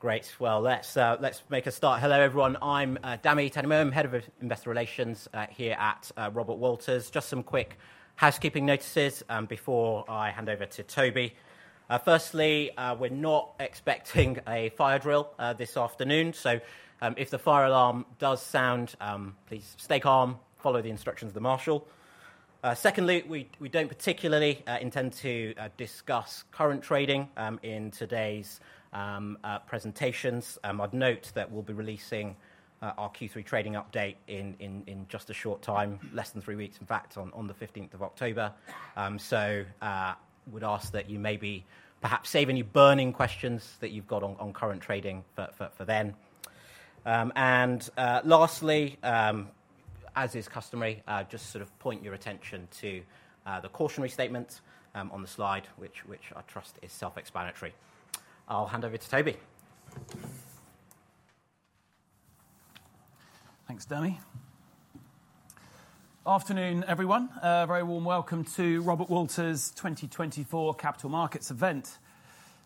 Great. Well, let's make a start. Hello, everyone. I'm Dami Tanimowo. I'm Head of Investor Relations here at Robert Walters. Just some quick housekeeping notices before I hand over to Toby. Firstly, we're not expecting a fire drill this afternoon, so if the fire alarm does sound, please stay calm, follow the instructions of the marshal. Secondly, we don't particularly intend to discuss current trading in today's presentations. I'd note that we'll be releasing our Q3 trading update in just a short time, less than three weeks, in fact, on the fifteenth of October. So, would ask that you maybe perhaps save any burning questions that you've got on current trading for then. And lastly, as is customary, I'll just sort of point your attention to the cautionary statement on the slide, which I trust is self-explanatory. I'll hand over to Toby. Thanks, Dami. Afternoon, everyone. A very warm welcome to Robert Walters' 2024 Capital Markets event.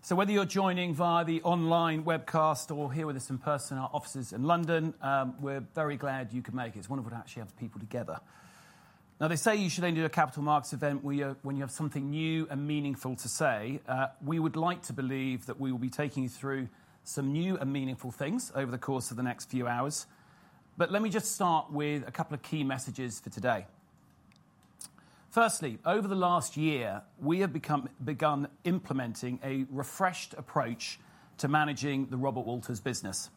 Whether you're joining via the online webcast or here with us in person in our offices in London, we're very glad you could make it. It's wonderful to actually have people together. Now, they say you should only do a capital markets event when you have something new and meaningful to say. We would like to believe that we will be taking you through some new and meaningful things over the course of the next few hours. Let me just start with a couple of key messages for today. Firstly, over the last year, we have begun implementing a refreshed approach to managing the Robert Walters business,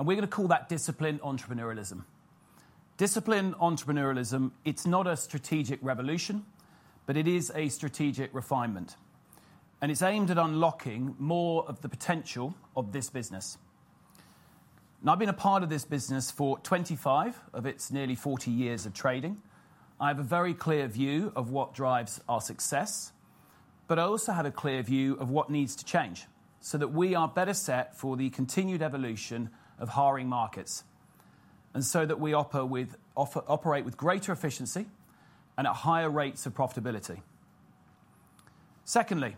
and we're gonna call that Disciplined Entrepreneurialism. Disciplined entrepreneurialism, it's not a strategic revolution, but it is a strategic refinement, and it's aimed at unlocking more of the potential of this business. Now, I've been a part of this business for twenty-five of its nearly forty years of trading. I have a very clear view of what drives our success, but I also have a clear view of what needs to change, so that we are better set for the continued evolution of hiring markets, and so that we operate with greater efficiency and at higher rates of profitability. Secondly,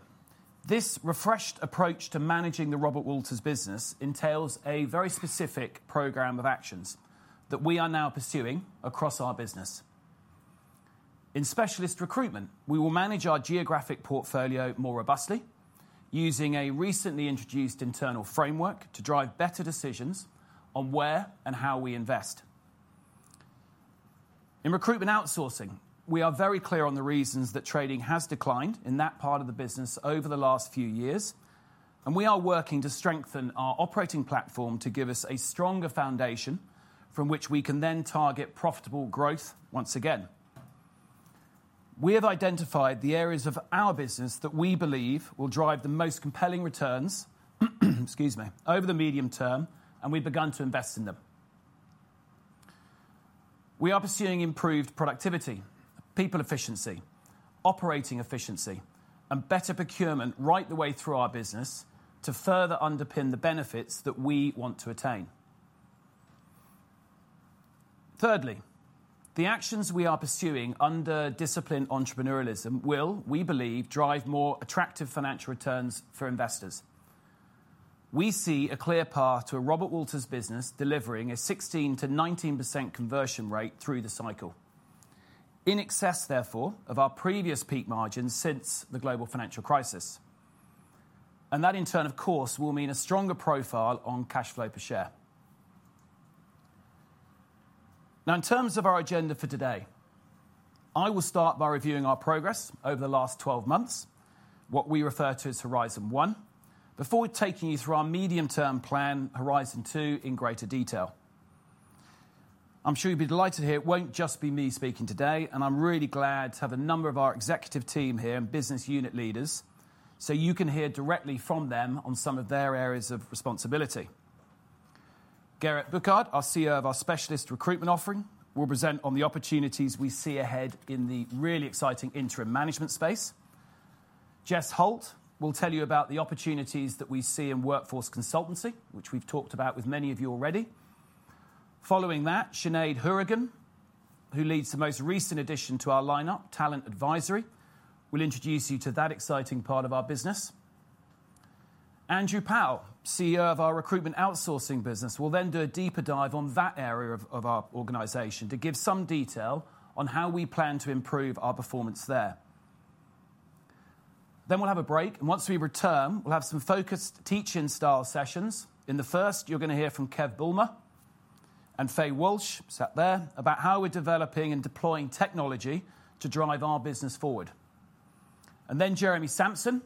this refreshed approach to managing the Robert Walters business entails a very specific program of actions that we are now pursuing across our business. In Specialist Recruitment, we will manage our geographic portfolio more robustly, using a recently introduced internal framework to drive better decisions on where and how we invest. In Recruitment Outsourcing, we are very clear on the reasons that trading has declined in that part of the business over the last few years, and we are working to strengthen our operating platform to give us a stronger foundation from which we can then target profitable growth once again. We have identified the areas of our business that we believe will drive the most compelling returns, excuse me, over the medium term, and we've begun to invest in them. We are pursuing improved productivity, people efficiency, operating efficiency, and better procurement right the way through our business to further underpin the benefits that we want to attain. Thirdly, the actions we are pursuing under disciplined entrepreneurialism will, we believe, drive more attractive financial returns for investors. We see a clear path to a Robert Walters business delivering a 16%-19% conversion rate through the cycle. In excess, therefore, of our previous peak margins since the global financial crisis, and that in turn, of course, will mean a stronger profile on cash flow per share. Now, in terms of our agenda for today, I will start by reviewing our progress over the last twelve months, what we refer to as Horizon One, before taking you through our medium-term plan, Horizon Two, in greater detail. I'm sure you'll be delighted to hear it won't just be me speaking today, and I'm really glad to have a number of our executive team here and business unit leaders, so you can hear directly from them on some of their areas of responsibility. Gerrit Bouckaert, our CEO of our specialist recruitment offering, will present on the opportunities we see ahead in the really exciting interim management space. Jess Holt will tell you about the opportunities that we see in workforce consultancy, which we've talked about with many of you already. Following that, Sinead Hourigan, who leads the most recent addition to our lineup, Talent Advisory, will introduce you to that exciting part of our business. Andrew Powell, CEO of our recruitment outsourcing business, will then do a deeper dive on that area of our organization to give some detail on how we plan to improve our performance there. Then we'll have a break, and once we return, we'll have some focused teach-in style sessions. In the first, you're going to hear from Kev Bulmer and Faye Walsh, sat there, about how we're developing and deploying technology to drive our business forward. And then Jeremy Sampson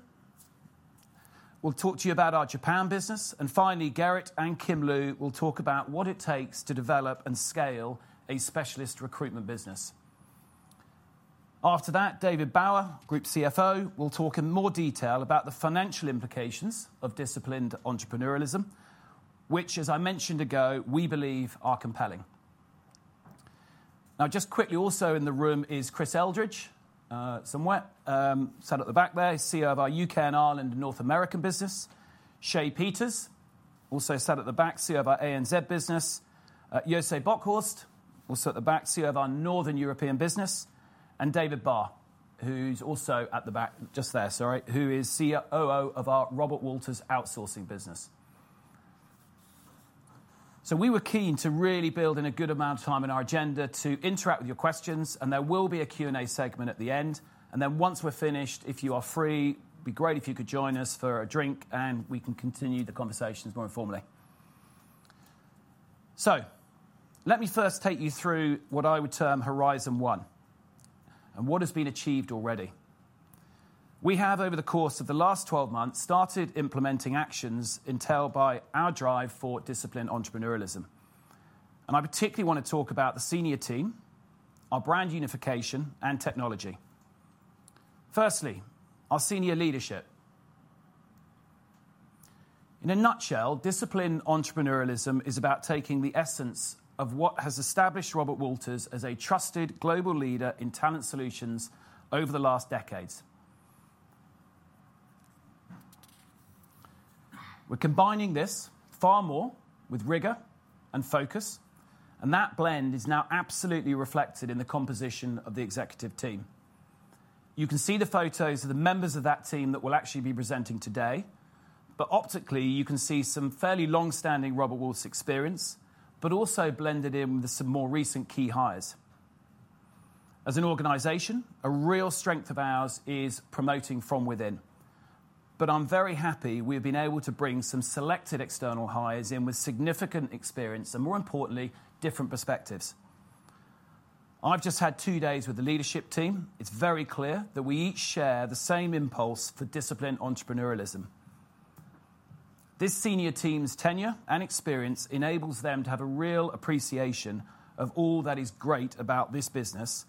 will talk to you about our Japan business. And finally, Gerrit and Kim Lu will talk about what it takes to develop and scale a specialist recruitment business. After that, David Bower, Group CFO, will talk in more detail about the financial implications of disciplined entrepreneurialism, which, as I mentioned ago, we believe are compelling. Now, just quickly, also in the room is Chris Eldridge, somewhere, sat at the back there. He's CEO of our UK and Ireland, North American business. Shay Peters, also sat at the back, CEO of our ANZ business. Jose Bockhorst, also at the back, CEO of our Northern European business and David Barr, who's also at the back, just there, sorry, who is COO of our Robert Walters outsourcing business. We were keen to really build in a good amount of time in our agenda to interact with your questions, and there will be a Q&A segment at the end. And then once we're finished, if you are free, it'd be great if you could join us for a drink, and we can continue the conversations more informally. So let me first take you through what I would term Horizon One, and what has been achieved already. We have, over the course of the last 12 months, started implementing actions entailed by our drive for disciplined entrepreneurialism, and I particularly want to talk about the senior team, our brand unification, and technology. Firstly, our senior leadership. In a nutshell, disciplined entrepreneurialism is about taking the essence of what has established Robert Walters as a trusted global leader in talent solutions over the last decades. We're combining this far more with rigor and focus, and that blend is now absolutely reflected in the composition of the executive team. You can see the photos of the members of that team that will actually be presenting today, but optically, you can see some fairly long-standing Robert Walters experience, but also blended in with some more recent key hires. As an organization, a real strength of ours is promoting from within, but I'm very happy we've been able to bring some selected external hires in with significant experience and, more importantly, different perspectives. I've just had two days with the leadership team. It's very clear that we each share the same impulse for disciplined entrepreneurialism. This senior team's tenure and experience enables them to have a real appreciation of all that is great about this business,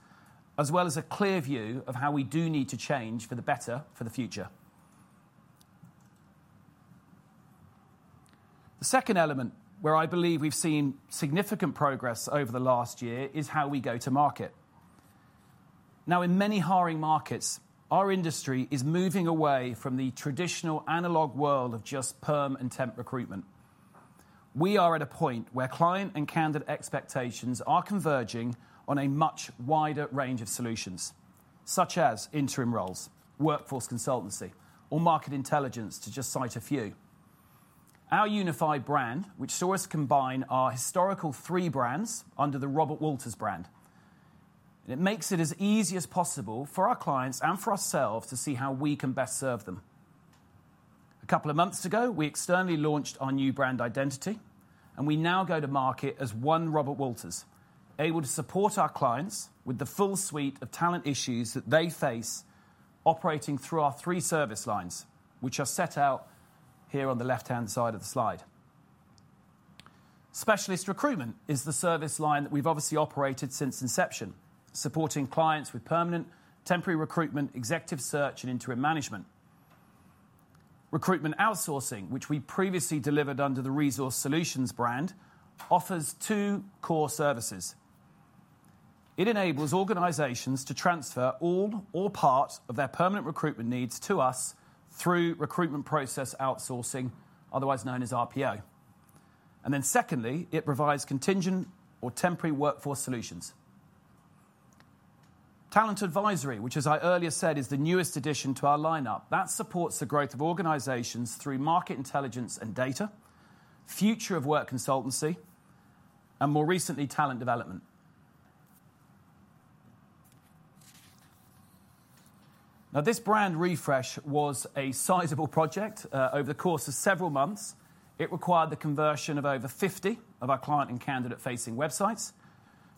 as well as a clear view of how we do need to change for the better for the future. The second element where I believe we've seen significant progress over the last year is how we go to market. Now, in many hiring markets, our industry is moving away from the traditional analog world of just perm and temp recruitment. We are at a point where client and candidate expectations are converging on a much wider range of solutions, such as interim roles, workforce consultancy, or market intelligence, to just cite a few. Our unified brand, which saw us combine our historical three brands under the Robert Walters brand. It makes it as easy as possible for our clients and for ourselves to see how we can best serve them. A couple of months ago, we externally launched our new brand identity, and we now go to market as one Robert Walters, able to support our clients with the full suite of talent issues that they face, operating through our three service lines, which are set out here on the left-hand side of the slide. Specialist recruitment is the service line that we've obviously operated since inception, supporting clients with permanent, temporary recruitment, executive search and interim management. Recruitment outsourcing, which we previously delivered under the Resource Solutions brand, offers two core services. It enables organizations to transfer all or part of their permanent recruitment needs to us through recruitment process outsourcing, otherwise known as RPO. Secondly, it provides contingent or temporary workforce solutions. Talent Advisory, which as I earlier said, is the newest addition to our lineup, that supports the growth of organizations through market intelligence and data, future of work consultancy, and more recently, talent development. Now, this brand refresh was a sizable project, over the course of several months. It required the conversion of over 50 of our client and candidate-facing websites,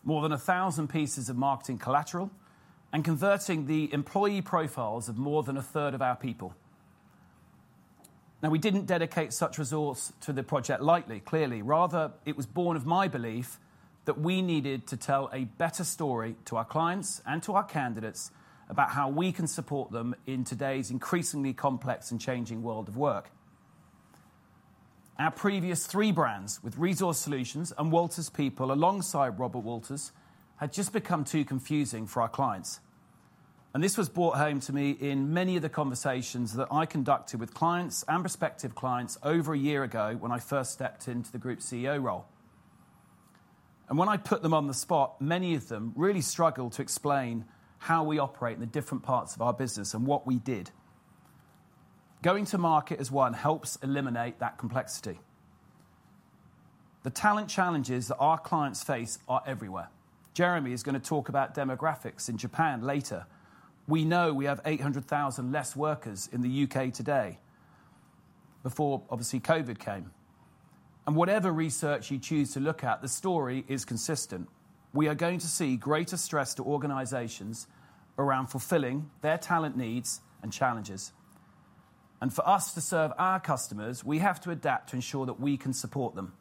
more than 1,000 pieces of marketing collateral, and converting the employee profiles of more than a third of our people. Now, we didn't dedicate such resource to the project lightly, clearly. Rather, it was born of my belief that we needed to tell a better story to our clients and to our candidates about how we can support them in today's increasingly complex and changing world of work. Our previous three brands with Resource Solutions and Walters People, alongside Robert Walters, had just become too confusing for our clients. And this was brought home to me in many of the conversations that I conducted with clients and prospective clients over a year ago when I first stepped into the Group CEO role. And when I put them on the spot, many of them really struggled to explain how we operate in the different parts of our business and what we did. Going to market as one helps eliminate that complexity. The talent challenges that our clients face are everywhere. Jeremy is gonna talk about demographics in Japan later. We know we have eight hundred thousand less workers in the UK today, before obviously COVID came. And whatever research you choose to look at, the story is consistent. We are going to see greater stress to organizations around fulfilling their talent needs and challenges. And for us to serve our customers, we have to adapt to ensure that we can support them,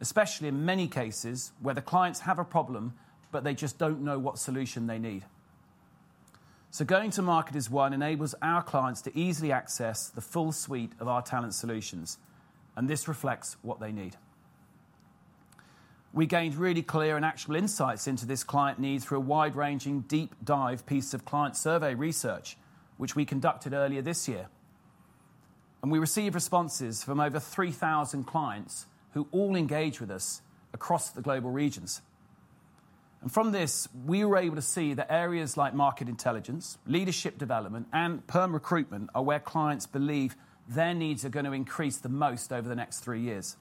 especially in many cases where the clients have a problem, but they just don't know what solution they need. So going to market as one enables our clients to easily access the full suite of our talent solutions, and this reflects what they need. We gained really clear and actual insights into this client need through a wide-ranging, deep-dive piece of client survey research, which we conducted earlier this year. And we received responses from over three thousand clients who all engage with us across the global regions. And from this, we were able to see that areas like market intelligence, leadership development, and perm recruitment are where clients believe their needs are going to increase the most over the next three years.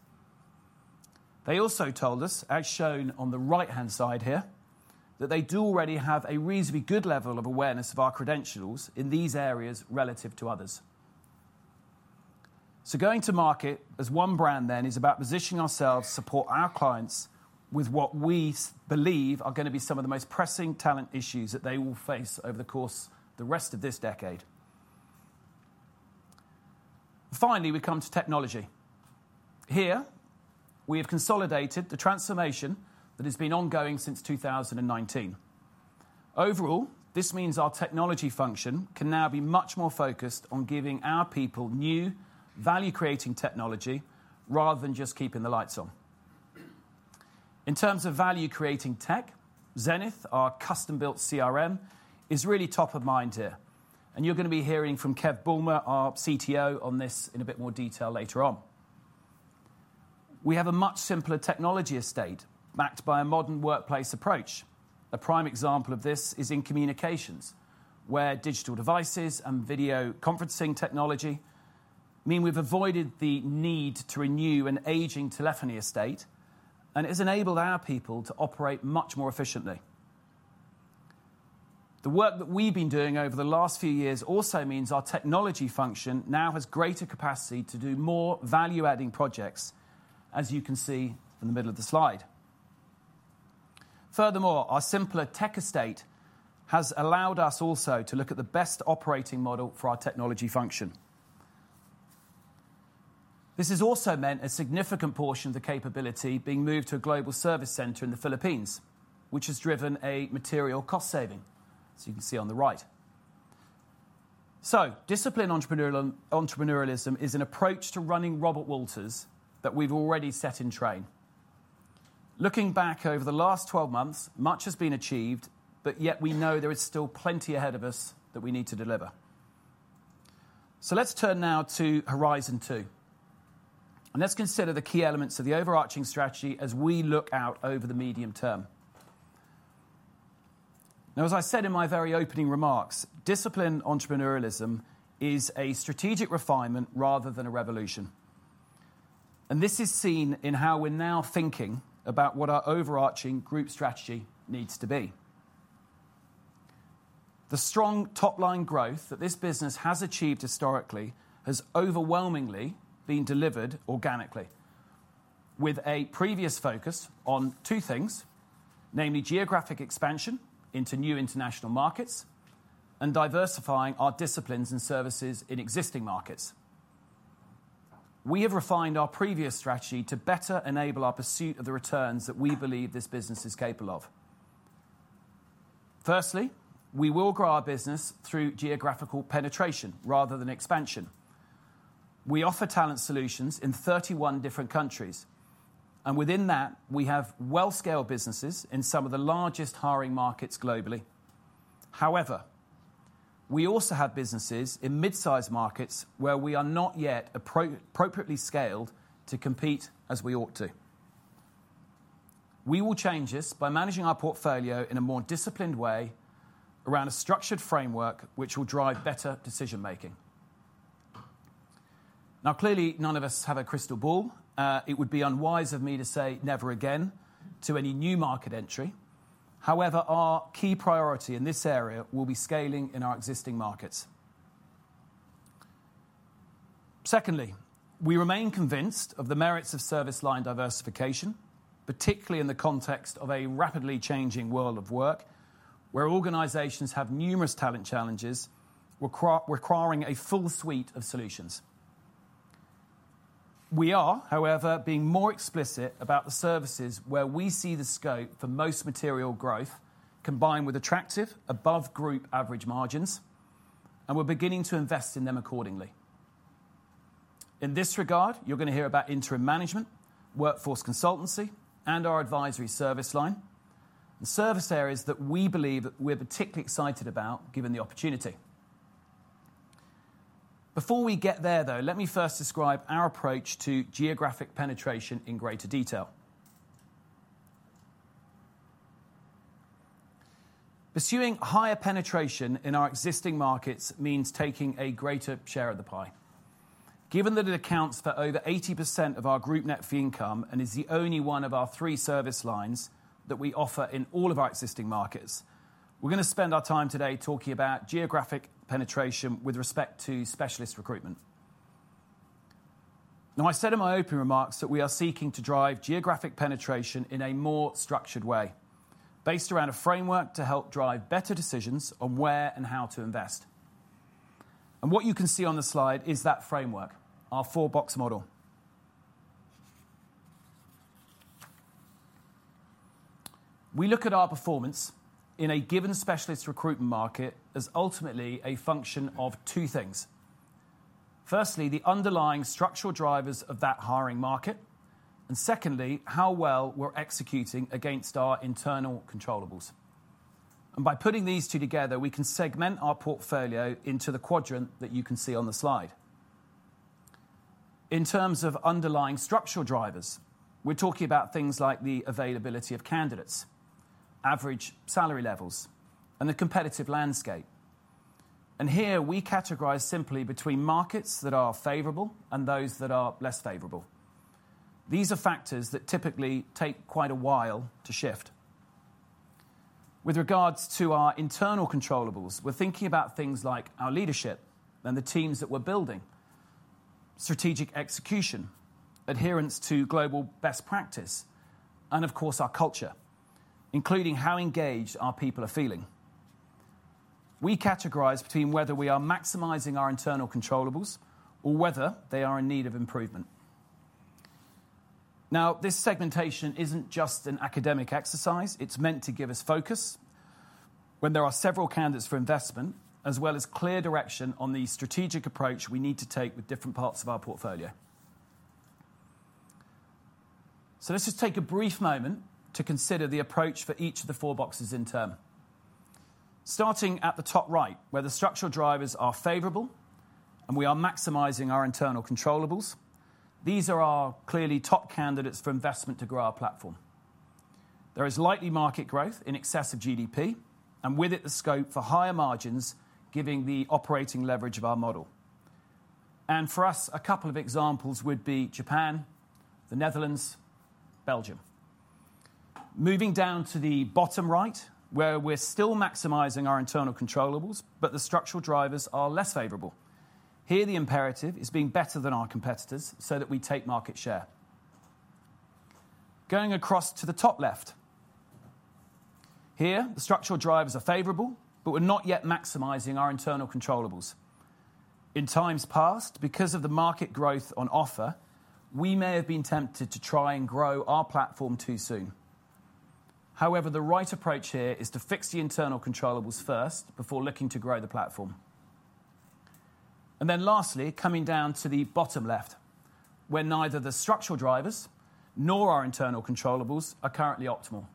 They also told us, as shown on the right-hand side here, that they do already have a reasonably good level of awareness of our credentials in these areas relative to others. So going to market as one brand then is about positioning ourselves to support our clients with what we believe are going to be some of the most pressing talent issues that they will face over the course of the rest of this decade. Finally, we come to technology. Here, we have consolidated the transformation that has been ongoing since two thousand and nineteen. Overall, this means our technology function can now be much more focused on giving our people new, value-creating technology, rather than just keeping the lights on. In terms of value-creating tech, Zenith, our custom-built CRM, is really top of mind here, and you're going to be hearing from Kev Bulmer, our CTO, on this in a bit more detail later on. We have a much simpler technology estate backed by a modern workplace approach. A prime example of this is in communications, where digital devices and video conferencing technology mean we've avoided the need to renew an aging telephony estate, and it has enabled our people to operate much more efficiently. The work that we've been doing over the last few years also means our technology function now has greater capacity to do more value-adding projects, as you can see in the middle of the slide. Furthermore, our simpler tech estate has allowed us also to look at the best operating model for our technology function. This has also meant a significant portion of the capability being moved to a global service center in the Philippines, which has driven a material cost saving, as you can see on the right. Disciplined entrepreneurialism is an approach to running Robert Walters that we've already set in train. Looking back over the last twelve months, much has been achieved, but yet we know there is still plenty ahead of us that we need to deliver. Let's turn now to Horizon Two, and let's consider the key elements of the overarching strategy as we look out over the medium term. Now, as I said in my very opening remarks, disciplined entrepreneurialism is a strategic refinement rather than a revolution, and this is seen in how we're now thinking about what our overarching group strategy needs to be. The strong top-line growth that this business has achieved historically has overwhelmingly been delivered organically, with a previous focus on two things: namely, geographic expansion into new international markets and diversifying our disciplines and services in existing markets. We have refined our previous strategy to better enable our pursuit of the returns that we believe this business is capable of. Firstly, we will grow our business through geographical penetration rather than expansion. We offer talent solutions in thirty-one different countries, and within that, we have well-scaled businesses in some of the largest hiring markets globally. However, we also have businesses in mid-size markets where we are not yet appropriately scaled to compete as we ought to. We will change this by managing our portfolio in a more disciplined way around a structured framework, which will drive better decision-making. Now, clearly, none of us have a crystal ball. It would be unwise of me to say never again to any new market entry. However, our key priority in this area will be scaling in our existing markets. Secondly, we remain convinced of the merits of service line diversification, particularly in the context of a rapidly changing world of work, where organizations have numerous talent challenges requiring a full suite of solutions. We are, however, being more explicit about the services where we see the scope for most material growth, combined with attractive above group average margins, and we're beginning to invest in them accordingly. In this regard, you're going to hear about interim management, workforce consultancy, and our advisory service line, the service areas that we believe we're particularly excited about, given the opportunity. Before we get there, though, let me first describe our approach to geographic penetration in greater detail. Pursuing higher penetration in our existing markets means taking a greater share of the pie. Given that it accounts for over 80% of our group net fee income, and is the only one of our three service lines that we offer in all of our existing markets, we're going to spend our time today talking about geographic penetration with respect to specialist recruitment. Now, I said in my opening remarks that we are seeking to drive geographic penetration in a more structured way, based around a framework to help drive better decisions on where and how to invest. And what you can see on the slide is that framework, our Four-Box Model. We look at our performance in a given specialist recruitment market as ultimately a function of two things. Firstly, the underlying structural drivers of that hiring market, and secondly, how well we're executing against our internal controllables. And by putting these two together, we can segment our portfolio into the quadrant that you can see on the slide. In terms of underlying structural drivers, we're talking about things like the availability of candidates, average salary levels, and the competitive landscape. And here we categorize simply between markets that are favorable and those that are less favorable. These are factors that typically take quite a while to shift. With regards to our internal controllables, we're thinking about things like our leadership and the teams that we're building, strategic execution, adherence to global best practice, and of course, our culture, including how engaged our people are feeling. We categorize between whether we are maximizing our internal controllables or whether they are in need of improvement. Now, this segmentation isn't just an academic exercise, it's meant to give us focus when there are several candidates for investment, as well as clear direction on the strategic approach we need to take with different parts of our portfolio. So let's just take a brief moment to consider the approach for each of the four boxes in turn. Starting at the top right, where the structural drivers are favorable, and we are maximizing our internal controllables. These are our clearly top candidates for investment to grow our platform. There is likely market growth in excess of GDP, and with it, the scope for higher margins, giving the operating leverage of our model, and for us, a couple of examples would be Japan, the Netherlands, Belgium. Moving down to the bottom right, where we're still maximizing our internal controllables, but the structural drivers are less favorable. Here, the imperative is being better than our competitors, so that we take market share. Going across to the top left. Here, the structural drivers are favorable, but we're not yet maximizing our internal controllables. In times past, because of the market growth on offer, we may have been tempted to try and grow our platform too soon. However, the right approach here is to fix the internal controllables first, before looking to grow the platform. And then lastly, coming down to the bottom left, where neither the structural drivers nor our internal controllables are currently optimal.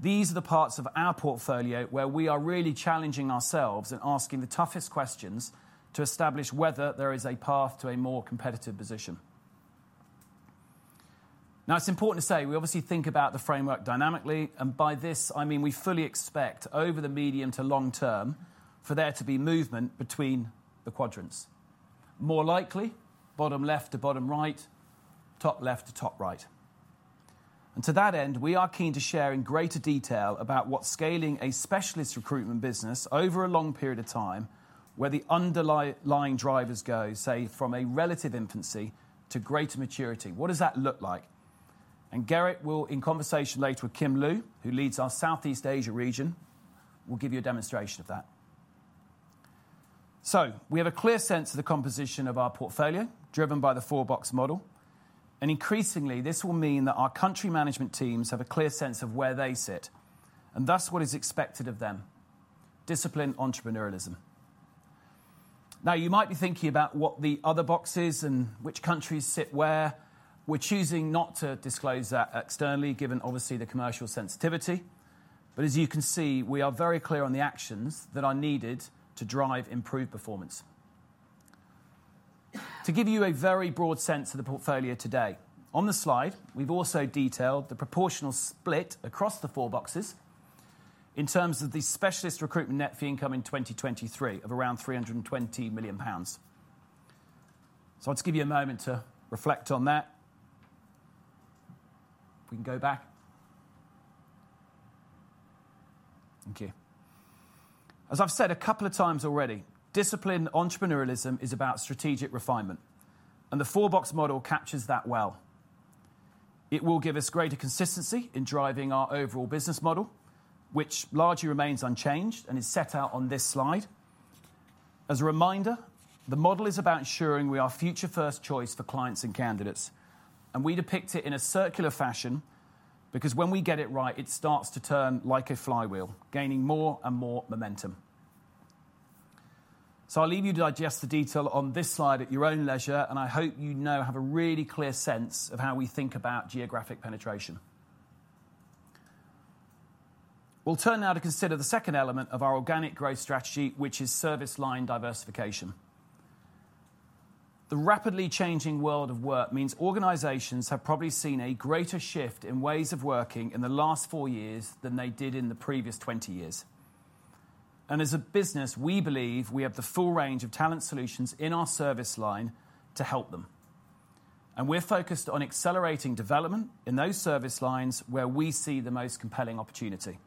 These are the parts of our portfolio where we are really challenging ourselves and asking the toughest questions to establish whether there is a path to a more competitive position. Now, it's important to say, we obviously think about the framework dynamically, and by this I mean we fully expect over the medium to long term for there to be movement between the quadrants. More likely, bottom left to bottom right, top left to top right. And to that end, we are keen to share in greater detail about what scaling a specialist recruitment business over a long period of time, where the underlying drivers go, say, from a relative infancy to greater maturity. What does that look like? And Gerrit will, in conversation later with Kim Lu, who leads our Southeast Asia region, will give you a demonstration of that. So we have a clear sense of the composition of our portfolio, driven by the Four-Box Model, and increasingly, this will mean that our country management teams have a clear sense of where they sit, and thus what is expected of them, Disciplined Entrepreneurialism. Now, you might be thinking about what the other box is and which countries sit where. We're choosing not to disclose that externally, given obviously, the commercial sensitivity. But as you can see, we are very clear on the actions that are needed to drive improved performance. To give you a very broad sense of the portfolio today, on the slide, we've also detailed the proportional split across the four boxes in terms of the specialist recruitment net fee income in 2023 of around 320 million pounds. So I'll just give you a moment to reflect on that. We can go back. Thank you. As I've said a couple of times already, disciplined entrepreneurialism is about strategic refinement, and the four-box model captures that well. It will give us greater consistency in driving our overall business model, which largely remains unchanged and is set out on this slide. As a reminder, the model is about ensuring we are future first choice for clients and candidates, and we depict it in a circular fashion because when we get it right, it starts to turn like a flywheel, gaining more and more momentum. So I'll leave you to digest the detail on this slide at your own leisure, and I hope you now have a really clear sense of how we think about geographic penetration. We'll turn now to consider the second element of our organic growth strategy, which is service line diversification. The rapidly changing world of work means organizations have probably seen a greater shift in ways of working in the last four years than they did in the previous twenty years. And as a business, we believe we have the full range of talent solutions in our service line to help them. And we're focused on accelerating development in those service lines where we see the most compelling opportunity.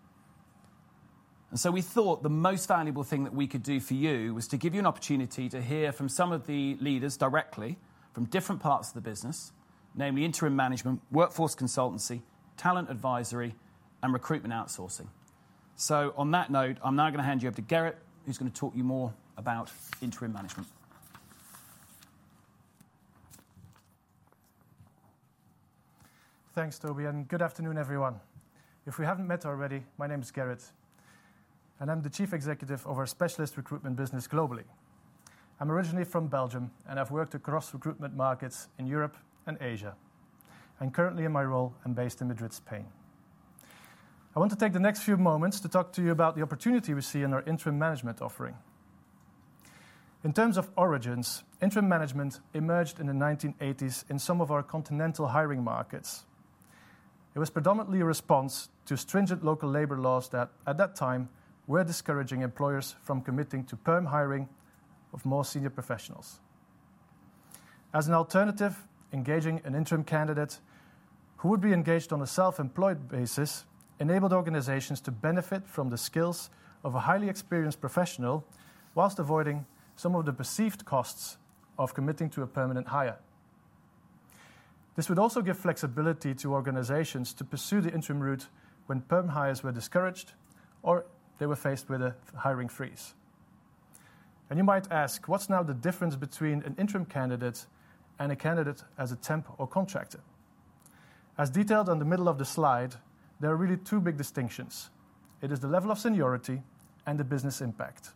And so we thought the most valuable thing that we could do for you was to give you an opportunity to hear from some of the leaders directly from different parts of the business, namely interim management, workforce consultancy, talent advisory, and recruitment outsourcing. So on that note, I'm now gonna hand you over to Gerrit, who's gonna talk to you more about interim management. Thanks, Toby, and good afternoon, everyone. If we haven't met already, my name is Gerrit, and I'm the Chief Executive of our Specialist Recruitment business globally.... I'm originally from Belgium, and I've worked across recruitment markets in Europe and Asia, and currently in my role, I'm based in Madrid, Spain. I want to take the next few moments to talk to you about the opportunity we see in our interim management offering. In terms of origins, interim management emerged in the 1980s in some of our continental hiring markets. It was predominantly a response to stringent local labor laws that at that time, were discouraging employers from committing to perm hiring of more senior professionals. As an alternative, engaging an interim candidate who would be engaged on a self-employed basis, enabled organizations to benefit from the skills of a highly experienced professional, while avoiding some of the perceived costs of committing to a permanent hire. This would also give flexibility to organizations to pursue the interim route when perm hires were discouraged or they were faced with a hiring freeze. And you might ask, what's now the difference between an interim candidate and a candidate as a temp or contractor? As detailed on the middle of the slide, there are really two big distinctions. It is the level of seniority and the business impact.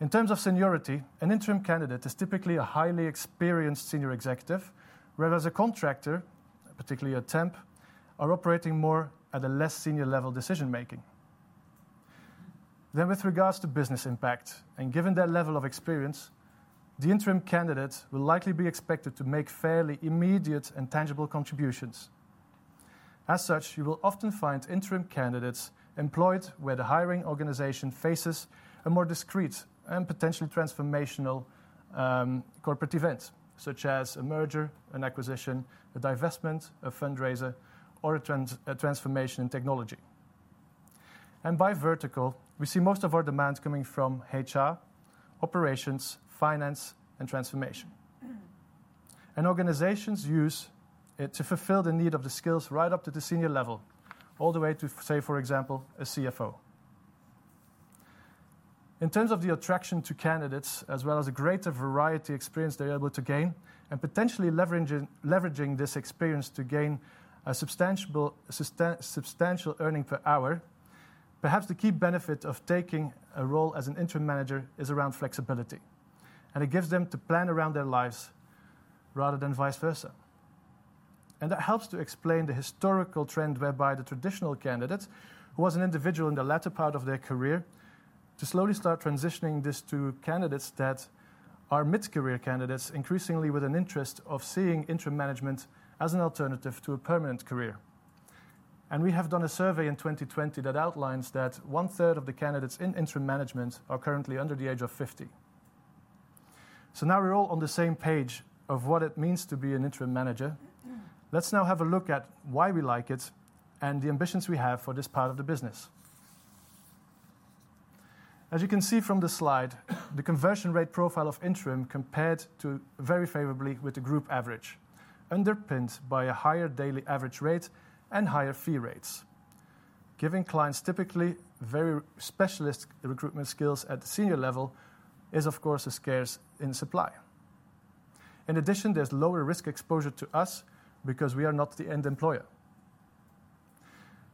In terms of seniority, an interim candidate is typically a highly experienced senior executive, whereas a contractor, particularly a temp, are operating more at a less senior level decision-making. Then with regards to business impact and given their level of experience, the interim candidate will likely be expected to make fairly immediate and tangible contributions. As such, you will often find interim candidates employed where the hiring organization faces a more discrete and potentially transformational corporate event, such as a merger and acquisition, a divestment, a fundraiser, or a transformation in technology. And by vertical, we see most of our demands coming from HR, operations, finance, and transformation. And organizations use it to fulfill the need of the skills right up to the senior level, all the way to, say, for example, a CFO. In terms of the attraction to candidates, as well as a greater variety experience they're able to gain, and potentially leveraging this experience to gain a substantial earning per hour, perhaps the key benefit of taking a role as an interim manager is around flexibility, and it gives them to plan around their lives rather than vice versa. And that helps to explain the historical trend whereby the traditional candidate, who was an individual in the latter part of their career, to slowly start transitioning this to candidates that are mid-career candidates, increasingly with an interest of seeing interim management as an alternative to a permanent career. And we have done a survey in 2020 that outlines that one-third of the candidates in interim management are currently under the age of fifty. So now we're all on the same page of what it means to be an interim manager. Let's now have a look at why we like it and the ambitions we have for this part of the business. As you can see from the slide, the conversion rate profile of interim compared to very favorably with the group average, underpinned by a higher daily average rate and higher fee rates. Giving clients typically very specialist recruitment skills at the senior level is, of course, a scarce in supply. In addition, there's lower risk exposure to us because we are not the end employer.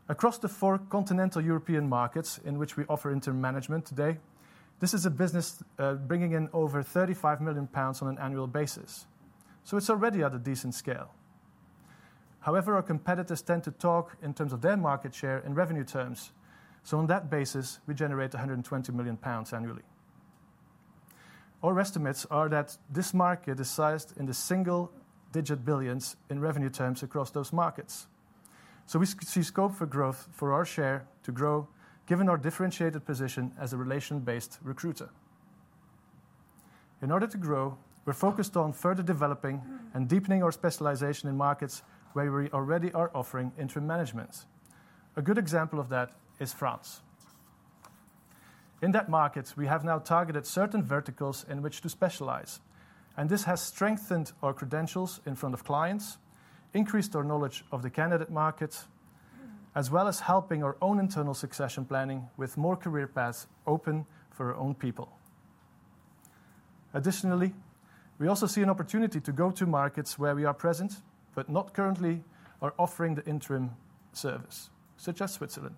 Across the four continental European markets in which we offer interim management today, this is a business bringing in over 35 million pounds on an annual basis, so it's already at a decent scale. However, our competitors tend to talk in terms of their market share in revenue terms, so on that basis, we generate 120 million pounds annually. Our estimates are that this market is sized in the single-digit billions GBP in revenue terms across those markets. So we see scope for growth for our share to grow, given our differentiated position as a relation-based recruiter. In order to grow, we're focused on further developing and deepening our specialization in markets where we already are offering interim management. A good example of that is France. In that market, we have now targeted certain verticals in which to specialize, and this has strengthened our credentials in front of clients, increased our knowledge of the candidate market, as well as helping our own internal succession planning with more career paths open for our own people. Additionally, we also see an opportunity to go to markets where we are present, but not currently are offering the interim service, such as Switzerland.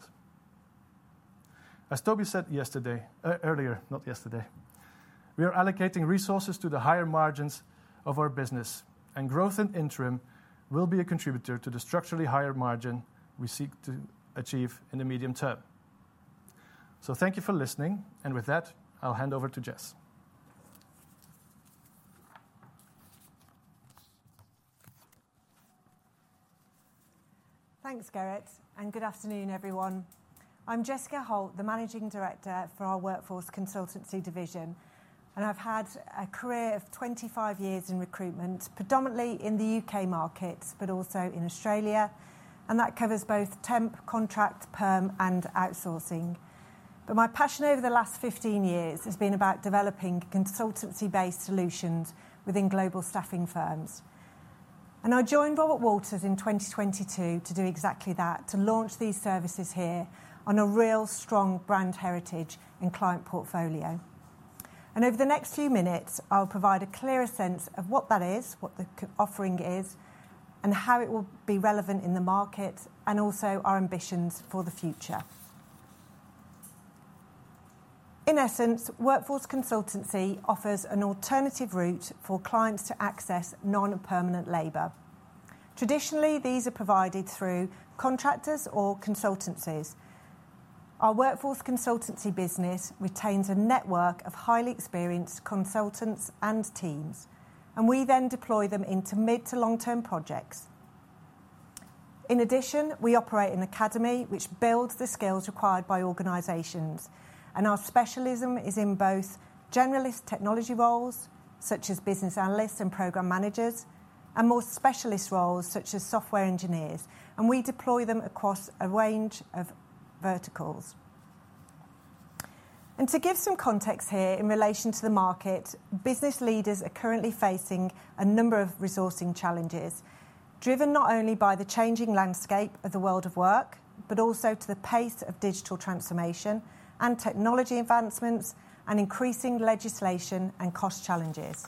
As Toby said yesterday, earlier, not yesterday, we are allocating resources to the higher margins of our business, and growth in interim will be a contributor to the structurally higher margin we seek to achieve in the medium term. So thank you for listening, and with that, I'll hand over to Jess. Thanks, Gerrit, and good afternoon, everyone. I'm Jess Holt, the Managing Director for our Workforce Consultancy division, and I've had a career of 25 years in recruitment, predominantly in the U.K. market, but also in Australia, and that covers both temp, contract, perm, and outsourcing. My passion over the last 15 years has been about developing consultancy-based solutions within global staffing firms. I joined Robert Walters in 2022 to do exactly that, to launch these services here on a real strong brand heritage and client portfolio. Over the next few minutes, I'll provide a clearer sense of what that is, what the consultancy offering is, and how it will be relevant in the market, and also our ambitions for the future. In essence, Workforce Consultancy offers an alternative route for clients to access non-permanent labor. Traditionally, these are provided through contractors or consultancies. Our Workforce Consultancy business retains a network of highly experienced consultants and teams, and we then deploy them into mid to long-term projects. In addition, we operate an academy which builds the skills required by organizations, and our specialism is in both generalist technology roles, such as business analysts and program managers, and more specialist roles, such as software engineers, and we deploy them across a range of verticals. And to give some context here in relation to the market, business leaders are currently facing a number of resourcing challenges, driven not only by the changing landscape of the world of work, but also to the pace of digital transformation and technology advancements and increasing legislation and cost challenges.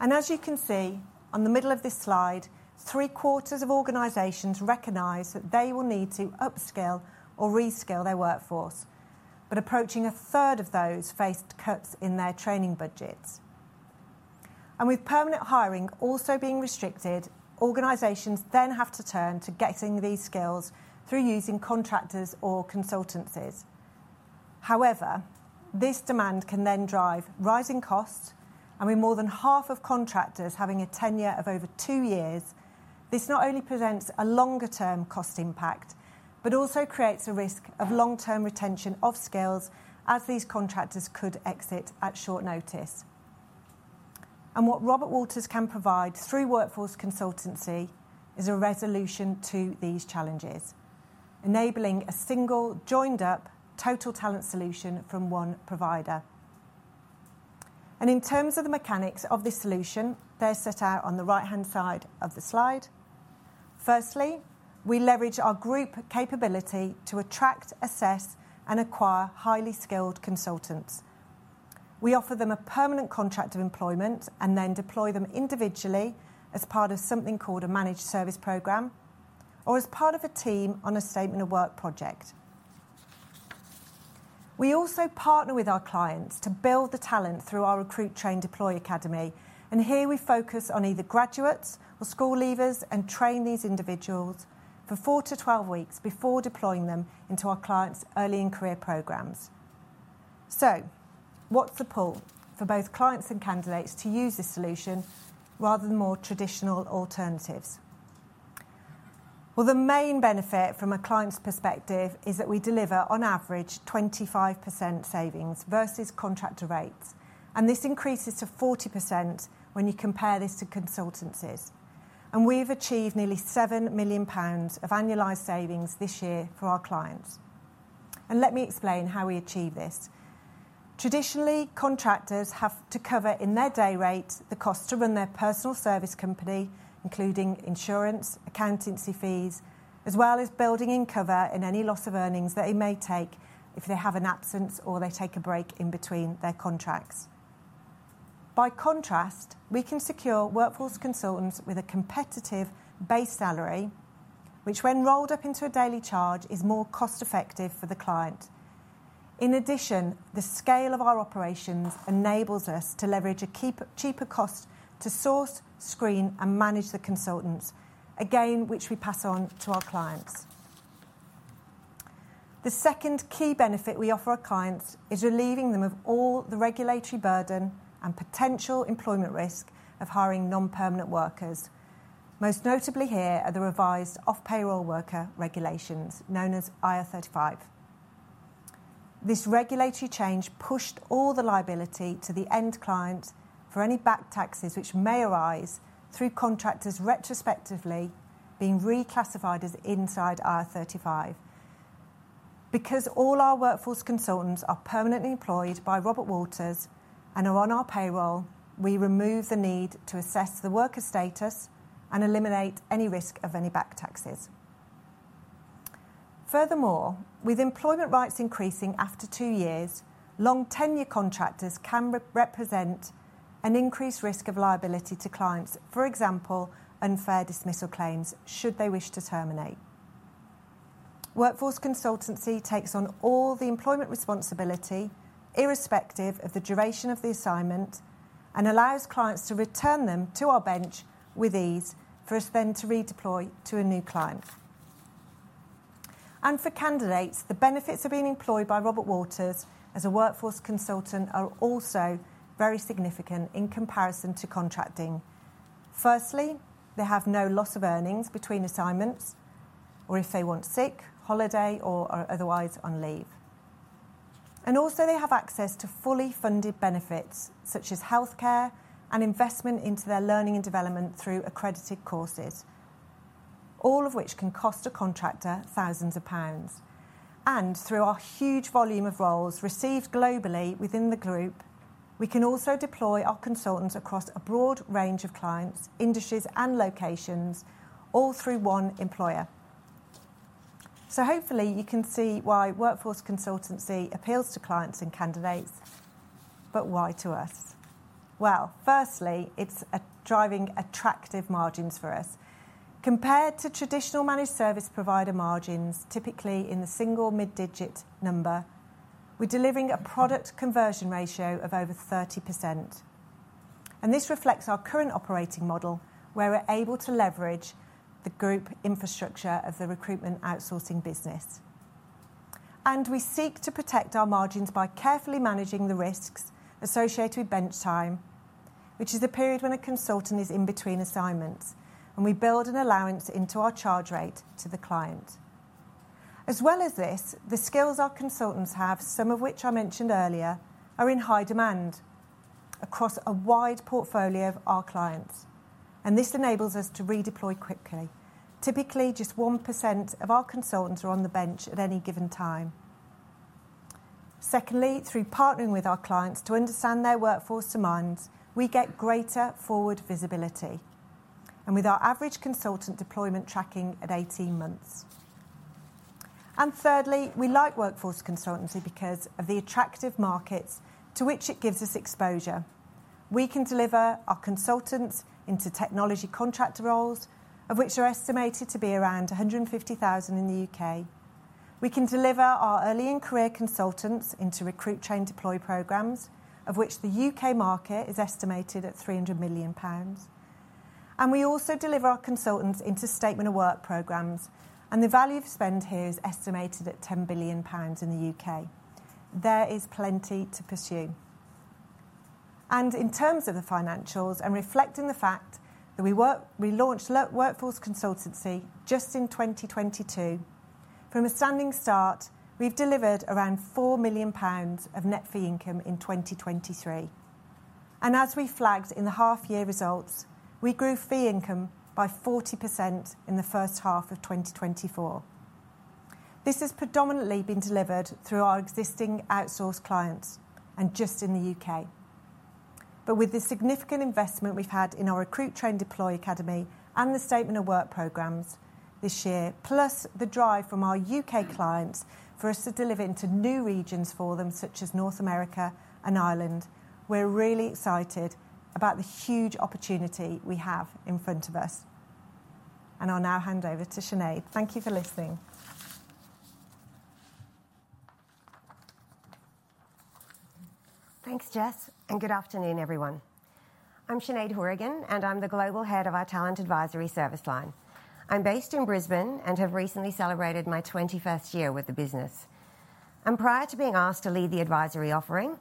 As you can see on the middle of this slide, three-quarters of organizations recognize that they will need to upskill or reskill their workforce, but approaching a third of those faced cuts in their training budgets. With permanent hiring also being restricted, organizations then have to turn to getting these skills through using contractors or consultancies. However, this demand can then drive rising costs, and with more than half of contractors having a tenure of over two years, this not only presents a longer-term cost impact, but also creates a risk of long-term retention of skills as these contractors could exit at short notice. What Robert Walters can provide through Workforce Consultancy is a resolution to these challenges, enabling a single, joined-up total talent solution from one provider. In terms of the mechanics of this solution, they're set out on the right-hand side of the slide. Firstly, we leverage our group capability to attract, assess, and acquire highly skilled consultants. We offer them a permanent contract of employment and then deploy them individually as part of something called a managed service program or as part of a team on a statement of work project. We also partner with our clients to build the talent through our Recruit, Train, Deploy Academy, and here we focus on either graduates or school leavers and train these individuals for 4-12 weeks before deploying them into our clients' early in career programs. So what's the pull for both clients and candidates to use this solution rather than more traditional alternatives? Well, the main benefit from a client's perspective is that we deliver, on average, 25% savings versus contractor rates, and this increases to 40% when you compare this to consultancies. We've achieved nearly 7 million pounds of annualized savings this year for our clients. Let me explain how we achieve this. Traditionally, contractors have to cover in their day rate the cost to run their personal service company, including insurance, accountancy fees, as well as building in cover and any loss of earnings that it may take if they have an absence or they take a break in between their contracts. By contrast, we can secure workforce consultants with a competitive base salary, which, when rolled up into a daily charge, is more cost-effective for the client. In addition, the scale of our operations enables us to leverage a cheaper cost to source, screen, and manage the consultants, again, which we pass on to our clients. The second key benefit we offer our clients is relieving them of all the regulatory burden and potential employment risk of hiring non-permanent workers. Most notably here are the revised off-payroll worker regulations, known as IR35. This regulatory change pushed all the liability to the end client for any back taxes which may arise through contractors retrospectively being reclassified as inside IR35. Because all our workforce consultants are permanently employed by Robert Walters and are on our payroll, we remove the need to assess the worker status and eliminate any risk of any back taxes. Furthermore, with employment rights increasing after two years, long-tenure contractors can re-represent an increased risk of liability to clients, for example, unfair dismissal claims, should they wish to terminate. Workforce Consultancy takes on all the employment responsibility, irrespective of the duration of the assignment, and allows clients to return them to our bench with ease for us then to redeploy to a new client, and for candidates, the benefits of being employed by Robert Walters as a workforce consultant are also very significant in comparison to contracting. Firstly, they have no loss of earnings between assignments or if they want sick, holiday, or otherwise on leave, and also, they have access to fully funded benefits such as healthcare and investment into their learning and development through accredited courses, all of which can cost a contractor thousands of pounds, and through our huge volume of roles received globally within the group, we can also deploy our consultants across a broad range of clients, industries, and locations, all through one employer.... Hopefully you can see why Workforce Consultancy appeals to clients and candidates. Why to us? Firstly, it's driving attractive margins for us. Compared to traditional managed service provider margins, typically in the single mid-digit number, we're delivering a product conversion ratio of over 30%, and this reflects our current operating model, where we're able to leverage the group infrastructure of the recruitment outsourcing business. We seek to protect our margins by carefully managing the risks associated with bench time, which is the period when a consultant is in between assignments, and we build an allowance into our charge rate to the client. As well as this, the skills our consultants have, some of which I mentioned earlier, are in high demand across a wide portfolio of our clients, and this enables us to redeploy quickly. Typically, just 1% of our consultants are on the bench at any given time. Secondly, through partnering with our clients to understand their workforce demands, we get greater forward visibility, and with our average consultant deployment tracking at 18 months. And thirdly, we like Workforce Consultancy because of the attractive markets to which it gives us exposure. We can deliver our consultants into technology contractor roles, of which are estimated to be around 150,000 in the U.K. We can deliver our early in career consultants into Recruit, Train, Deploy programs, of which the U.K. market is estimated at 300 million pounds. And we also deliver our consultants into statement of work programs, and the value of spend here is estimated at 10 billion pounds in the U.K. There is plenty to pursue. In terms of the financials, reflecting the fact that we launched Workforce Consultancy just in 2022, from a standing start, we've delivered around 4 million pounds of Net Fee Income in 2023. As we flagged in the half year results, we grew fee income by 40% in the first half of 2024. This has predominantly been delivered through our existing outsource clients and just in the UK. With the significant investment we've had in our Recruit, Train, Deploy Academy and the Statement of Work programs this year, plus the drive from our UK clients for us to deliver into new regions for them, such as North America and Ireland, we're really excited about the huge opportunity we have in front of us. I'll now hand over to Sinead. Thank you for listening. Thanks, Jess, and good afternoon, everyone. I'm Sinead Hourigan, and I'm the Global Head of our Talent Advisory service line. I'm based in Brisbane and have recently celebrated my twenty-first year with the business. Prior to being asked to lead the advisory offering,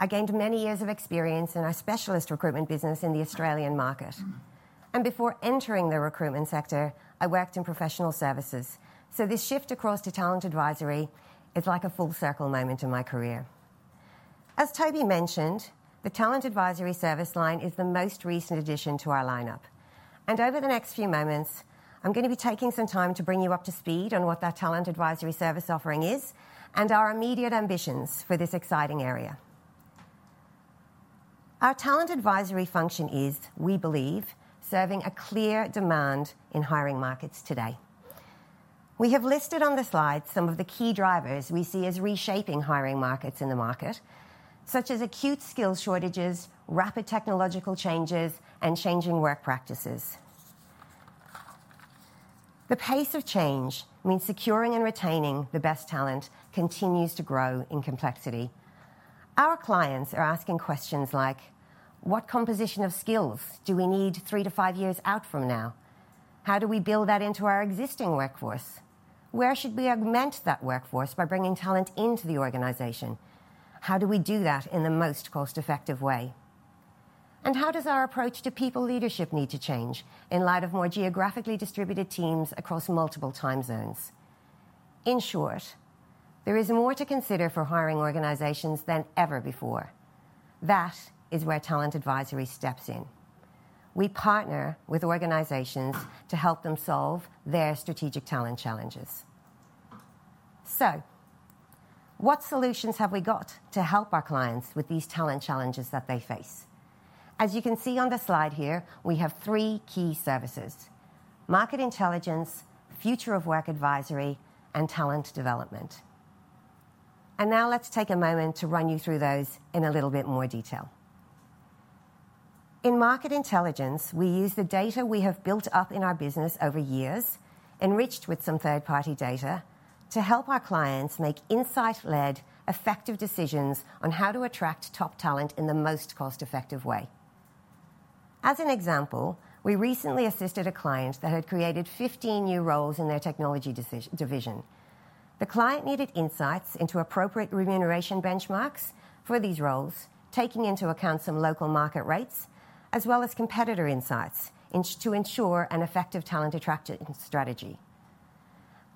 I gained many years of experience in our specialist recruitment business in the Australian market. Before entering the recruitment sector, I worked in professional services. This shift across to Talent Advisory is like a full circle moment in my career. As Toby mentioned, the Talent Advisory service line is the most recent addition to our lineup, and over the next few moments, I'm gonna be taking some time to bring you up to speed on what that Talent Advisory service offering is and our immediate ambitions for this exciting area. Our talent advisory function is, we believe, serving a clear demand in hiring markets today. We have listed on the slide some of the key drivers we see as reshaping hiring markets in the market, such as acute skills shortages, rapid technological changes, and changing work practices. The pace of change means securing and retaining the best talent continues to grow in complexity. Our clients are asking questions like: What composition of skills do we need three to five years out from now? How do we build that into our existing workforce? Where should we augment that workforce by bringing talent into the organization? How do we do that in the most cost-effective way? And how does our approach to people leadership need to change in light of more geographically distributed teams across multiple time zones? In short, there is more to consider for hiring organizations than ever before. That is where Talent Advisory steps in. We partner with organizations to help them solve their strategic talent challenges. What solutions have we got to help our clients with these talent challenges that they face? As you can see on the slide here, we have three key services: market intelligence, future of work advisory, and talent development. Now let's take a moment to run you through those in a little bit more detail. In market intelligence, we use the data we have built up in our business over years, enriched with some third-party data, to help our clients make insight-led, effective decisions on how to attract top talent in the most cost-effective way. As an example, we recently assisted a client that had created 15 new roles in their technology division. The client needed insights into appropriate remuneration benchmarks for these roles, taking into account some local market rates, as well as competitor insights to ensure an effective talent attraction strategy.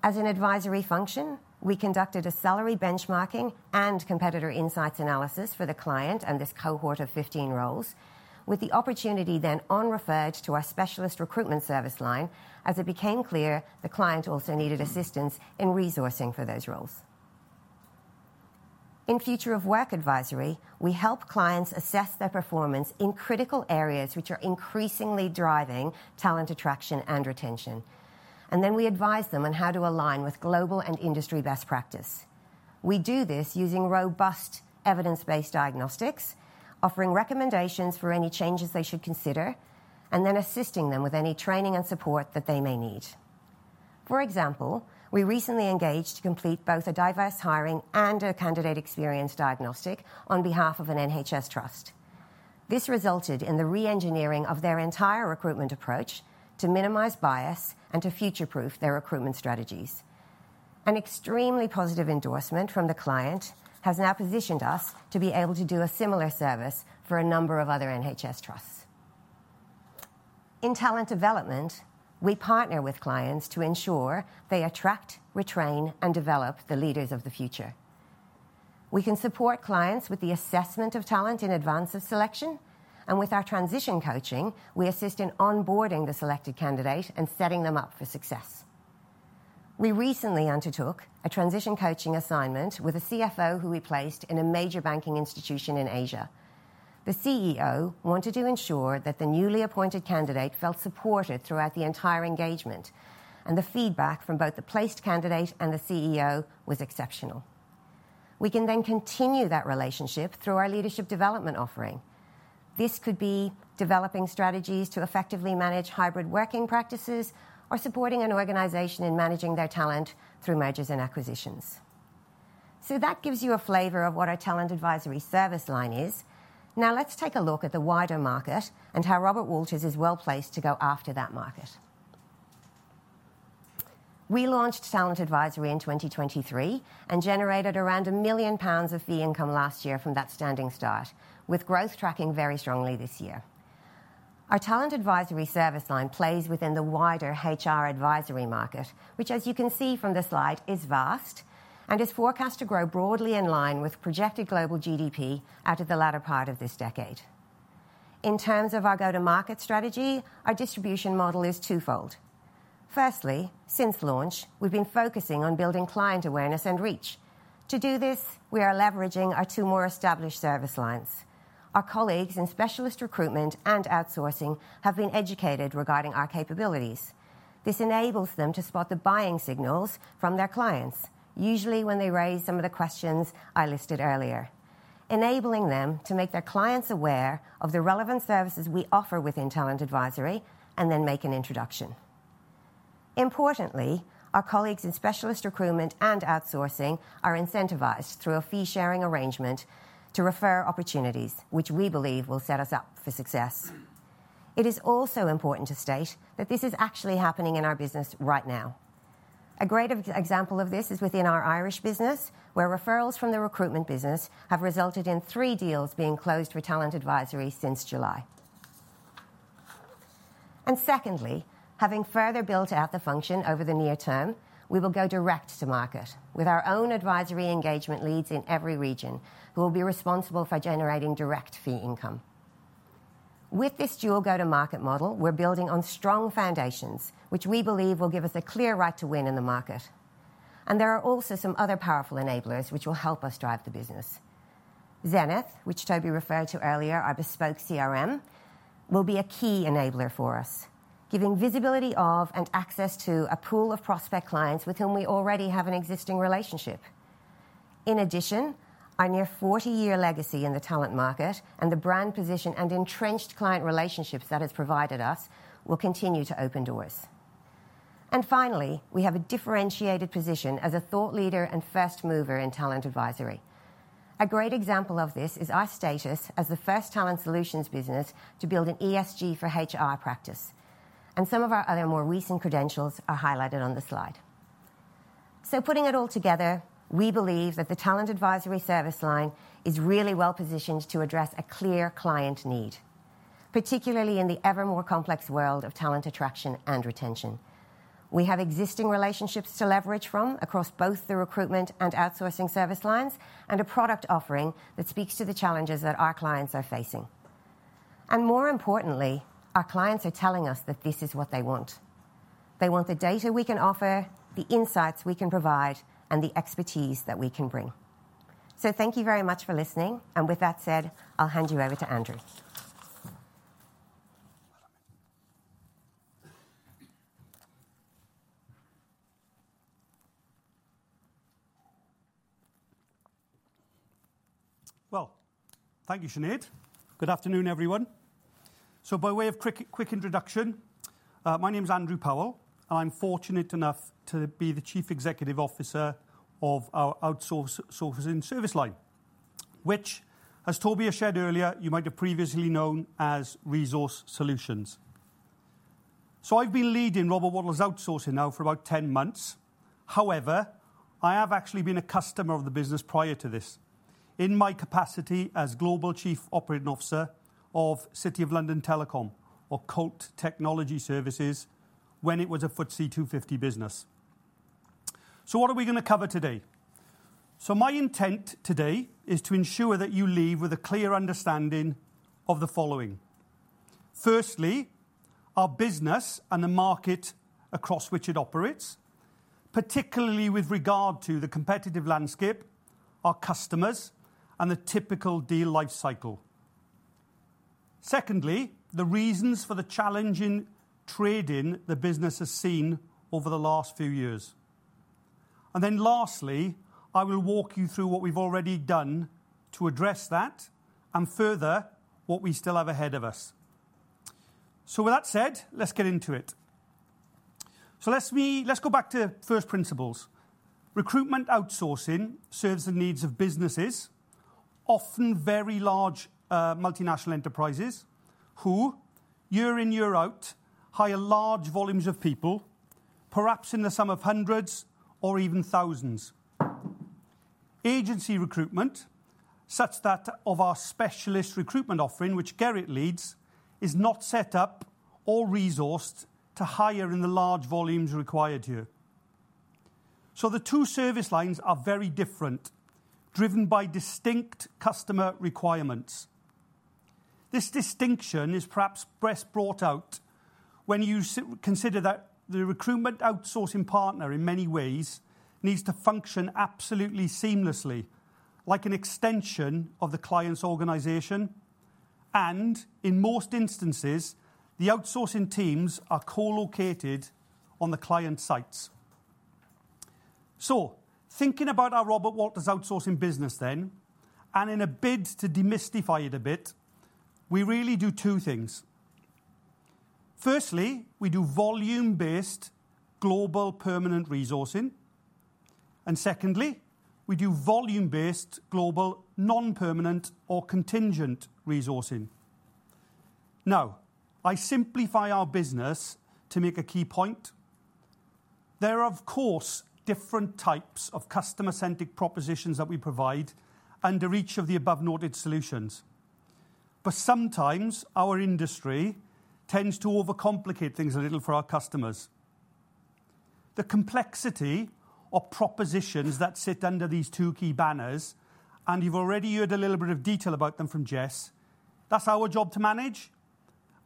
As an advisory function, we conducted a salary benchmarking and competitor insights analysis for the client and this cohort of 15 roles, with the opportunity then on-referred to our specialist recruitment service line, as it became clear the client also needed assistance in resourcing for those roles. In Future of Work Advisory, we help clients assess their performance in critical areas which are increasingly driving talent attraction and retention, and then we advise them on how to align with global and industry best practice. We do this using robust evidence-based diagnostics, offering recommendations for any changes they should consider, and then assisting them with any training and support that they may need. For example, we recently engaged to complete both a diverse hiring and a candidate experience diagnostic on behalf of an NHS trust. This resulted in the re-engineering of their entire recruitment approach to minimize bias and to future-proof their recruitment strategies. An extremely positive endorsement from the client has now positioned us to be able to do a similar service for a number of other NHS trusts. In talent development, we partner with clients to ensure they attract, retrain, and develop the leaders of the future. We can support clients with the assessment of talent in advance of selection, and with our transition coaching, we assist in onboarding the selected candidate and setting them up for success. We recently undertook a transition coaching assignment with a CFO who we placed in a major banking institution in Asia. The CEO wanted to ensure that the newly appointed candidate felt supported throughout the entire engagement, and the feedback from both the placed candidate and the CEO was exceptional. We can then continue that relationship through our leadership development offering. This could be developing strategies to effectively manage hybrid working practices or supporting an organization in managing their talent through mergers and acquisitions. So that gives you a flavor of what our Talent Advisory service line is. Now, let's take a look at the wider market and how Robert Walters is well-placed to go after that market. We launched Talent Advisory in 2023 and generated around 1 million pounds of fee income last year from that standing start, with growth tracking very strongly this year. Our Talent Advisory service line plays within the wider HR advisory market, which, as you can see from the slide, is vast and is forecast to grow broadly in line with projected global GDP out of the latter part of this decade. In terms of our go-to-market strategy, our distribution model is twofold. Firstly, since launch, we've been focusing on building client awareness and reach. To do this, we are leveraging our two more established service lines. Our colleagues in specialist recruitment and outsourcing have been educated regarding our capabilities. This enables them to spot the buying signals from their clients, usually when they raise some of the questions I listed earlier, enabling them to make their clients aware of the relevant services we offer within Talent Advisory and then make an introduction. Importantly, our colleagues in specialist recruitment and outsourcing are incentivized through a fee-sharing arrangement to refer opportunities, which we believe will set us up for success. It is also important to state that this is actually happening in our business right now. A great example of this is within our Irish business, where referrals from the recruitment business have resulted in three deals being closed for Talent Advisory since July. And secondly, having further built out the function over the near term, we will go direct to market with our own advisory engagement leads in every region, who will be responsible for generating direct fee income. With this dual go-to-market model, we're building on strong foundations, which we believe will give us a clear right to win in the market, and there are also some other powerful enablers which will help us drive the business. Zenith, which Toby referred to earlier, our bespoke CRM, will be a key enabler for us, giving visibility of and access to a pool of prospect clients with whom we already have an existing relationship. In addition, our near forty-year legacy in the talent market and the brand position and entrenched client relationships that has provided us will continue to open doors. And finally, we have a differentiated position as a thought leader and fast mover in Talent Advisory. A great example of this is our status as the first talent solutions business to build an ESG for HR practice, and some of our other more recent credentials are highlighted on the slide. So putting it all together, we believe that the Talent Advisory service line is really well-positioned to address a clear client need, particularly in the ever more complex world of talent attraction and retention. We have existing relationships to leverage from across both the recruitment and outsourcing service lines and a product offering that speaks to the challenges that our clients are facing, and more importantly, our clients are telling us that this is what they want. They want the data we can offer, the insights we can provide, and the expertise that we can bring, so thank you very much for listening, and with that said, I'll hand you over to Andrew. Well, thank you, Sinead. Good afternoon, everyone. So by way of quick introduction, my name is Andrew Powell, and I'm fortunate enough to be the Chief Executive Officer of our Outsourcing service line, which, as Toby shared earlier, you might have previously known as Resource Solutions. So I've been leading Robert Walters Outsourcing now for about 10 months. However, I have actually been a customer of the business prior to this in my capacity as Global Chief Operating Officer of City of London Telecom, or Colt Technology Services, when it was a FTSE 250 business. So what are we gonna cover today? So my intent today is to ensure that you leave with a clear understanding of the following. Firstly, our business and the market across which it operates, particularly with regard to the competitive landscape, our customers, and the typical deal life cycle. Secondly, the reasons for the challenge in trading the business has seen over the last few years, and then lastly, I will walk you through what we've already done to address that and further, what we still have ahead of us. With that said, let's get into it. Let's go back to first principles. Recruitment outsourcing serves the needs of businesses, often very large, multinational enterprises, who, year in, year out, hire large volumes of people, perhaps in the sum of hundreds or even thousands. Agency recruitment, such that of our specialist recruitment offering, which Gerrit leads, is not set up or resourced to hire in the large volumes required here. So the two service lines are very different, driven by distinct customer requirements. This distinction is perhaps best brought out when you consider that the recruitment outsourcing partner, in many ways, needs to function absolutely seamlessly, like an extension of the client's organization, and in most instances, the outsourcing teams are co-located on the client sites. Thinking about our Robert Walters outsourcing business then, and in a bid to demystify it a bit, we really do two things. Firstly, we do volume-based global permanent resourcing, and secondly, we do volume-based global non-permanent or contingent resourcing. Now, I simplify our business to make a key point. There are, of course, different types of customer-centric propositions that we provide under each of the above-noted solutions. Sometimes our industry tends to overcomplicate things a little for our customers. The complexity of propositions that sit under these two key banners, and you've already heard a little bit of detail about them from Jess, that's our job to manage,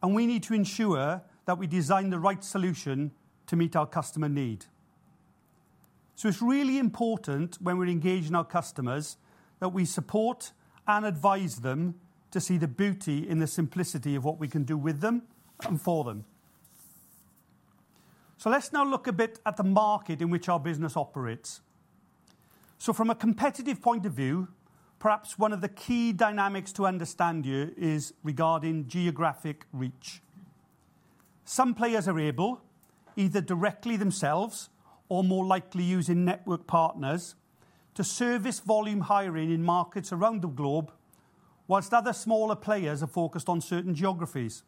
and we need to ensure that we design the right solution to meet our customer need. So it's really important when we're engaging our customers, that we support and advise them to see the beauty in the simplicity of what we can do with them and for them. So let's now look a bit at the market in which our business operates. So from a competitive point of view, perhaps one of the key dynamics to understand here is regarding geographic reach. Some players are able, either directly themselves or more likely using network partners, to service volume hiring in markets around the globe, while other smaller players are focused on certain geographies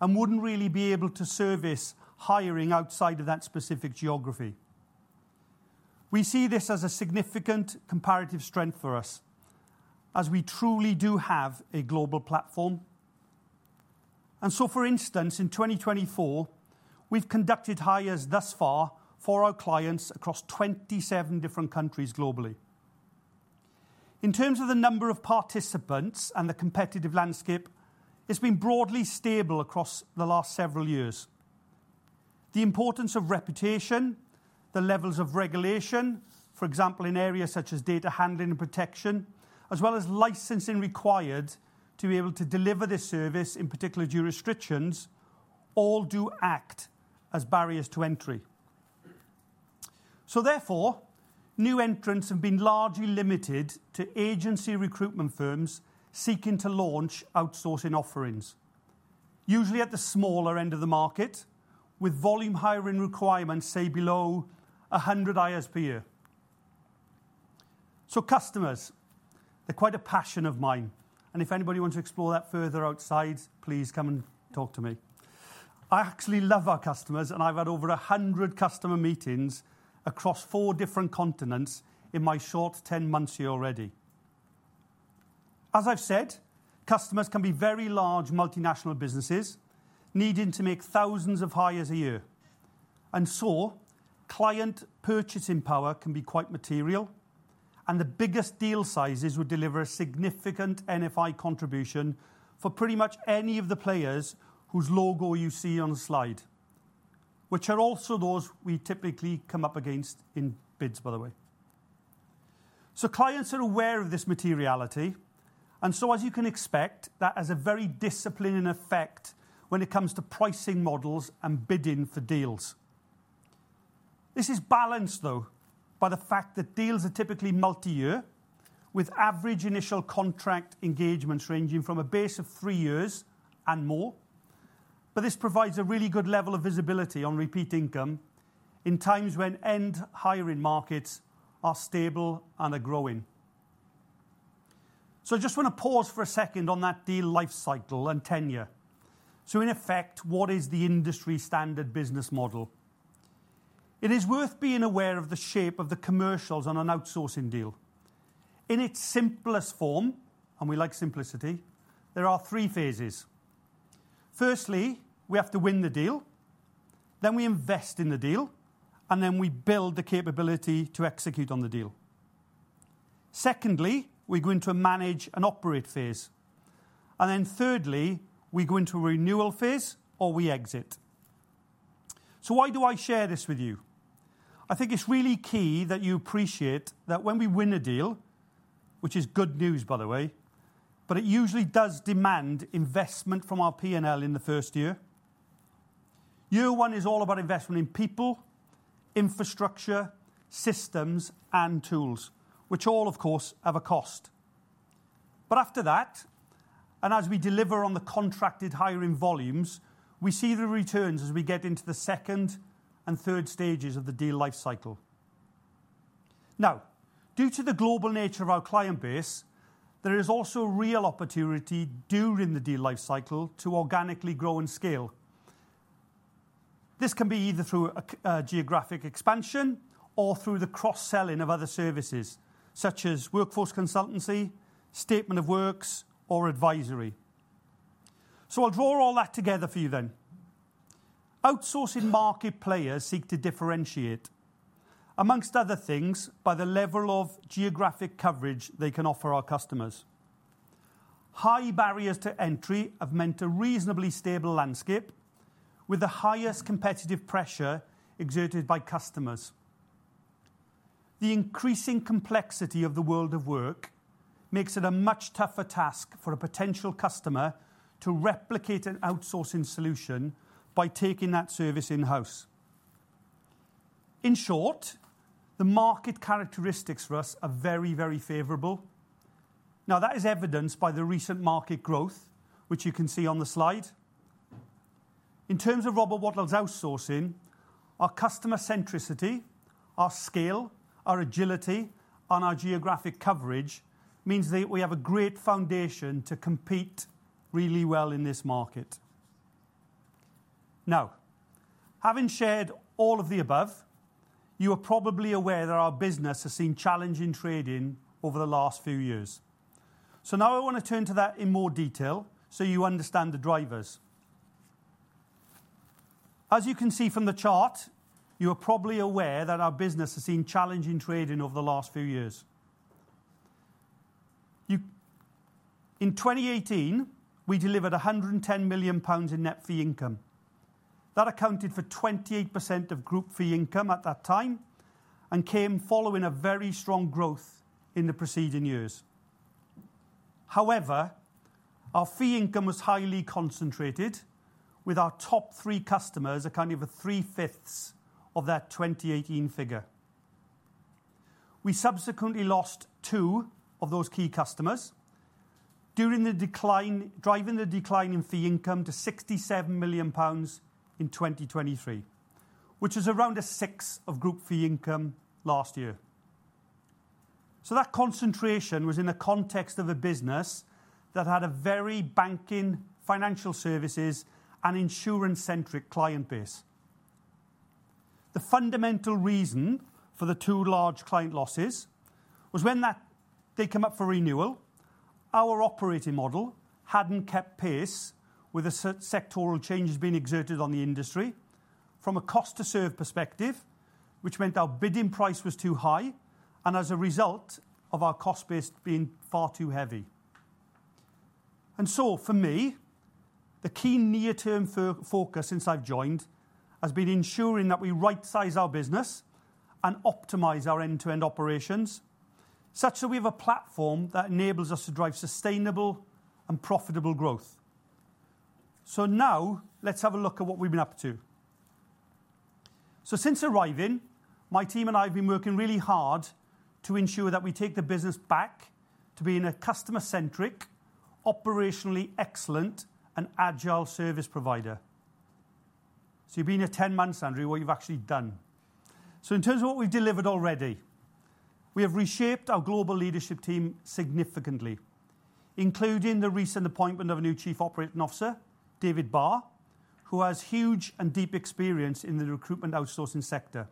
and wouldn't really be able to service hiring outside of that specific geography. We see this as a significant comparative strength for us, as we truly do have a global platform, and so, for instance, in 2024, we've conducted hires thus far for our clients across 27 different countries globally. In terms of the number of participants and the competitive landscape, it's been broadly stable across the last several years. The importance of reputation, the levels of regulation, for example, in areas such as data handling and protection, as well as licensing required to be able to deliver this service, in particular jurisdictions, all do act as barriers to entry. So therefore, new entrants have been largely limited to agency recruitment firms seeking to launch outsourcing offerings, usually at the smaller end of the market, with volume hiring requirements, say, below 100 hires per year. So customers, they're quite a passion of mine, and if anybody wants to explore that further outside, please come and talk to me. I actually love our customers, and I've had over 100 customer meetings across four different continents in my short 10 months here already. As I've said, customers can be very large multinational businesses needing to make thousands of hires a year, and so client purchasing power can be quite material, and the biggest deal sizes would deliver a significant NFI contribution for pretty much any of the players whose logo you see on the slide, which are also those we typically come up against in bids, by the way. So clients are aware of this materiality, and so as you can expect, that has a very disciplining effect when it comes to pricing models and bidding for deals. This is balanced, though, by the fact that deals are typically multi-year, with average initial contract engagements ranging from a base of three years and more. But this provides a really good level of visibility on repeat income in times when end hiring markets are stable and are growing. So I just want to pause for a second on that deal life cycle and tenure. So in effect, what is the industry standard business model? It is worth being aware of the shape of the commercials on an outsourcing deal. In its simplest form, and we like simplicity, there are three phases. Firstly, we have to win the deal, then we invest in the deal, and then we build the capability to execute on the deal. Secondly, we go into a manage and operate phase, and then thirdly, we go into a renewal phase or we exit, so why do I share this with you? I think it's really key that you appreciate that when we win a deal, which is good news, by the way, but it usually does demand investment from our PNL in the first year. Year one is all about investment in people, infrastructure, systems, and tools, which all, of course, have a cost, but after that, and as we deliver on the contracted hiring volumes, we see the returns as we get into the second and third stages of the deal life cycle. Now, due to the global nature of our client base, there is also real opportunity during the deal life cycle to organically grow and scale. This can be either through geographic expansion or through the cross-selling of other services, such as workforce consultancy, statement of works, or advisory. So I'll draw all that together for you then. Outsourcing market players seek to differentiate, among other things, by the level of geographic coverage they can offer our customers. High barriers to entry have meant a reasonably stable landscape, with the highest competitive pressure exerted by customers. The increasing complexity of the world of work makes it a much tougher task for a potential customer to replicate an outsourcing solution by taking that service in-house. In short, the market characteristics for us are very, very favorable. Now, that is evidenced by the recent market growth, which you can see on the slide. In terms of Robert Walters Outsourcing, our customer centricity, our scale, our agility, and our geographic coverage means that we have a great foundation to compete really well in this market. Now, having shared all of the above, you are probably aware that our business has seen challenging trading over the last few years. So now I want to turn to that in more detail so you understand the drivers. As you can see from the chart, you are probably aware that our business has seen challenging trading over the last few years. In 2018, we delivered 110 million pounds in net fee income. That accounted for 28% of group fee income at that time and came following a very strong growth in the preceding years. However, our fee income was highly concentrated, with our top three customers accounting for three-fifths of that 2018 figure. We subsequently lost two of those key customers during the decline, driving the decline in fee income to 67 million pounds in 2023, which is around a sixth of group fee income last year. So that concentration was in the context of a business that had a very banking, financial services, and insurance-centric client base. The fundamental reason for the two large client losses was when that they come up for renewal, our operating model hadn't kept pace with the sectoral changes being exerted on the industry from a cost to serve perspective, which meant our bidding price was too high and as a result of our cost base being far too heavy. And so for me, the key near-term focus since I've joined has been ensuring that we rightsize our business and optimize our end-to-end operations, such that we have a platform that enables us to drive sustainable and profitable growth. So now let's have a look at what we've been up to. So since arriving, my team and I have been working really hard to ensure that we take the business back to being a customer-centric, operationally excellent, and agile service provider. So you've been here ten months, Andrew, what you've actually done? So in terms of what we've delivered already, we have reshaped our global leadership team significantly, including the recent appointment of a new Chief Operating Officer, David Barr, who has huge and deep experience in the recruitment outsourcing sector.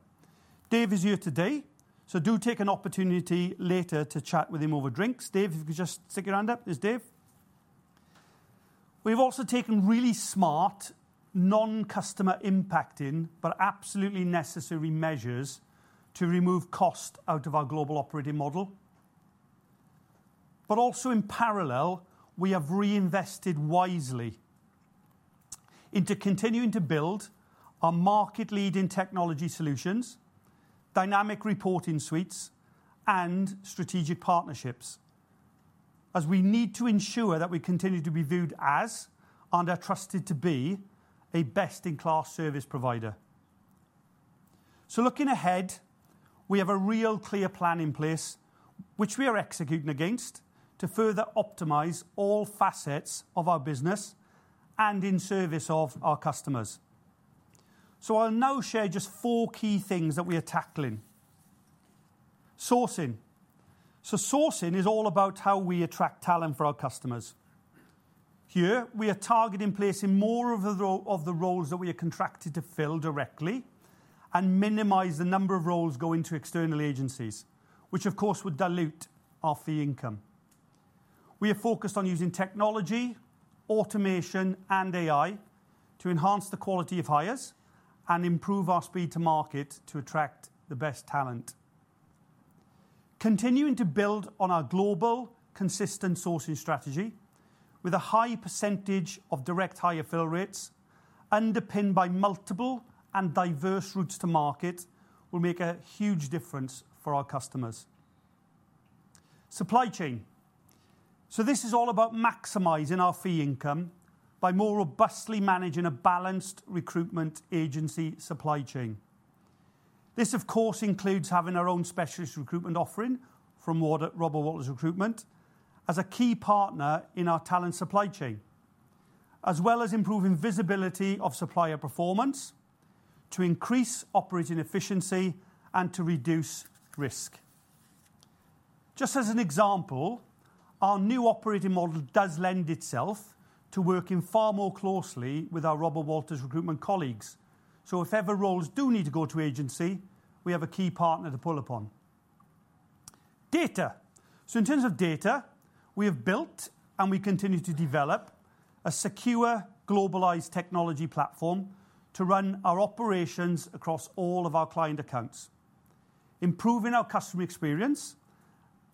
Dave is here today, so do take an opportunity later to chat with him over drinks. Dave, if you could just stick your hand up. There's Dave. We've also taken really smart, non-customer impacting, but absolutely necessary measures to remove cost out of our global operating model. But also in parallel, we have reinvested wisely into continuing to build our market-leading technology solutions, dynamic reporting suites, and strategic partnerships, as we need to ensure that we continue to be viewed as, and are trusted to be, a best-in-class service provider. So looking ahead, we have a real clear plan in place, which we are executing against, to further optimize all facets of our business and in service of our customers. So I'll now share just four key things that we are tackling. Sourcing. So sourcing is all about how we attract talent for our customers. Here, we are targeting placing more of the roles that we are contracted to fill directly and minimize the number of roles going to external agencies, which of course would dilute our fee income. We are focused on using technology, automation, and AI to enhance the quality of hires and improve our speed to market to attract the best talent. Continuing to build on our global consistent sourcing strategy, with a high percentage of direct hire fill rates, underpinned by multiple and diverse routes to market, will make a huge difference for our customers. Supply chain. So this is all about maximizing our fee income by more robustly managing a balanced recruitment agency supply chain. This, of course, includes having our own specialist recruitment offering from Robert Walters Recruitment as a key partner in our talent supply chain, as well as improving visibility of supplier performance to increase operating efficiency and to reduce risk. Just as an example, our new operating model does lend itself to working far more closely with our Robert Walters Recruitment colleagues. So if ever roles do need to go to agency, we have a key partner to pull upon. Data. So in terms of data, we have built and we continue to develop a secure, globalized technology platform to run our operations across all of our client accounts, improving our customer experience,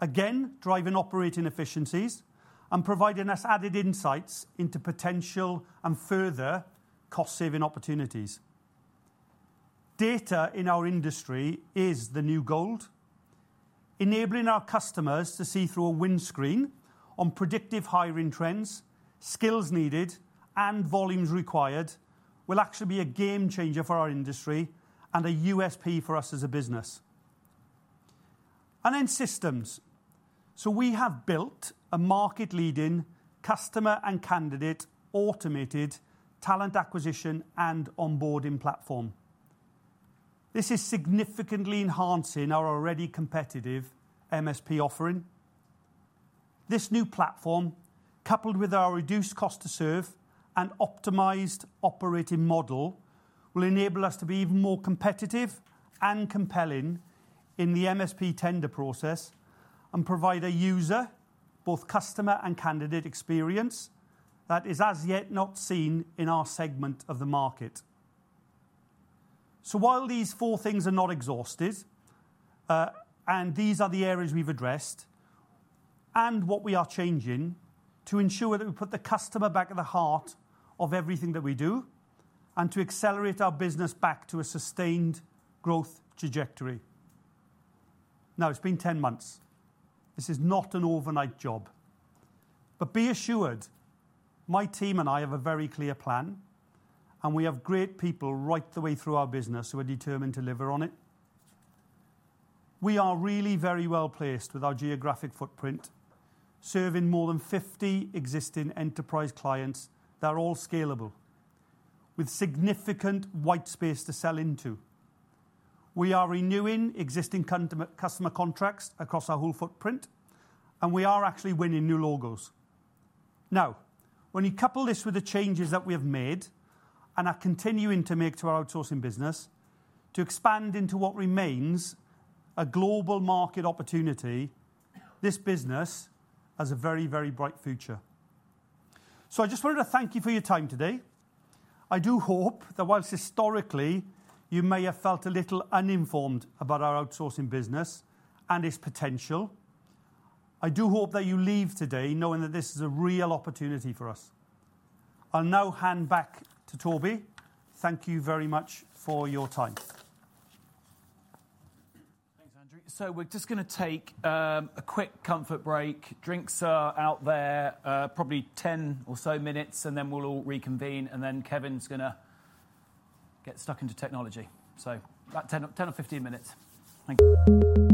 again, driving operating efficiencies and providing us added insights into potential and further cost-saving opportunities. Data in our industry is the new gold. Enabling our customers to see through a windshield on predictive hiring trends, skills needed, and volumes required will actually be a game changer for our industry and a USP for us as a business. And then systems. So we have built a market-leading customer and candidate automated talent acquisition and onboarding platform. This is significantly enhancing our already competitive MSP offering. This new platform, coupled with our reduced cost to serve and optimized operating model, will enable us to be even more competitive and compelling in the MSP tender process and provide a user, both customer and candidate, experience that is as yet not seen in our segment of the market. So while these four things are not exhaustive, and these are the areas we've addressed and what we are changing to ensure that we put the customer back at the heart of everything that we do and to accelerate our business back to a sustained growth trajectory. Now, it's been ten months. This is not an overnight job, but be assured, my team and I have a very clear plan, and we have great people right the way through our business who are determined to deliver on it. We are really very well-placed with our geographic footprint, serving more than fifty existing enterprise clients that are all scalable, with significant white space to sell into. We are renewing existing customer contracts across our whole footprint, and we are actually winning new logos. Now, when you couple this with the changes that we have made and are continuing to make to our outsourcing business, to expand into what remains a global market opportunity, this business has a very, very bright future. So I just wanted to thank you for your time today. I do hope that whilst historically you may have felt a little uninformed about our outsourcing business and its potential, I do hope that you leave today knowing that this is a real opportunity for us. I'll now hand back to Toby. Thank you very much for your time. Thanks, Andrew. So we're just gonna take a quick comfort break. Drinks are out there, probably ten or so minutes, and then we'll all reconvene, and then Kevin's gonna get stuck into technology. So about ten or fifteen minutes. Thank you. ...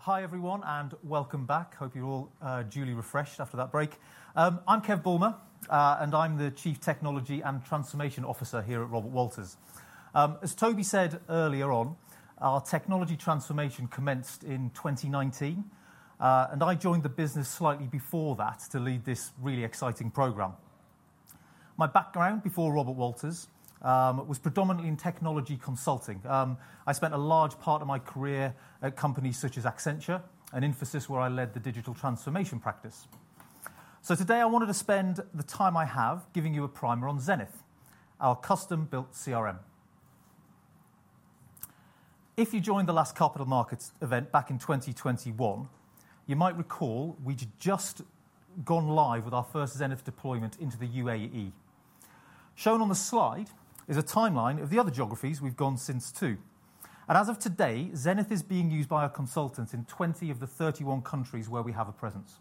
Right, I think we're good. Hi, everyone, and welcome back. Hope you're all duly refreshed after that break. I'm Kev Bulmer, and I'm the Chief Technology and Transformation Officer here at Robert Walters. As Toby said earlier on, our technology transformation commenced in twenty nineteen, and I joined the business slightly before that to lead this really exciting program. My background before Robert Walters was predominantly in technology consulting. I spent a large part of my career at companies such as Accenture and Infosys, where I led the digital transformation practice. So today I wanted to spend the time I have giving you a primer on Zenith, our custom-built CRM. If you joined the last capital markets event back in twenty twenty-one, you might recall we'd just gone live with our first Zenith deployment into the UAE. Shown on the slide is a timeline of the other geographies we've gone since, too, and as of today, Zenith is being used by our consultants in twenty of the thirty-one countries where we have a presence.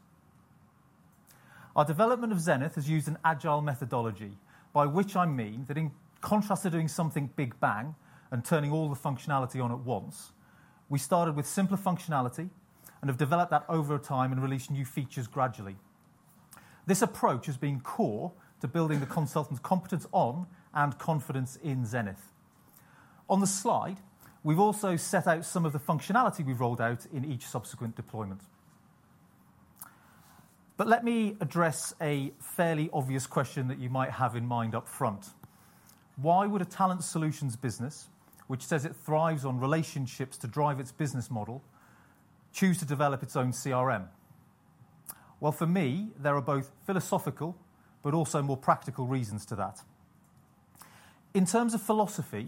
Our development of Zenith has used an agile methodology, by which I mean that in contrast to doing something big bang and turning all the functionality on at once, we started with simpler functionality and have developed that over time and released new features gradually. This approach has been core to building the consultants' competence on and confidence in Zenith. On the slide, we've also set out some of the functionality we've rolled out in each subsequent deployment. But let me address a fairly obvious question that you might have in mind up front. Why would a talent solutions business, which says it thrives on relationships to drive its business model, choose to develop its own CRM? Well, for me, there are both philosophical but also more practical reasons to that. In terms of philosophy,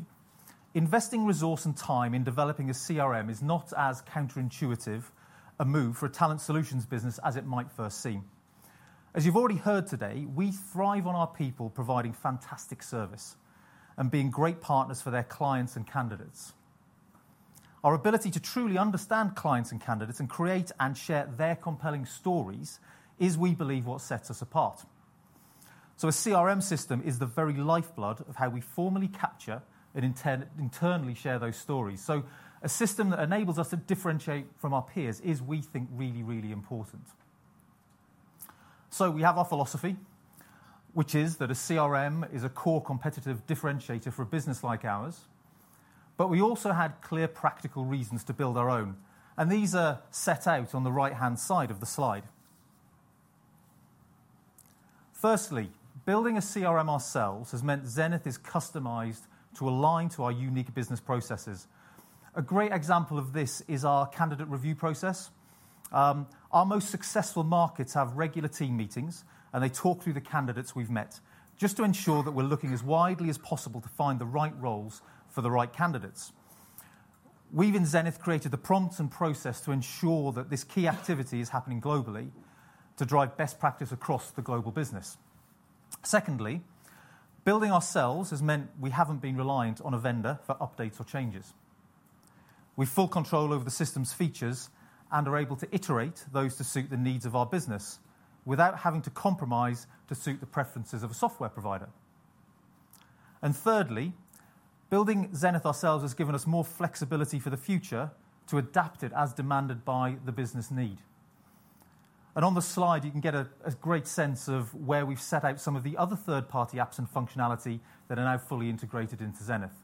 investing resource and time in developing a CRM is not as counterintuitive a move for a talent solutions business as it might first seem. As you've already heard today, we thrive on our people providing fantastic service and being great partners for their clients and candidates. Our ability to truly understand clients and candidates and create and share their compelling stories is, we believe, what sets us apart. So a CRM system is the very lifeblood of how we formally capture and internally share those stories. So a system that enables us to differentiate from our peers is, we think, really, really important. So we have our philosophy, which is that a CRM is a core competitive differentiator for a business like ours, but we also had clear practical reasons to build our own, and these are set out on the right-hand side of the slide. Firstly, building a CRM ourselves has meant Zenith is customized to align to our unique business processes. A great example of this is our candidate review process. Our most successful markets have regular team meetings, and they talk through the candidates we've met, just to ensure that we're looking as widely as possible to find the right roles for the right candidates. We've, in Zenith, created the prompts and process to ensure that this key activity is happening globally to drive best practice across the global business. Secondly, building ourselves has meant we haven't been reliant on a vendor for updates or changes. have full control over the system's features and are able to iterate those to suit the needs of our business without having to compromise to suit the preferences of a software provider, and thirdly, building Zenith ourselves has given us more flexibility for the future to adapt it as demanded by the business need, and on the slide, you can get a great sense of where we've set out some of the other third-party apps and functionality that are now fully integrated into Zenith.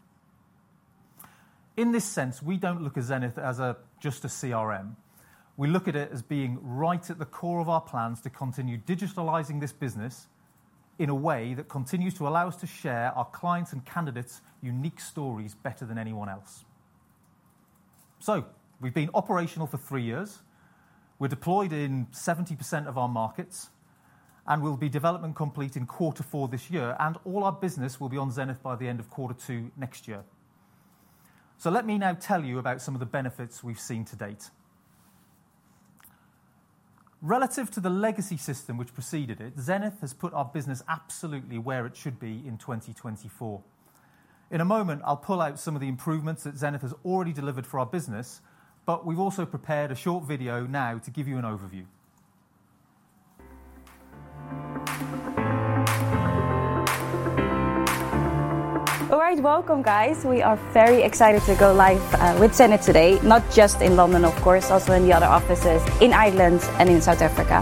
In this sense, we don't look at Zenith as just a CRM. We look at it as being right at the core of our plans to continue digitalizing this business in a way that continues to allow us to share our clients' and candidates' unique stories better than anyone else. So we've been operational for three years, we're deployed in 70% of our markets, and we'll be development complete in quarter four this year, and all our business will be on Zenith by the end of quarter two next year. So let me now tell you about some of the benefits we've seen to date. Relative to the legacy system which preceded it, Zenith has put our business absolutely where it should be in twenty twenty-four. In a moment, I'll pull out some of the improvements that Zenith has already delivered for our business, but we've also prepared a short video now to give you an overview. All right. Welcome, guys. We are very excited to go live with Zenith today, not just in London, of course, also in the other offices in Ireland and in South Africa.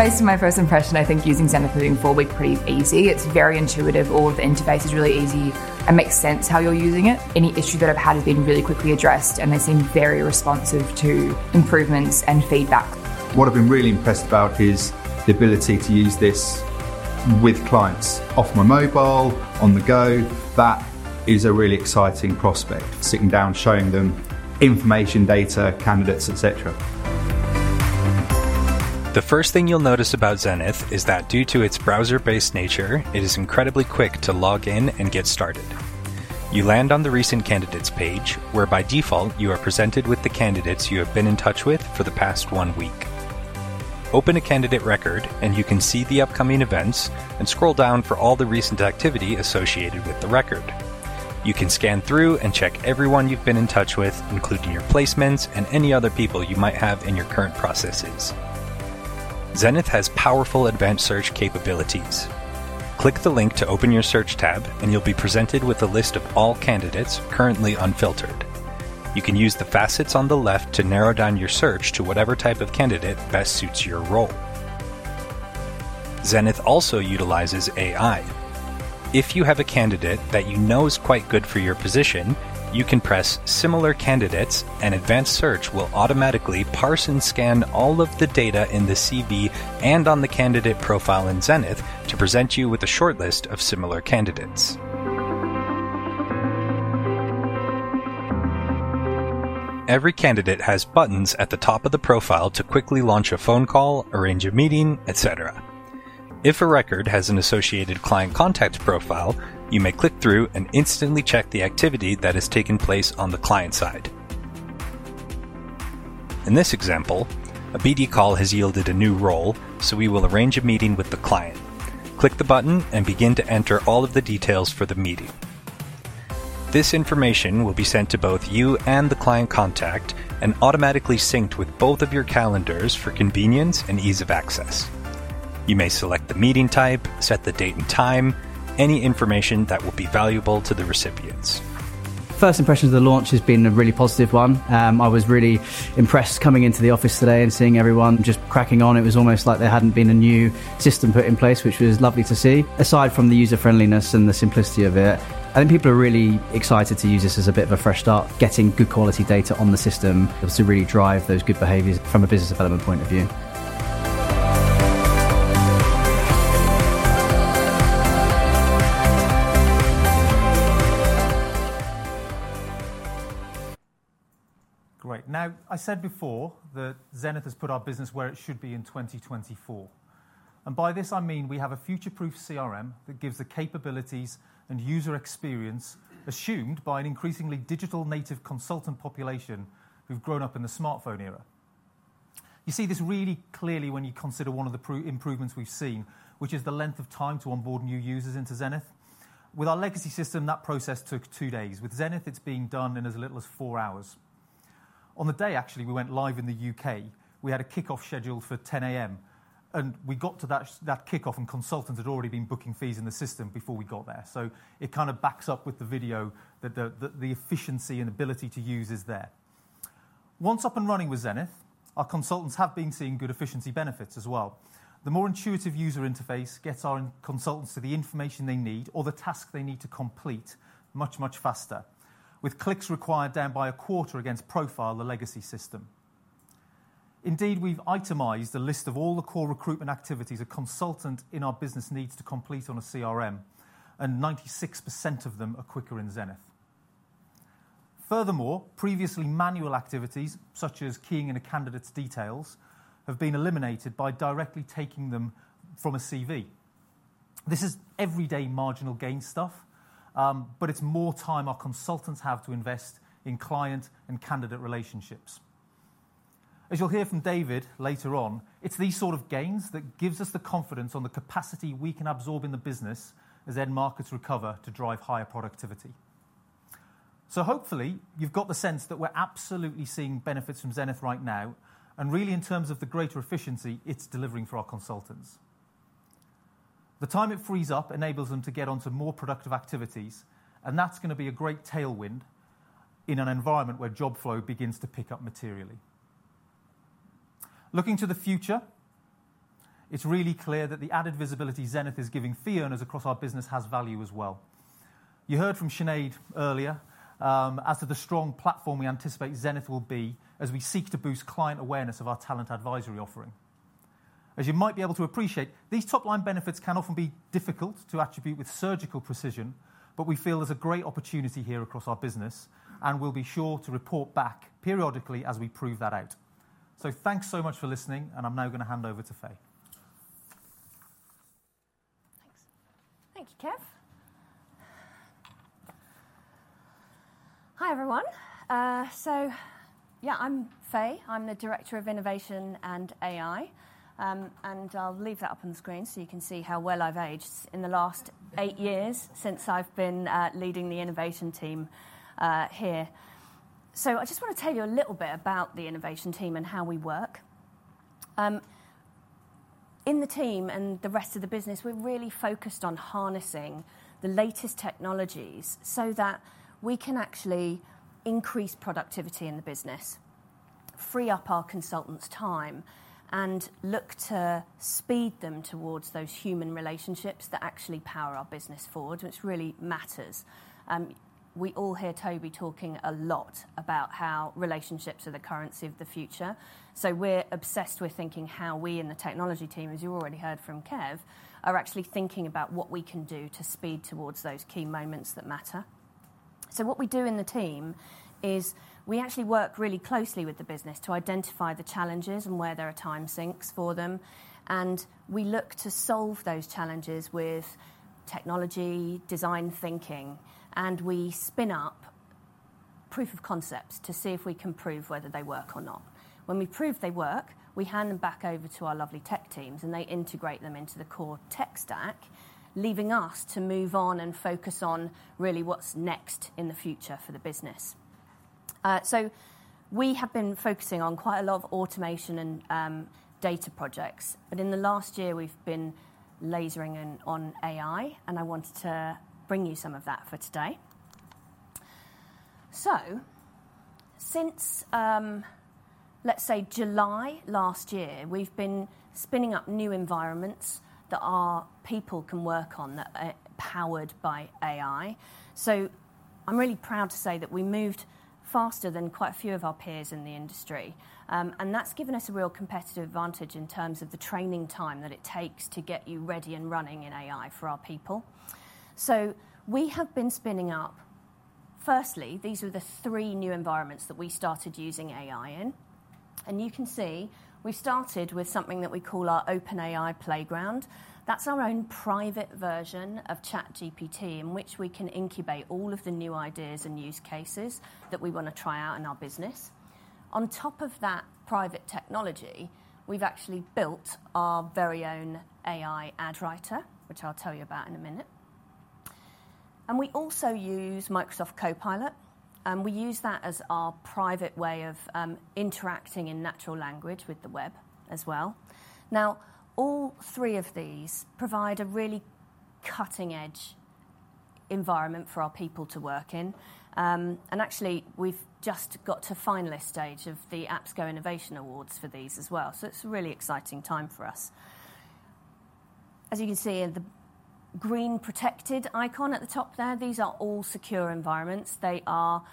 Based on my first impression, I think using Zenith has been pretty easy. It's very intuitive. All the interface is really easy and makes sense how you're using it. Any issue that I've had has been really quickly addressed, and they seem very responsive to improvements and feedback. What I've been really impressed about is the ability to use this with clients on my mobile, on the go. That is a really exciting prospect, sitting down, showing them information, data, candidates, et cetera. The first thing you'll notice about Zenith is that due to its browser-based nature, it is incredibly quick to log in and get started. You land on the Recent Candidates page, where by default you are presented with the candidates you have been in touch with for the past one week. Open a candidate record, and you can see the upcoming events and scroll down for all the recent activity associated with the record. You can scan through and check everyone you've been in touch with, including your placements and any other people you might have in your current processes. Zenith has powerful advanced search capabilities. Click the link to open your Search tab, and you'll be presented with a list of all candidates, currently unfiltered. You can use the facets on the left to narrow down your search to whatever type of candidate best suits your role. Zenith also utilizes AI. If you have a candidate that you know is quite good for your position, you can press Similar Candidates, and Advanced Search will automatically parse and scan all of the data in the CV and on the candidate profile in Zenith to present you with a shortlist of similar candidates. Every candidate has buttons at the top of the profile to quickly launch a phone call, arrange a meeting, et cetera. If a record has an associated client contact profile, you may click through and instantly check the activity that has taken place on the client side. In this example, a BD call has yielded a new role, so we will arrange a meeting with the client. Click the button and begin to enter all of the details for the meeting. This information will be sent to both you and the client contact and automatically synced with both of your calendars for convenience and ease of access. You may select the meeting type, set the date and time, any information that will be valuable to the recipients. First impressions of the launch has been a really positive one. I was really impressed coming into the office today and seeing everyone just cracking on. It was almost like there hadn't been a new system put in place, which was lovely to see. Aside from the user-friendliness and the simplicity of it, I think people are really excited to use this as a bit of a fresh start, getting good quality data on the system to really drive those good behaviors from a business development point of view. Great. Now, I said before that Zenith has put our business where it should be in twenty twenty-four, and by this I mean we have a future-proof CRM that gives the capabilities and user experience assumed by an increasingly digital native consultant population who've grown up in the smartphone era. You see this really clearly when you consider one of the improvements we've seen, which is the length of time to onboard new users into Zenith. With our legacy system, that process took two days. With Zenith, it's being done in as little as four hours. On the day actually we went live in the UK, we had a kickoff scheduled for 10:00 A.M., and we got to that kickoff, and consultants had already been booking fees in the system before we got there. So it kind of backs up with the video that the efficiency and ability to use is there. Once up and running with Zenith, our consultants have been seeing good efficiency benefits as well. The more intuitive user interface gets our consultants to the information they need or the task they need to complete much, much faster, with clicks required down by a quarter against Profile, the legacy system. Indeed, we've itemized a list of all the core recruitment activities a consultant in our business needs to complete on a CRM, and 96% of them are quicker in Zenith. Furthermore, previously manual activities, such as keying in a candidate's details, have been eliminated by directly taking them from a CV. This is everyday marginal gain stuff, but it's more time our consultants have to invest in client and candidate relationships. As you'll hear from David later on, it's these sort of gains that gives us the confidence on the capacity we can absorb in the business as end markets recover to drive higher productivity. So hopefully, you've got the sense that we're absolutely seeing benefits from Zenith right now, and really in terms of the greater efficiency it's delivering for our consultants. The time it frees up enables them to get on to more productive activities, and that's gonna be a great tailwind in an environment where job flow begins to pick up materially. Looking to the future, it's really clear that the added visibility Zenith is giving fee earners across our business has value as well. You heard from Sinead earlier as to the strong platform we anticipate Zenith will be, as we seek to boost client awareness of our talent advisory offering. As you might be able to appreciate, these top-line benefits can often be difficult to attribute with surgical precision, but we feel there's a great opportunity here across our business, and we'll be sure to report back periodically as we prove that out. So thanks so much for listening, and I'm now gonna hand over to Faye. Thanks. Thank you, Kev. Hi, everyone. Yeah, I'm Faye. I'm the Director of Innovation and AI, and I'll leave that up on the screen so you can see how well I've aged in the last eight years since I've been leading the innovation team here. I just want to tell you a little bit about the innovation team and how we work. In the team and the rest of the business, we're really focused on harnessing the latest technologies so that we can actually increase productivity in the business, free up our consultants' time, and look to speed them towards those human relationships that actually power our business forward, which really matters. We all hear Toby talking a lot about how relationships are the currency of the future, so we're obsessed with thinking how we in the technology team, as you already heard from Kev, are actually thinking about what we can do to speed towards those key moments that matter. So what we do in the team is we actually work really closely with the business to identify the challenges and where there are time sinks for them, and we look to solve those challenges with technology, design thinking, and we spin up proof of concepts to see if we can prove whether they work or not. When we prove they work, we hand them back over to our lovely tech teams, and they integrate them into the core tech stack, leaving us to move on and focus on really what's next in the future for the business. So we have been focusing on quite a lot of automation and data projects, but in the last year, we've been lasering in on AI, and I wanted to bring you some of that for today. So since let's say July last year, we've been spinning up new environments that our people can work on that are powered by AI. So I'm really proud to say that we moved faster than quite a few of our peers in the industry, and that's given us a real competitive advantage in terms of the training time that it takes to get you ready and running in AI for our people. Firstly, these are the three new environments that we started using AI in, and you can see we started with something that we call our OpenAI playground. That's our own private version of ChatGPT, in which we can incubate all of the new ideas and use cases that we wanna try out in our business. On top of that private technology, we've actually built our very own AI Ad Writer, which I'll tell you about in a minute. And we also use Microsoft Copilot, and we use that as our private way of interacting in natural language with the web as well. Now, all three of these provide a really cutting-edge environment for our people to work in, and actually, we've just got to finalist stage of the APSCo Innovation Awards for these as well, so it's a really exciting time for us. As you can see, the green protected icon at the top there, these are all secure environments. They are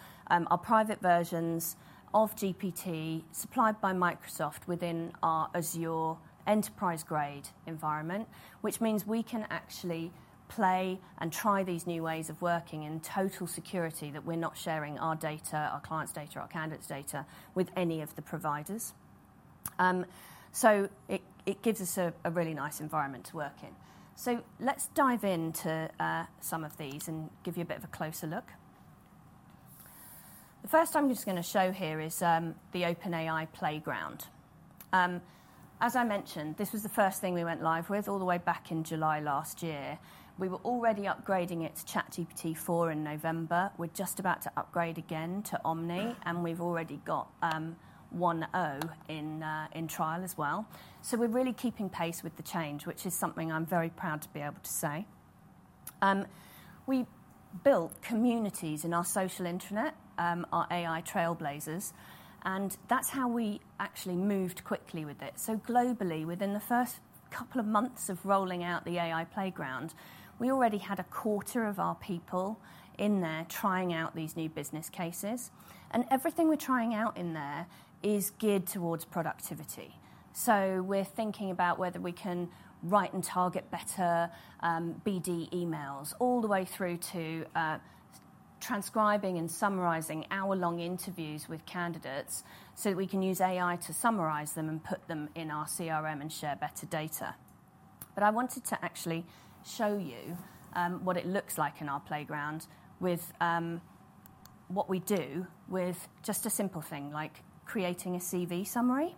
private versions of GPT, supplied by Microsoft within our Azure enterprise-grade environment, which means we can actually play and try these new ways of working in total security that we're not sharing our data, our clients' data, our candidates' data, with any of the providers. So it gives us a really nice environment to work in. So let's dive into some of these and give you a bit of a closer look. The first I'm just gonna show here is the OpenAI playground. As I mentioned, this was the first thing we went live with all the way back in July last year. We were already upgrading it to ChatGPT Four in November. We're just about to upgrade again to Omni, and we've already got One O in trial as well. So we're really keeping pace with the change, which is something I'm very proud to be able to say. We built communities in our social intranet, our AI trailblazers, and that's how we actually moved quickly with it. So globally, within the first couple of months of rolling out the AI playground, we already had a quarter of our people in there trying out these new business cases, and everything we're trying out in there is geared towards productivity. So we're thinking about whether we can write and target better, BD emails, all the way through to transcribing and summarizing hour-long interviews with candidates, so we can use AI to summarize them and put them in our CRM and share better data. I wanted to actually show you what it looks like in our playground with what we do with just a simple thing, like creating a CV summary.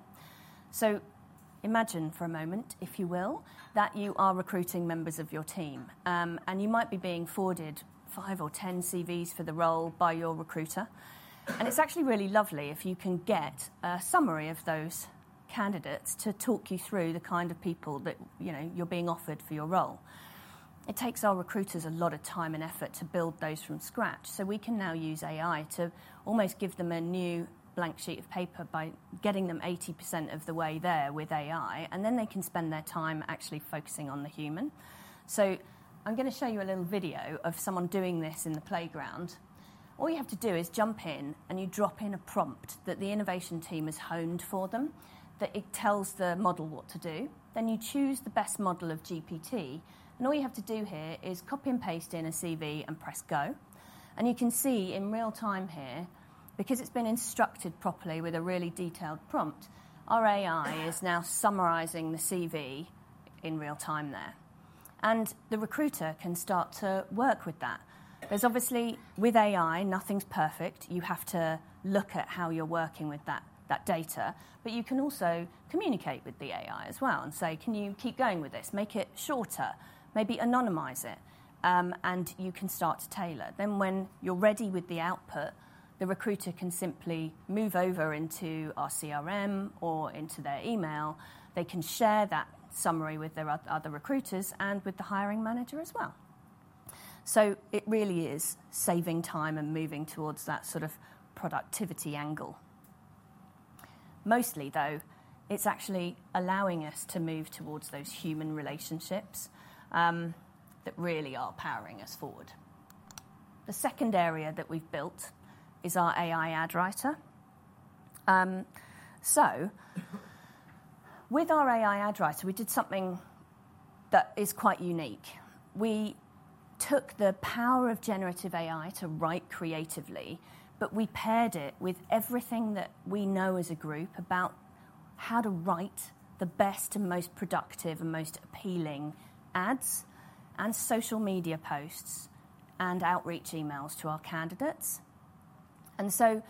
Imagine for a moment, if you will, that you are recruiting members of your team, and you might be being forwarded five or 10 CVs for the role by your recruiter. It's actually really lovely if you can get a summary of those candidates to talk you through the kind of people that, you know, you're being offered for your role. It takes our recruiters a lot of time and effort to build those from scratch, so we can now use AI to almost give them a new blank sheet of paper by getting them 80% of the way there with AI, and then they can spend their time actually focusing on the human. I'm gonna show you a little video of someone doing this in the playground. All you have to do is jump in, and you drop in a prompt that the innovation team has honed for them, that it tells the model what to do. Then, you choose the best model of GPT, and all you have to do here is copy and paste in a CV and press go. And you can see in real time here, because it's been instructed properly with a really detailed prompt, our AI is now summarizing the CV in real time there, and the recruiter can start to work with that. There's obviously, with AI, nothing's perfect. You have to look at how you're working with that, that data, but you can also communicate with the AI as well and say: "Can you keep going with this? Make it shorter. Maybe anonymize it," and you can start to tailor. Then, when you're ready with the output, the recruiter can simply move over into our CRM or into their email. They can share that summary with their other recruiters and with the hiring manager as well. So it really is saving time and moving towards that sort of productivity angle. Mostly, though, it's actually allowing us to move towards those human relationships that really are powering us forward. The second area that we've built is our AI ad writer. So with our AI ad writer, we did something that is quite unique. We took the power of generative AI to write creatively, but we paired it with everything that we know as a group about how to write the best and most productive and most appealing ads and social media posts and outreach emails to our candidates. And so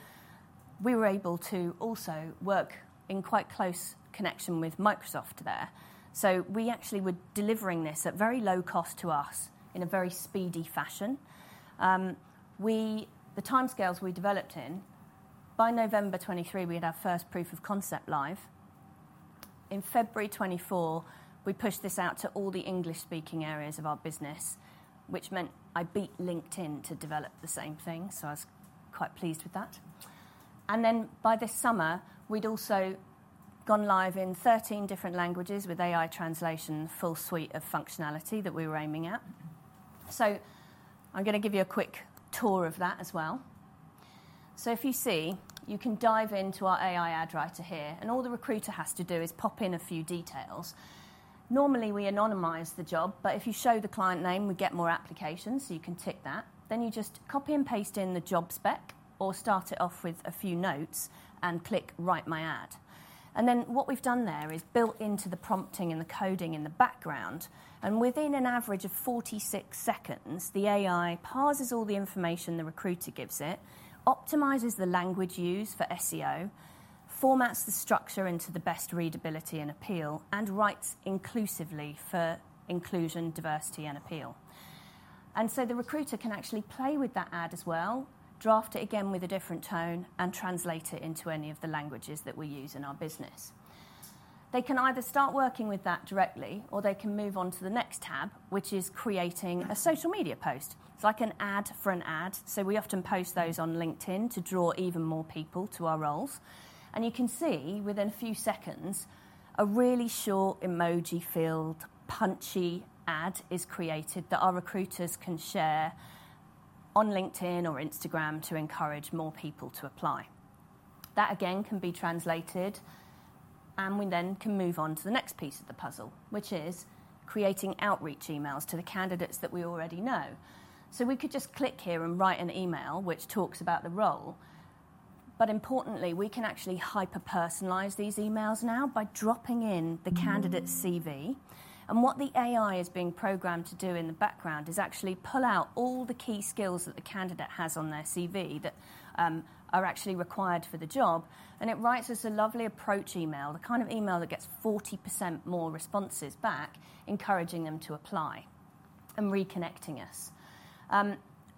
we were able to also work in quite close connection with Microsoft there. So we actually were delivering this at very low cost to us in a very speedy fashion. The timescales we developed in, by November 2023, we had our first proof of concept live. In February 2024, we pushed this out to all the English-speaking areas of our business, which meant I beat LinkedIn to develop the same thing, so I was quite pleased with that. And then, by this summer, we'd also gone live in 13 different languages with AI translation, the full suite of functionality that we were aiming at. So I'm gonna give you a quick tour of that as well.... So if you see, you can dive into our AI ad writer here, and all the recruiter has to do is pop in a few details. Normally, we anonymize the job, but if you show the client name, we get more applications, so you can tick that. Then you just copy and paste in the job spec or start it off with a few notes and click Write My Ad. And then what we've done there is built into the prompting and the coding in the background, and within an average of 46 seconds, the AI parses all the information the recruiter gives it, optimizes the language used for SEO, formats the structure into the best readability and appeal, and writes inclusively for inclusion, diversity, and appeal. And so the recruiter can actually play with that ad as well, draft it again with a different tone, and translate it into any of the languages that we use in our business. They can either start working with that directly, or they can move on to the next tab, which is creating a social media post. It's like an ad for an ad, so we often post those on LinkedIn to draw even more people to our roles. And you can see within a few seconds, a really short, emoji-filled, punchy ad is created that our recruiters can share on LinkedIn or Instagram to encourage more people to apply. That, again, can be translated, and we then can move on to the next piece of the puzzle, which is creating outreach emails to the candidates that we already know. So we could just click here and write an email which talks about the role, but importantly, we can actually hyper-personalize these emails now by dropping in the candidate's CV. What the AI is being programmed to do in the background is actually pull out all the key skills that the candidate has on their CV that are actually required for the job, and it writes us a lovely approach email, the kind of email that gets 40% more responses back, encouraging them to apply and reconnecting us.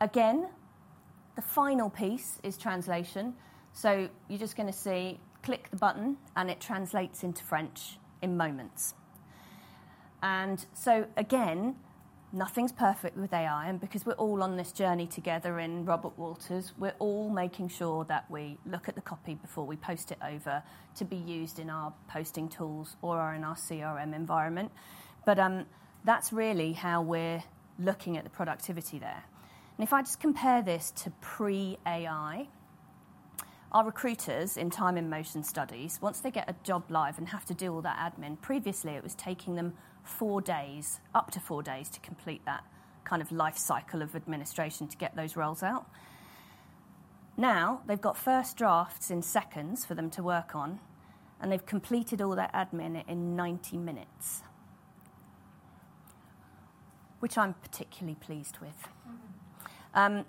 Again, the final piece is translation. You're just gonna see, click the button, and it translates into French in moments. So again, nothing's perfect with AI, and because we're all on this journey together in Robert Walters, we're all making sure that we look at the copy before we post it over to be used in our posting tools or in our CRM environment. That's really how we're looking at the productivity there. If I just compare this to pre-AI, our recruiters, in time and motion studies, once they get a job live and have to do all that admin, previously, it was taking them four days, up to four days, to complete that kind of life cycle of administration to get those roles out. Now, they've got first drafts in seconds for them to work on, and they've completed all their admin in ninety minutes, which I'm particularly pleased with.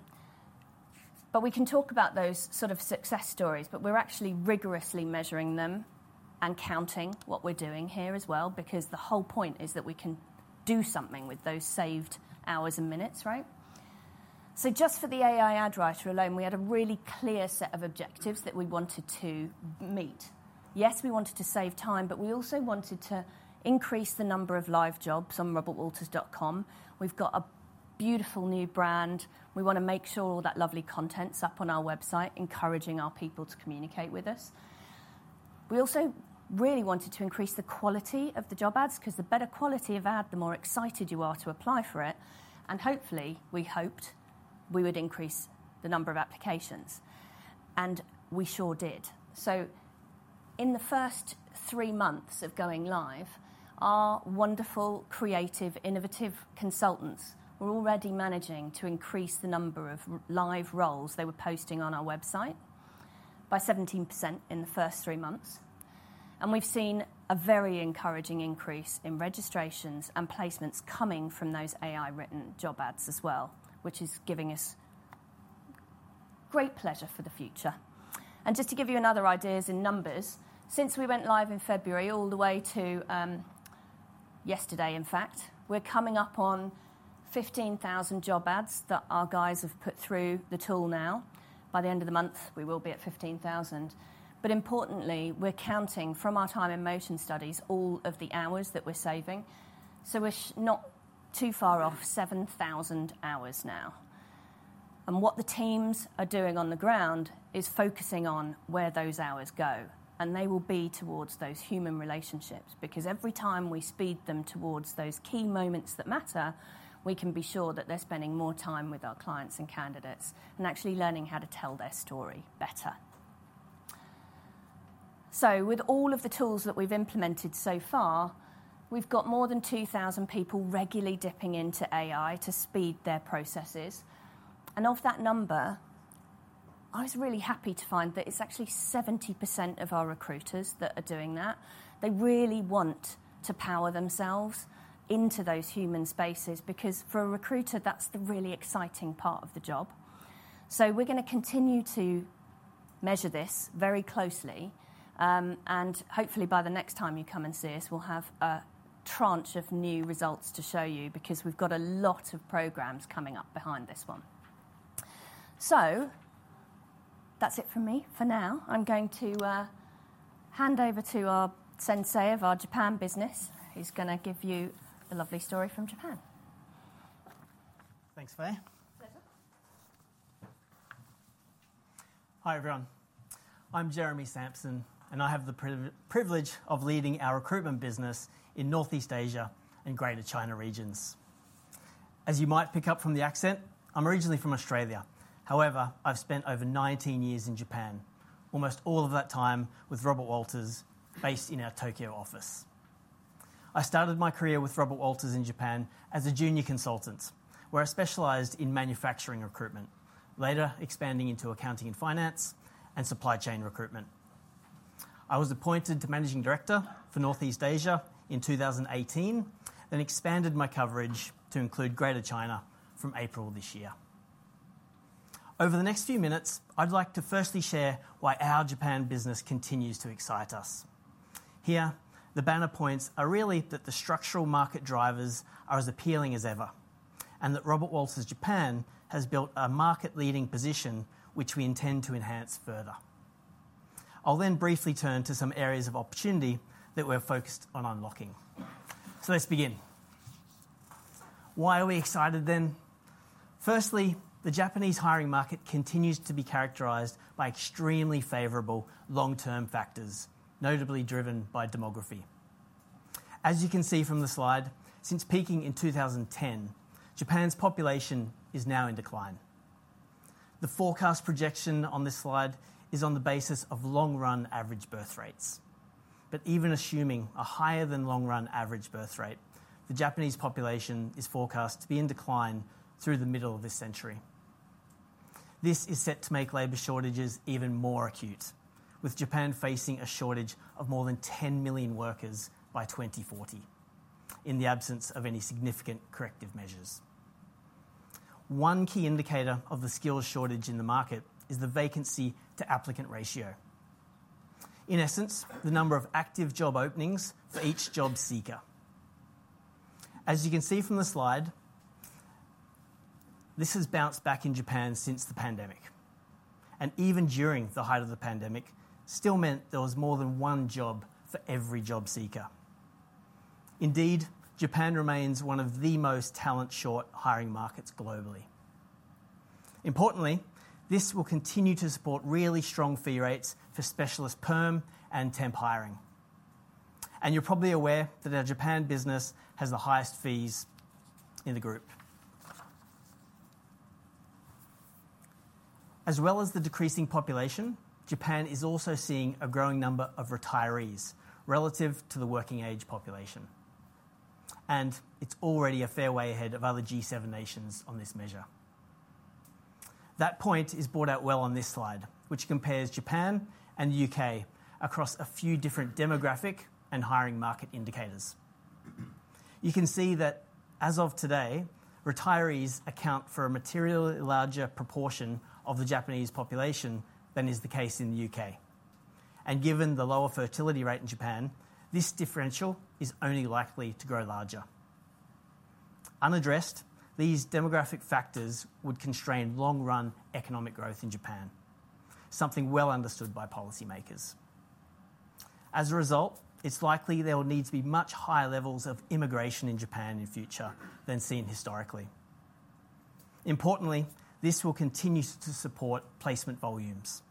But we can talk about those sort of success stories, but we're actually rigorously measuring them and counting what we're doing here as well, because the whole point is that we can do something with those saved hours and minutes, right? Just for the AI ad writer alone, we had a really clear set of objectives that we wanted to meet. Yes, we wanted to save time, but we also wanted to increase the number of live jobs on robertwalters.com. We've got a beautiful new brand. We wanna make sure all that lovely content's up on our website, encouraging our people to communicate with us. We also really wanted to increase the quality of the job ads, 'cause the better quality of ad, the more excited you are to apply for it, and hopefully, we hoped we would increase the number of applications, and we sure did. So in the first three months of going live, our wonderful, creative, innovative consultants were already managing to increase the number of live roles they were posting on our website by 17% in the first three months, and we've seen a very encouraging increase in registrations and placements coming from those AI-written job ads as well, which is giving us great pleasure for the future. And just to give you another idea in numbers, since we went live in February all the way to yesterday, in fact, we're coming up on 15,000 job ads that our guys have put through the tool now. By the end of the month, we will be at 15,000. But importantly, we're counting from our time and motion studies, all of the hours that we're saving. So we're not too far off 7,000 hours now. And what the teams are doing on the ground is focusing on where those hours go, and they will be towards those human relationships, because every time we speed them towards those key moments that matter, we can be sure that they're spending more time with our clients and candidates and actually learning how to tell their story better. So with all of the tools that we've implemented so far, we've got more than 2,000 people regularly dipping into AI to speed their processes. And of that number, I was really happy to find that it's actually 70% of our recruiters that are doing that. They really want to power themselves into those human spaces, because for a recruiter, that's the really exciting part of the job. So we're gonna continue to measure this very closely, and hopefully by the next time you come and see us, we'll have a tranche of new results to show you, because we've got a lot of programs coming up behind this one. So that's it from me for now. I'm going to hand over to our Sampson of our Japan business, who's gonna give you a lovely story from Japan. Thanks, Faye. Pleasure. Hi, everyone. I'm Jeremy Sampson, and I have the privilege of leading our recruitment business in Northeast Asia and Greater China regions. As you might pick up from the accent, I'm originally from Australia. However, I've spent over nineteen years in Japan, almost all of that time with Robert Walters, based in our Tokyo office. I started my career with Robert Walters in Japan as a junior consultant, where I specialized in manufacturing recruitment, later expanding into accounting and finance and supply chain recruitment. I was appointed Managing Director for Northeast Asia in 2018, then expanded my coverage to include Greater China from April this year. Over the next few minutes, I'd like to firstly share why our Japan business continues to excite us. Here, the banner points are really that the structural market drivers are as appealing as ever, and that Robert Walters Japan has built a market-leading position, which we intend to enhance further. I'll then briefly turn to some areas of opportunity that we're focused on unlocking. So let's begin. Why are we excited then? Firstly, the Japanese hiring market continues to be characterized by extremely favorable long-term factors, notably driven by demography. As you can see from the slide, since peaking in 2010, Japan's population is now in decline. The forecast projection on this slide is on the basis of long-run average birth rates. But even assuming a higher than long-run average birth rate, the Japanese population is forecast to be in decline through the middle of this century. This is set to make labor shortages even more acute, with Japan facing a shortage of more than 10 million workers by 2040, in the absence of any significant corrective measures. One key indicator of the skills shortage in the market is the vacancy-to-applicant ratio. In essence, the number of active job openings for each job seeker. As you can see from the slide, this has bounced back in Japan since the pandemic, and even during the height of the pandemic, still meant there was more than one job for every job seeker. Indeed, Japan remains one of the most talent-short hiring markets globally. Importantly, this will continue to support really strong fee rates for specialist perm and temp hiring. And you're probably aware that our Japan business has the highest fees in the group. As well as the decreasing population, Japan is also seeing a growing number of retirees relative to the working-age population, and it's already a fair way ahead of other G7 nations on this measure. That point is brought out well on this slide, which compares Japan and the U.K. across a few different demographic and hiring market indicators. You can see that as of today, retirees account for a materially larger proportion of the Japanese population than is the case in the U.K. And given the lower fertility rate in Japan, this differential is only likely to grow larger. Unaddressed, these demographic factors would constrain long-run economic growth in Japan, something well understood by policymakers. As a result, it's likely there will need to be much higher levels of immigration in Japan in future than seen historically. Importantly, this will continue to support placement volumes,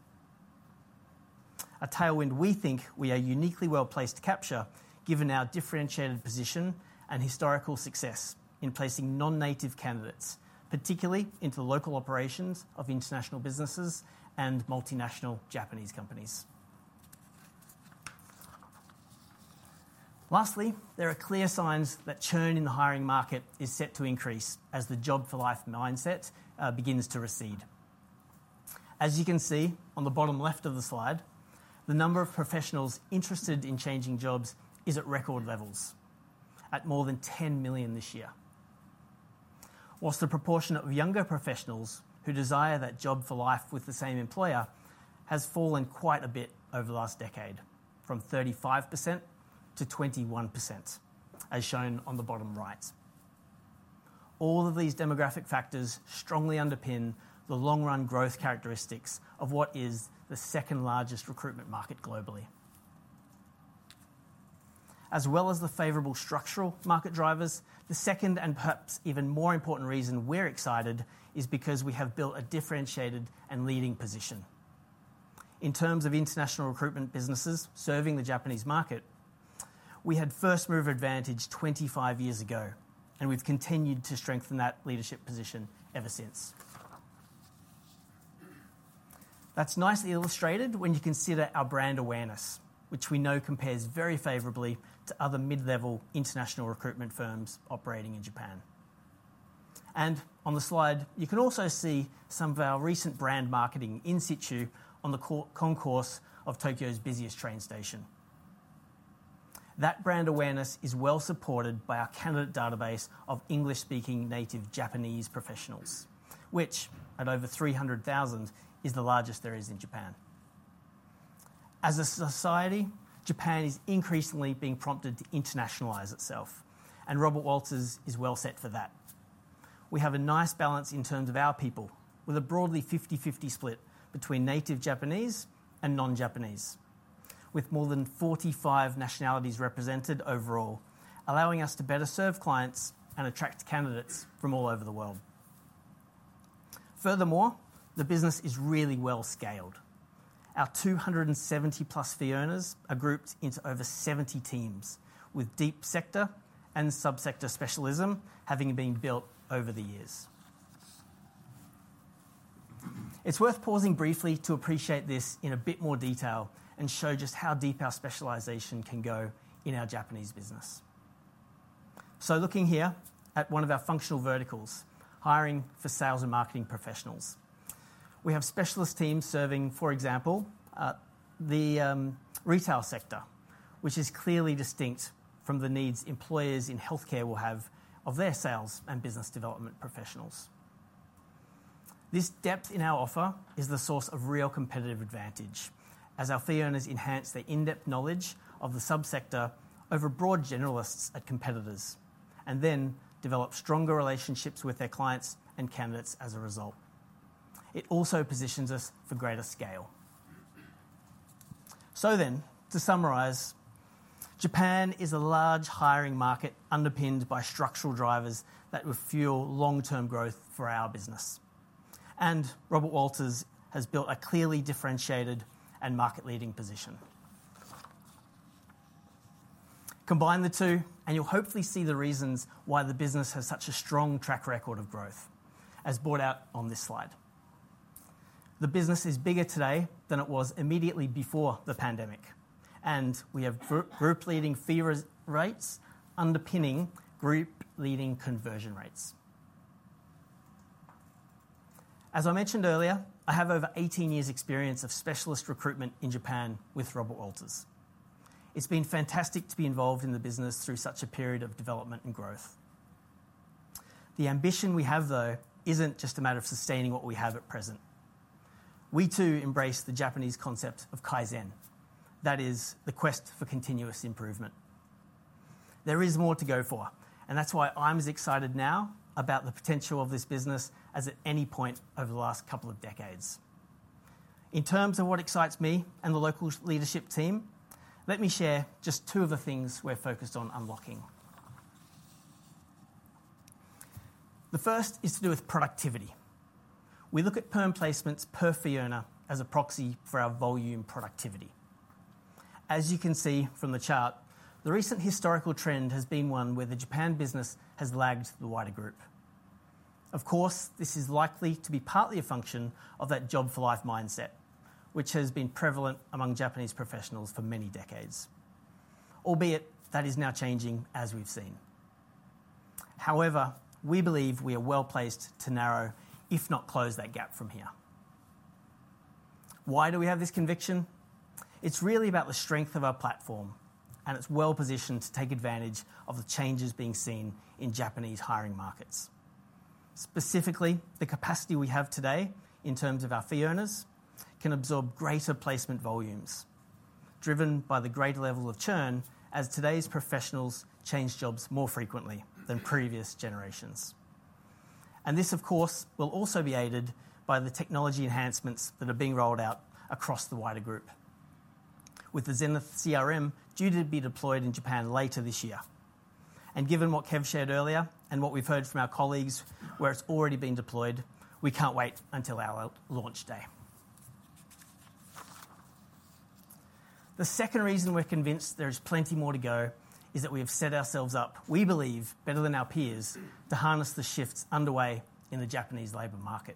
a tailwind we think we are uniquely well placed to capture, given our differentiated position and historical success in placing non-native candidates, particularly into local operations of international businesses and multinational Japanese companies. Lastly, there are clear signs that churn in the hiring market is set to increase as the job-for-life mindset begins to recede. As you can see on the bottom left of the slide, the number of professionals interested in changing jobs is at record levels, at more than ten million this year. While the proportion of younger professionals who desire that job for life with the same employer has fallen quite a bit over the last decade, from thirty-five% to twenty-one%, as shown on the bottom right. All of these demographic factors strongly underpin the long-run growth characteristics of what is the second-largest recruitment market globally. As well as the favorable structural market drivers, the second, and perhaps even more important reason we're excited, is because we have built a differentiated and leading position. In terms of international recruitment businesses serving the Japanese market, we had first-mover advantage twenty-five years ago, and we've continued to strengthen that leadership position ever since. That's nicely illustrated when you consider our brand awareness, which we know compares very favorably to other mid-level international recruitment firms operating in Japan. And on the slide, you can also see some of our recent brand marketing in situ on the concourse of Tokyo's busiest train station. That brand awareness is well supported by our candidate database of English-speaking native Japanese professionals, which, at over three hundred thousand, is the largest there is in Japan. As a society, Japan is increasingly being prompted to internationalize itself, and Robert Walters is well set for that. We have a nice balance in terms of our people, with a broadly fifty-fifty split between native Japanese and non-Japanese, with more than 45 nationalities represented overall, allowing us to better serve clients and attract candidates from all over the world. Furthermore, the business is really well scaled. Our 270-plus fee earners are grouped into over 70 teams, with deep sector and sub-sector specialism having been built over the years. It's worth pausing briefly to appreciate this in a bit more detail and show just how deep our specialization can go in our Japanese business. So looking here at one of our functional verticals, hiring for sales and marketing professionals. We have specialist teams serving, for example, the retail sector, which is clearly distinct from the needs employers in healthcare will have of their sales and business development professionals. This depth in our offer is the source of real competitive advantage, as our fee earners enhance their in-depth knowledge of the sub-sector over broad generalists at competitors, and then develop stronger relationships with their clients and candidates as a result. It also positions us for greater scale. So then, to summarize, Japan is a large hiring market underpinned by structural drivers that will fuel long-term growth for our business, and Robert Walters has built a clearly differentiated and market-leading position. Combine the two, and you'll hopefully see the reasons why the business has such a strong track record of growth, as brought out on this slide. The business is bigger today than it was immediately before the pandemic, and we have group leading fee rates underpinning group-leading conversion rates. As I mentioned earlier, I have over eighteen years' experience of specialist recruitment in Japan with Robert Walters. It's been fantastic to be involved in the business through such a period of development and growth. The ambition we have, though, isn't just a matter of sustaining what we have at present. We, too, embrace the Japanese concept of Kaizen. That is, the quest for continuous improvement. There is more to go for, and that's why I'm as excited now about the potential of this business as at any point over the last couple of decades. In terms of what excites me and the local leadership team, let me share just two of the things we're focused on unlocking. The first is to do with productivity. We look at perm placements per fee earner as a proxy for our volume productivity. As you can see from the chart, the recent historical trend has been one where the Japan business has lagged the wider group. Of course, this is likely to be partly a function of that job-for-life mindset, which has been prevalent among Japanese professionals for many decades, albeit that is now changing, as we've seen. However, we believe we are well placed to narrow, if not close that gap from here. Why do we have this conviction? It's really about the strength of our platform, and it's well positioned to take advantage of the changes being seen in Japanese hiring markets. Specifically, the capacity we have today in terms of our fee owners can absorb greater placement volumes, driven by the greater level of churn as today's professionals change jobs more frequently than previous generations. This, of course, will also be aided by the technology enhancements that are being rolled out across the wider group, with the Zenith CRM due to be deployed in Japan later this year. Given what Kev shared earlier and what we've heard from our colleagues where it's already been deployed, we can't wait until our launch day. The second reason we're convinced there is plenty more to go is that we have set ourselves up, we believe, better than our peers, to harness the shifts underway in the Japanese labor market.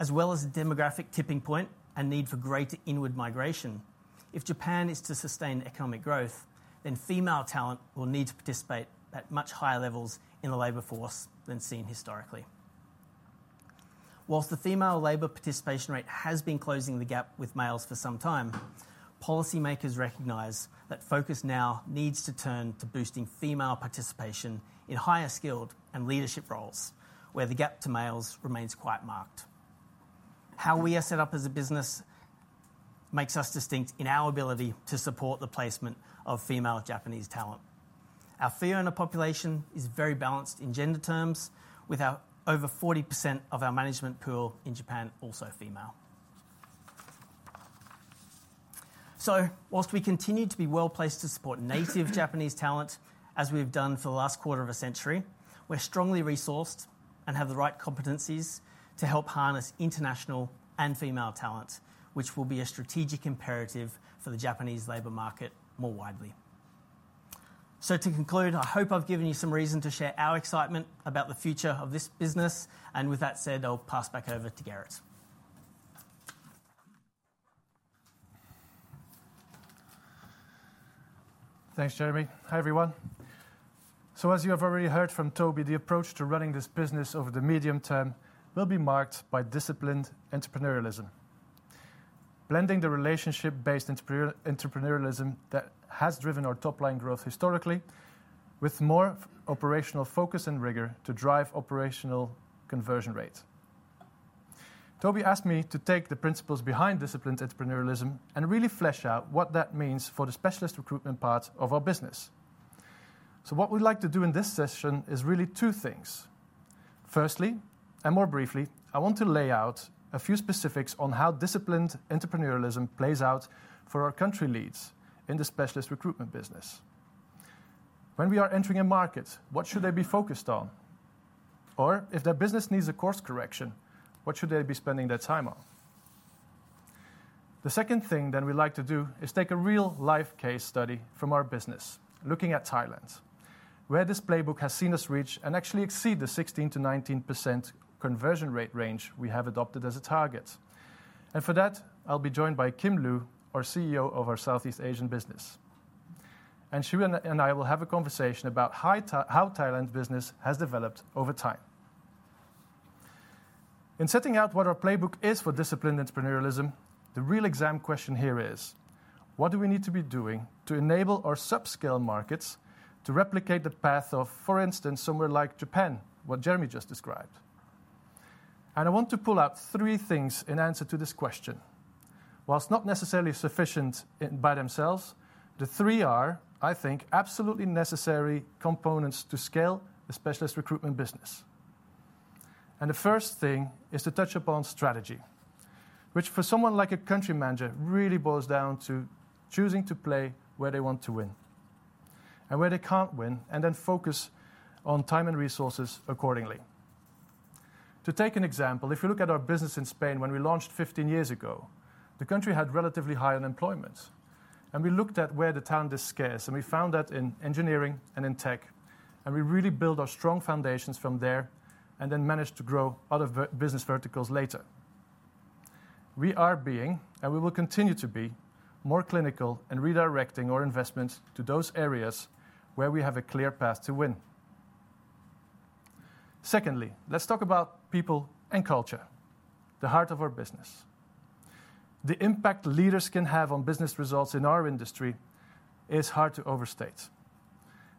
As well as the demographic tipping point and need for greater inward migration, if Japan is to sustain economic growth, then female talent will need to participate at much higher levels in the labor force than seen historically. While the female labor participation rate has been closing the gap with males for some time, policymakers recognize that focus now needs to turn to boosting female participation in higher skilled and leadership roles, where the gap to males remains quite marked. How we are set up as a business makes us distinct in our ability to support the placement of female Japanese talent. Our fee earner population is very balanced in gender terms, with our... over 40% of our management pool in Japan also female. So while we continue to be well-placed to support native Japanese talent, as we've done for the last quarter of a century, we're strongly resourced and have the right competencies to help harness international and female talent, which will be a strategic imperative for the Japanese labor market more widely. So to conclude, I hope I've given you some reason to share our excitement about the future of this business, and with that said, I'll pass back over to Gerrit. Thanks, Jeremy. Hi, everyone. So as you have already heard from Toby, the approach to running this business over the medium term will be marked by disciplined entrepreneurialism, blending the relationship-based entrepreneur, entrepreneurialism that has driven our top-line growth historically with more operational focus and rigor to drive operational conversion rates. Toby asked me to take the principles behind disciplined entrepreneurialism and really flesh out what that means for the specialist recruitment part of our business. So what we'd like to do in this session is really two things: firstly, and more briefly, I want to lay out a few specifics on how disciplined entrepreneurialism plays out for our country leads in the specialist recruitment business.... when we are entering a market, what should they be focused on? Or if their business needs a course correction, what should they be spending their time on? The second thing that we like to do is take a real-life case study from our business, looking at Thailand, where this playbook has seen us reach and actually exceed the 16%-19% conversion rate range we have adopted as a target. And for that, I'll be joined by Kim Lu, our CEO of our Southeast Asian business. And she and I will have a conversation about how Thailand's business has developed over time. In setting out what our playbook is for disciplined entrepreneurialism, the real exam question here is: What do we need to be doing to enable our subscale markets to replicate the path of, for instance, somewhere like Japan, what Jeremy just described? And I want to pull out three things in answer to this question. While not necessarily sufficient by themselves, the three are, I think, absolutely necessary components to scale a specialist recruitment business, and the first thing is to touch upon strategy, which for someone like a country manager, really boils down to choosing to play where they want to win and where they can't win, and then focus on time and resources accordingly. To take an example, if you look at our business in Spain when we launched 15 years ago, the country had relatively high unemployment, and we looked at where the talent is scarce, and we found that in engineering and in tech, and we really built our strong foundations from there and then managed to grow other business verticals later. We are being, and we will continue to be, more clinical in redirecting our investment to those areas where we have a clear path to win. Secondly, let's talk about people and culture, the heart of our business. The impact leaders can have on business results in our industry is hard to overstate.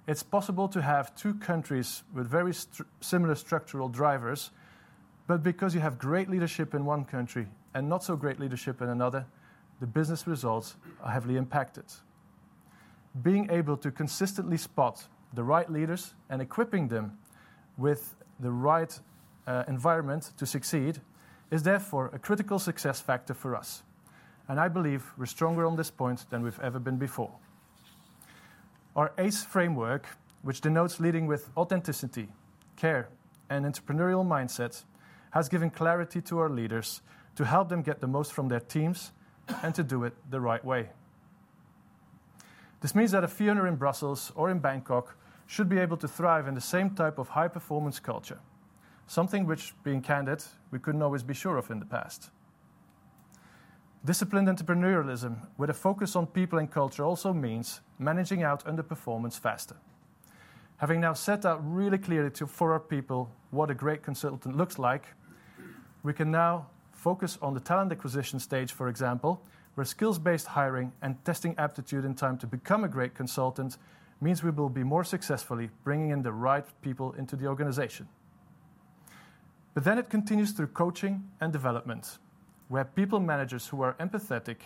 It's possible to have two countries with very similar structural drivers, but because you have great leadership in one country and not so great leadership in another, the business results are heavily impacted. Being able to consistently spot the right leaders and equipping them with the right environment to succeed is therefore a critical success factor for us, and I believe we're stronger on this point than we've ever been before. Our ACE Framework, which denotes leading with authenticity, care, and entrepreneurial mindset, has given clarity to our leaders to help them get the most from their teams and to do it the right way. This means that a fee earner in Brussels or in Bangkok should be able to thrive in the same type of high-performance culture, something which, being candid, we couldn't always be sure of in the past. Disciplined entrepreneurialism, with a focus on people and culture, also means managing out underperformance faster. Having now set out really clearly for our people, what a great consultant looks like, we can now focus on the talent acquisition stage, for example, where skills-based hiring and testing aptitude and time to become a great consultant means we will be more successfully bringing in the right people into the organization. But then it continues through coaching and development, where people managers who are empathetic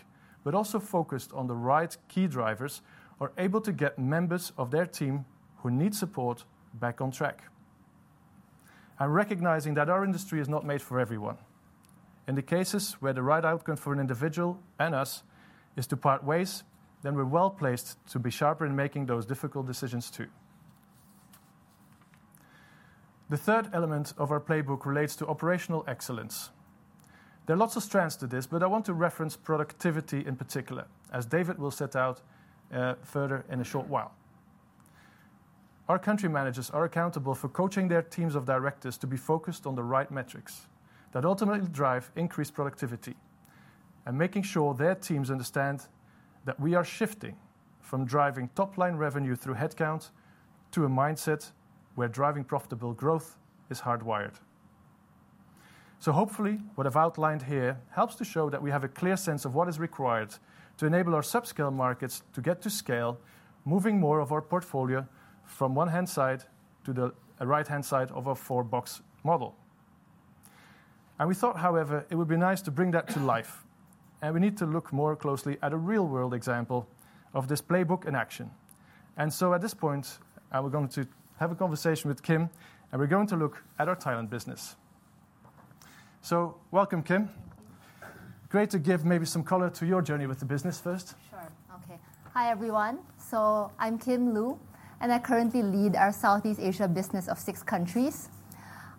but also focused on the right key drivers are able to get members of their team who need support back on track. Recognizing that our industry is not made for everyone. In the cases where the right outcome for an individual and us is to part ways, then we're well-placed to be sharper in making those difficult decisions, too. The third element of our playbook relates to operational excellence. There are lots of strands to this, but I want to reference productivity in particular, as David will set out, further in a short while. Our country managers are accountable for coaching their teams of directors to be focused on the right metrics that ultimately drive increased productivity, and making sure their teams understand that we are shifting from driving top-line revenue through headcount to a mindset where driving profitable growth is hardwired. So hopefully, what I've outlined here helps to show that we have a clear sense of what is required to enable our subscale markets to get to scale, moving more of our portfolio from left-hand side to the right-hand side of our four-box model. And we thought, however, it would be nice to bring that to life, and we need to look more closely at a real-world example of this playbook in action. And so at this point, we're going to have a conversation with Kim, and we're going to look at our Thailand business. So welcome, Kim. Great to give maybe some color to your journey with the business first. Sure. Okay. Hi, everyone. So I'm Kim Lu, and I currently lead our Southeast Asia business of six countries.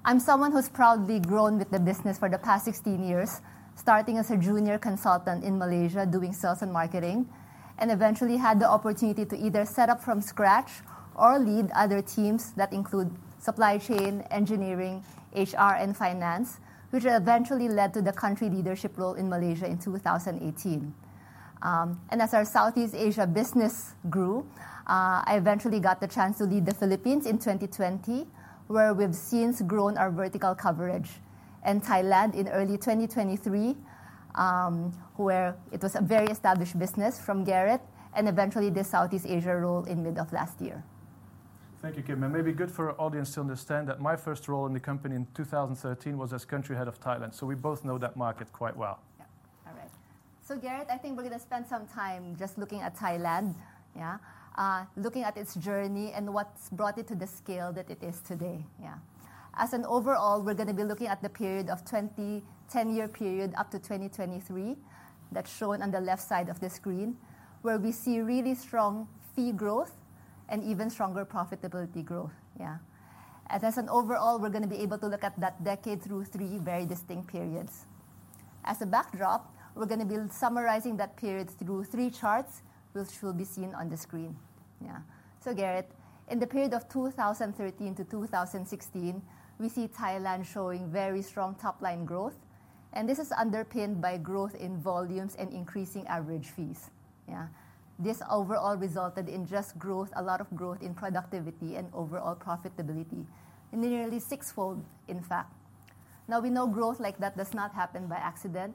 I'm someone who's proudly grown with the business for the past 16 years, starting as a junior consultant in Malaysia, doing sales and marketing, and eventually had the opportunity to either set up from scratch or lead other teams that include supply chain, engineering, HR, and finance, which eventually led to the country leadership role in Malaysia in 2018, and as our Southeast Asia business grew, I eventually got the chance to lead the Philippines in 2020, where we've since grown our vertical coverage, and Thailand in early 2023, where it was a very established business from Geritt, and eventually, the Southeast Asia role in mid of last year. Thank you, Kim. And maybe good for our audience to understand that my first role in the company in 2013 was as country head of Thailand, so we both know that market quite well. Yeah. All right. So, Gerrit, I think we're going to spend some time just looking at Thailand. Yeah? Looking at its journey and what's brought it to the scale that it is today. Yeah. As an overall, we're gonna be looking at the period of twenty, ten-year period up to twenty twenty-three. That's shown on the left side of the screen, where we see really strong fee growth and even stronger profitability growth. Yeah. And as an overall, we're gonna be able to look at that decade through three very distinct periods. As a backdrop, we're gonna be summarizing that period through three charts, which will be seen on the screen. Yeah. So Gerrit, in the period of two thousand and thirteen to two thousand and sixteen, we see Thailand showing very strong top-line growth, and this is underpinned by growth in volumes and increasing average fees. Yeah. This overall resulted in just growth, a lot of growth in productivity and overall profitability, and nearly six-fold, in fact. Now, we know growth like that does not happen by accident,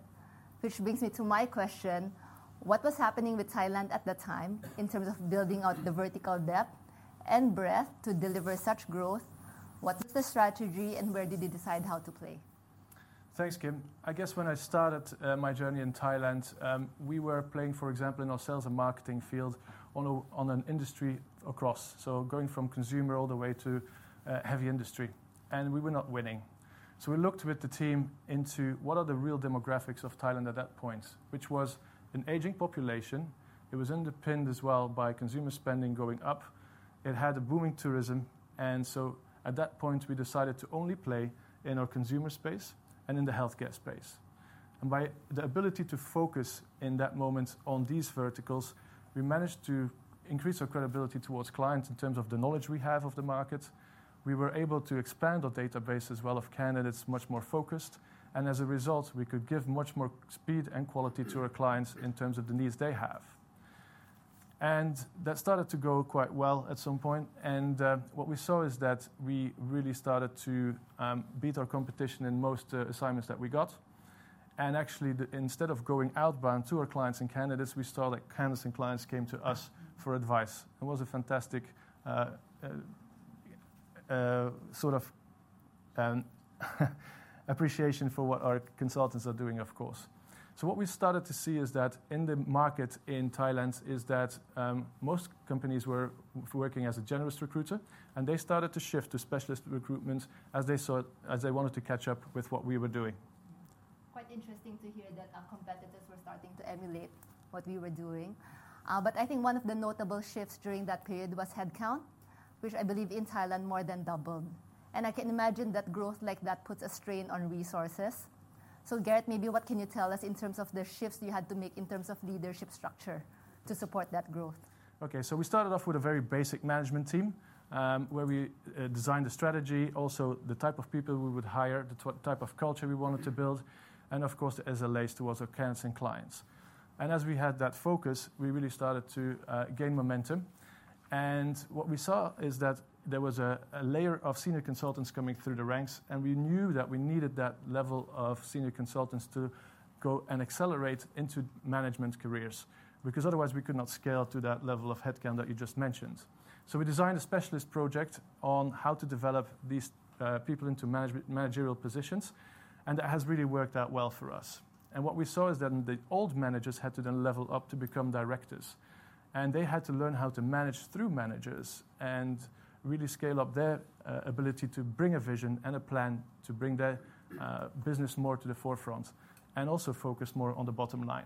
which brings me to my question: What was happening with Thailand at the time in terms of building out the vertical depth and breadth to deliver such growth? What is the strategy, and where did you decide how to play? Thanks, Kim. I guess when I started, my journey in Thailand, we were playing, for example, in our sales and marketing field on a, on an industry across. So going from consumer all the way to, heavy industry, and we were not winning. So we looked with the team into what are the real demographics of Thailand at that point, which was an aging population. It was underpinned as well by consumer spending going up. It had a booming tourism, and so at that point, we decided to only play in our consumer space and in the healthcare space, and by the ability to focus in that moment on these verticals, we managed to increase our credibility towards clients in terms of the knowledge we have of the market. We were able to expand our database as well of candidates, much more focused, and as a result, we could give much more speed and quality to our clients in terms of the needs they have. And that started to go quite well at some point, and what we saw is that we really started to beat our competition in most assignments that we got. And actually, instead of going outbound to our clients and candidates, we saw that candidates and clients came to us for advice. It was a fantastic sort of appreciation for what our consultants are doing, of course. So what we started to see is that in the market in Thailand, most companies were working as a generalist recruiter, and they started to shift to specialist recruitment as they saw, as they wanted to catch up with what we were doing. Quite interesting to hear that our competitors were starting to emulate what we were doing, but I think one of the notable shifts during that period was headcount, which I believe in Thailand, more than doubled, and I can imagine that growth like that puts a strain on resources, so, Gerrit, maybe what can you tell us in terms of the shifts you had to make in terms of leadership structure to support that growth? Okay, so we started off with a very basic management team, where we designed the strategy, also the type of people we would hire, the type of culture we wanted to build, and of course, the SLAs towards our clients. And as we had that focus, we really started to gain momentum, and what we saw is that there was a layer of senior consultants coming through the ranks, and we knew that we needed that level of senior consultants to go and accelerate into management careers, because otherwise we could not scale to that level of headcount that you just mentioned. So we designed a specialist project on how to develop these people into management, managerial positions, and that has really worked out well for us. And what we saw is that the old managers had to then level up to become directors, and they had to learn how to manage through managers and really scale up their ability to bring a vision and a plan to bring their business more to the forefront, and also focus more on the bottom line.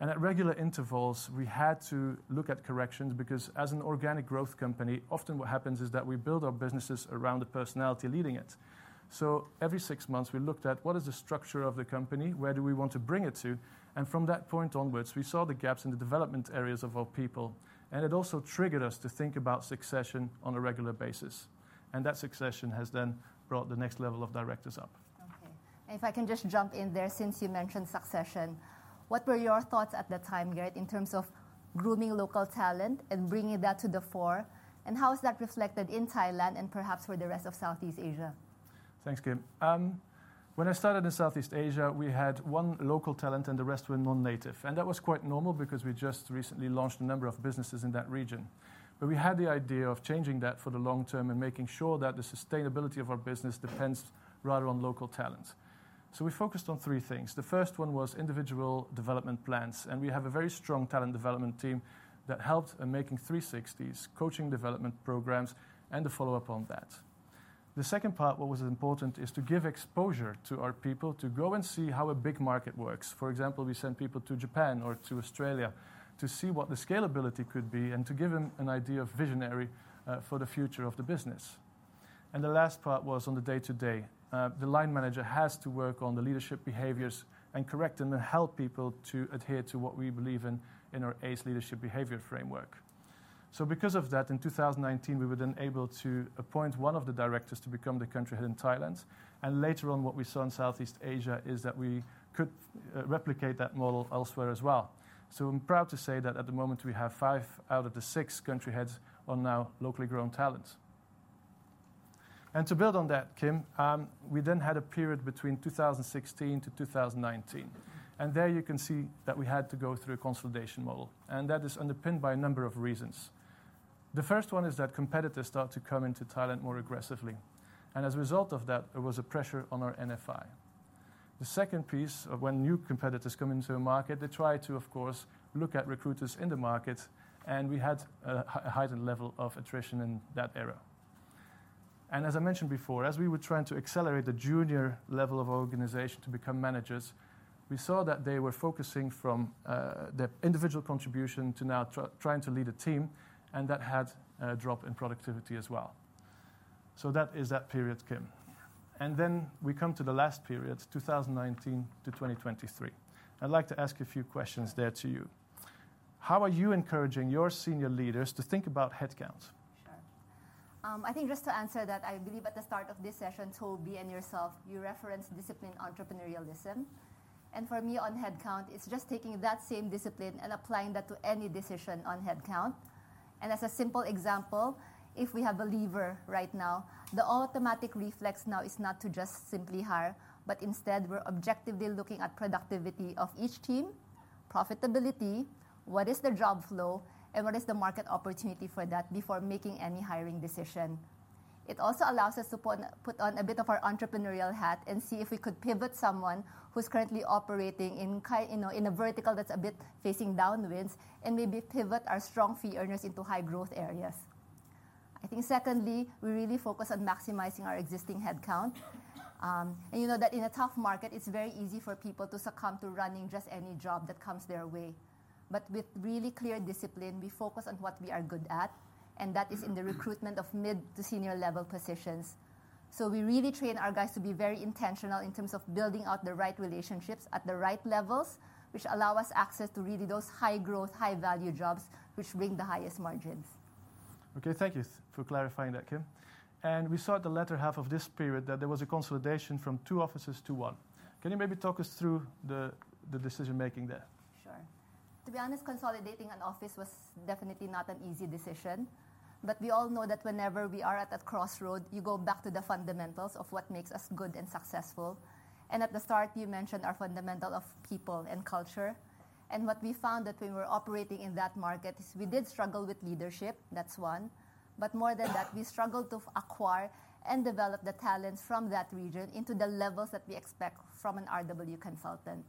And at regular intervals, we had to look at corrections, because as an organic growth company, often what happens is that we build our businesses around the personality leading it. So every six months, we looked at what is the structure of the company, where do we want to bring it to? And from that point onwards, we saw the gaps in the development areas of our people, and it also triggered us to think about succession on a regular basis. That succession has then brought the next level of directors up. Okay. If I can just jump in there, since you mentioned succession, what were your thoughts at the time, Gerrit, in terms of grooming local talent and bringing that to the fore? And how is that reflected in Thailand and perhaps for the rest of Southeast Asia? Thanks, Kim. When I started in Southeast Asia, we had one local talent, and the rest were non-native, and that was quite normal because we just recently launched a number of businesses in that region. But we had the idea of changing that for the long term and making sure that the sustainability of our business depends rather on local talent. We focused on three things. The first one was individual development plans, and we have a very strong talent development team that helped in making 360s, coaching development programs, and the follow-up on that. The second part, what was important, is to give exposure to our people to go and see how a big market works. For example, we sent people to Japan or to Australia to see what the scalability could be and to give them an idea of visionary for the future of the business, and the last part was on the day-to-day. The line manager has to work on the leadership behaviors and correct and help people to adhere to what we believe in, in our ACE Leadership Behavior Framework. So because of that, in 2019, we were then able to appoint one of the directors to become the country head in Thailand. And later on, what we saw in Southeast Asia is that we could replicate that model elsewhere as well. So I'm proud to say that at the moment, we have five out of the six country heads are now locally grown talent. And to build on that, Kim, we then had a period between 2016 to 2019, and there you can see that we had to go through a consolidation model, and that is underpinned by a number of reasons. The first one is that competitors start to come into Thailand more aggressively, and as a result of that, there was a pressure on our NFI. The second piece of when new competitors come into a market, they try to, of course, look at recruiters in the market, and we had a heightened level of attrition in that era. And as I mentioned before, as we were trying to accelerate the junior level of our organization to become managers, we saw that they were focusing from their individual contribution to now trying to lead a team, and that had a drop in productivity as well. So that is that period, Kim. And then we come to the last period, two thousand and nineteen to twenty twenty-three. I'd like to ask a few questions there to you. How are you encouraging your senior leaders to think about headcount? Sure. I think just to answer that, I believe at the start of this session, Toby and yourself, you referenced disciplined entrepreneurialism, and for me, on headcount, it's just taking that same discipline and applying that to any decision on headcount, and as a simple example, if we have a lever right now, the automatic reflex now is not to just simply hire, but instead we're objectively looking at productivity of each team, profitability, what is the job flow, and what is the market opportunity for that before making any hiring decision. It also allows us to put on a bit of our entrepreneurial hat and see if we could pivot someone who's currently operating in... You know, in a vertical that's a bit facing headwinds and maybe pivot our strong fee earners into high growth areas. I think secondly, we really focus on maximizing our existing headcount. And you know that in a tough market, it's very easy for people to succumb to running just any job that comes their way. But with really clear discipline, we focus on what we are good at, and that is in the recruitment of mid to senior level positions. So we really train our guys to be very intentional in terms of building out the right relationships at the right levels, which allow us access to really those high growth, high value jobs which bring the highest margins. Okay, thank you for clarifying that, Kim. And we saw at the latter half of this period that there was a consolidation from two offices to one. Can you maybe talk us through the decision-making there? Sure. To be honest, consolidating an office was definitely not an easy decision, but we all know that whenever we are at a crossroad, you go back to the fundamentals of what makes us good and successful. And at the start, you mentioned our fundamental of people and culture, and what we found that we were operating in that market is we did struggle with leadership, that's one, but more than that, we struggled to acquire and develop the talents from that region into the levels that we expect from an RW consultant.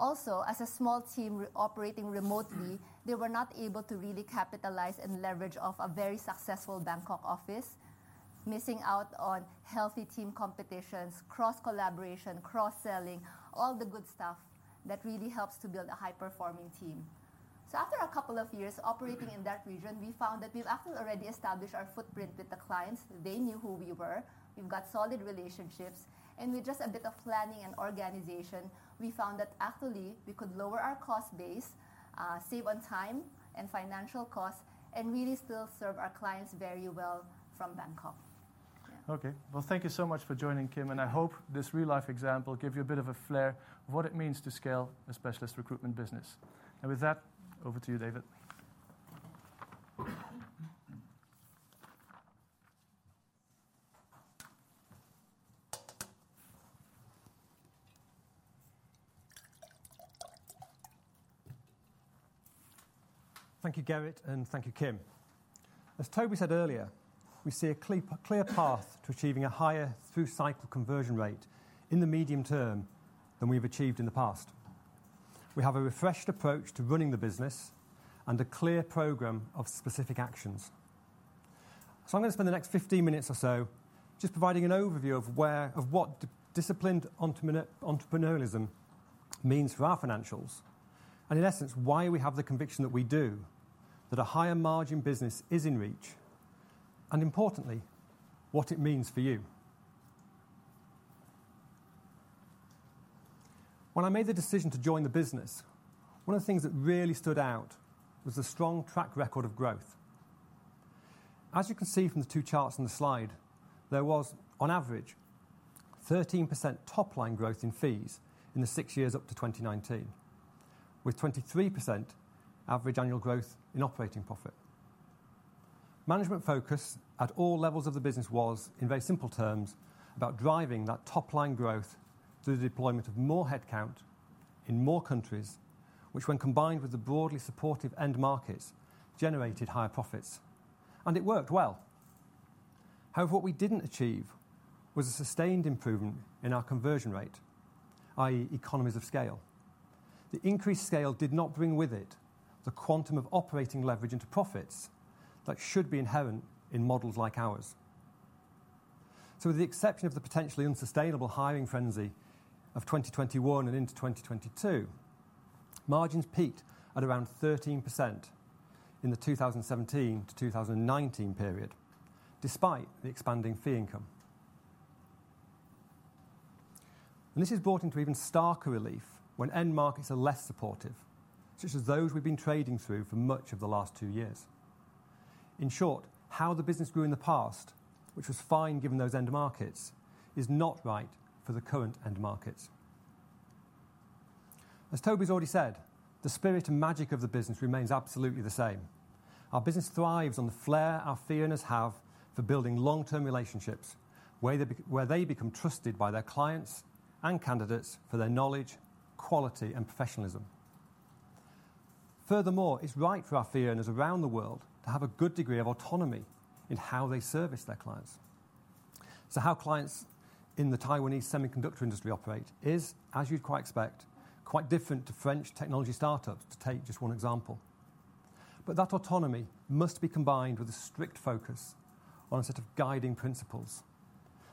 Yeah. Also, as a small team operating remotely, they were not able to really capitalize and leverage off a very successful Bangkok office, missing out on healthy team competitions, cross-collaboration, cross-selling, all the good stuff that really helps to build a high-performing team. So after a couple of years operating in that region, we found that we've actually already established our footprint with the clients. They knew who we were. We've got solid relationships, and with just a bit of planning and organization, we found that actually we could lower our cost base, save on time and financial costs, and really still serve our clients very well from Bangkok. Okay. Thank you so much for joining, Kim, and I hope this real-life example gave you a bit of a flair of what it means to scale a specialist recruitment business. With that, over to you, David. Thank you, Gerrit, and thank you, Kim. As Toby said earlier, we see a clear path to achieving a higher through-cycle conversion rate in the medium term than we've achieved in the past. We have a refreshed approach to running the business and a clear program of specific actions. So I'm going to spend the next 15 minutes or so just providing an overview of what disciplined entrepreneurialism means for our financials, and in essence, why we have the conviction that we do, that a higher margin business is in reach, and importantly, what it means for you. When I made the decision to join the business, one of the things that really stood out was the strong track record of growth. As you can see from the two charts on the slide, there was, on average, 13% top-line growth in fees in the six years up to 2019, with 23% average annual growth in operating profit. Management focus at all levels of the business was, in very simple terms, about driving that top-line growth through the deployment of more headcount in more countries, which, when combined with the broadly supportive end markets, generated higher profits, and it worked well. However, what we didn't achieve was a sustained improvement in our conversion rate, i.e., economies of scale. The increased scale did not bring with it the quantum of operating leverage into profits that should be inherent in models like ours. With the exception of the potentially unsustainable hiring frenzy of twenty twenty-one and into twenty twenty-two, margins peaked at around 13% in the two thousand and seventeen to two thousand and nineteen period, despite the expanding fee income. And this is brought into even starker relief when end markets are less supportive, such as those we've been trading through for much of the last two years. In short, how the business grew in the past, which was fine given those end markets, is not right for the current end markets. As Toby's already said, the spirit and magic of the business remains absolutely the same. Our business thrives on the flair our fee earners have for building long-term relationships, where they become trusted by their clients and candidates for their knowledge, quality, and professionalism. Furthermore, it's right for our fee earners around the world to have a good degree of autonomy in how they service their clients. So how clients in the Taiwanese semiconductor industry operate is, as you'd quite expect, quite different to French technology startups, to take just one example. But that autonomy must be combined with a strict focus on a set of guiding principles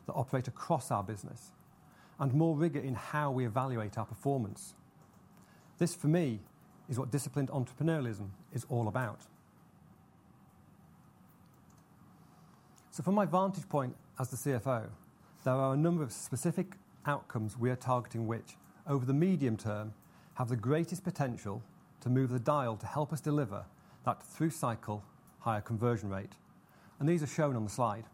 that operate across our business and more rigor in how we evaluate our performance. This, for me, is what Disciplined Entrepreneurialism is all about. So from my vantage point as the CFO, there are a number of specific outcomes we are targeting which, over the medium term, have the greatest potential to move the dial to help us deliver that through-cycle higher Conversion Rate, and these are shown on the slide.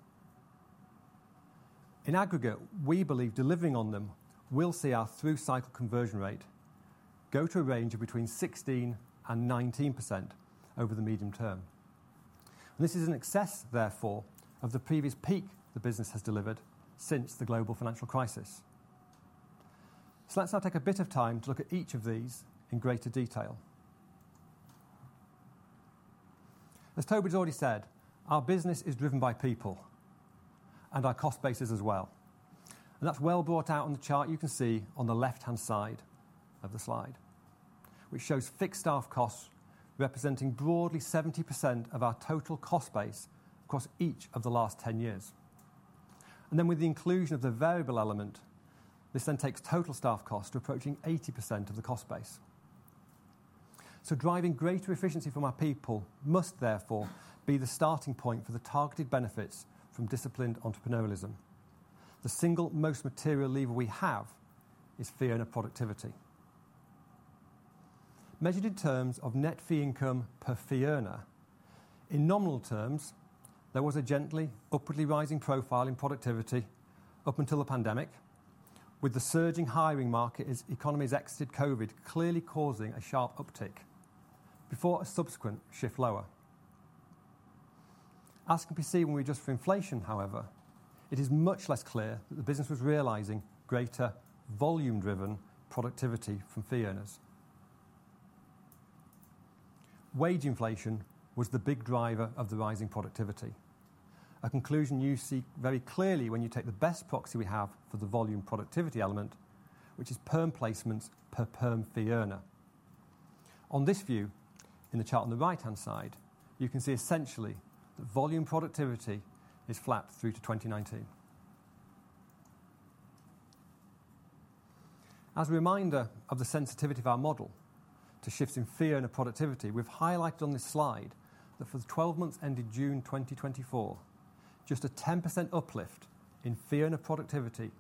In aggregate, we believe delivering on them will see our through-cycle conversion rate go to a range of between 16% and 19% over the medium term. This is in excess, therefore, of the previous peak the business has delivered since the global financial crisis. So let's now take a bit of time to look at each of these in greater detail. As Toby has already said, our business is driven by people and our cost bases as well, and that's well brought out on the chart you can see on the left-hand side of the slide, which shows fixed staff costs representing broadly 70% of our total cost base across each of the last 10 years. And then, with the inclusion of the variable element, this then takes total staff costs to approaching 80% of the cost base. So driving greater efficiency from our people must therefore be the starting point for the targeted benefits from disciplined entrepreneurialism. The single most material lever we have is fee earner productivity. Measured in terms of net fee income per fee earner, in nominal terms, there was a gently upwardly rising profile in productivity up until the pandemic, with the surging hiring market as economies exited COVID clearly causing a sharp uptick before a subsequent shift lower. As can be seen when we adjust for inflation, however, it is much less clear that the business was realizing greater volume-driven productivity from fee earners. Wage inflation was the big driver of the rising productivity. A conclusion you see very clearly when you take the best proxy we have for the volume productivity element, which is perm placements per perm fee earner. On this view, in the chart on the right-hand side, you can see essentially that volume productivity is flat through to 2019. As a reminder of the sensitivity of our model to shifts in fee earner productivity, we've highlighted on this slide that for the 12 months ending June 2024, just a 10% uplift in fee earner productivity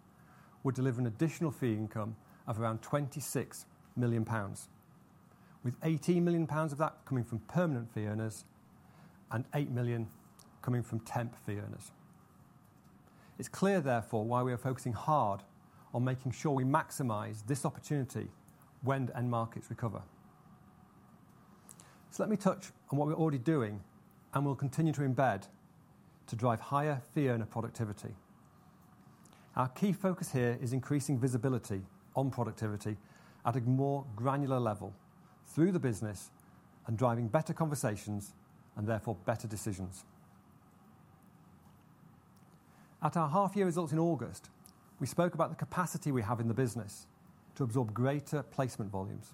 would deliver an additional fee income of around 26 million pounds, with 18 million pounds of that coming from permanent fee earners and 8 million coming from temp fee earners. It's clear, therefore, why we are focusing hard on making sure we maximize this opportunity when end markets recover. So let me touch on what we're already doing, and we'll continue to embed to drive higher fee earner productivity. Our key focus here is increasing visibility on productivity at a more granular level through the business and driving better conversations and therefore better decisions. At our half year results in August, we spoke about the capacity we have in the business to absorb greater placement volumes.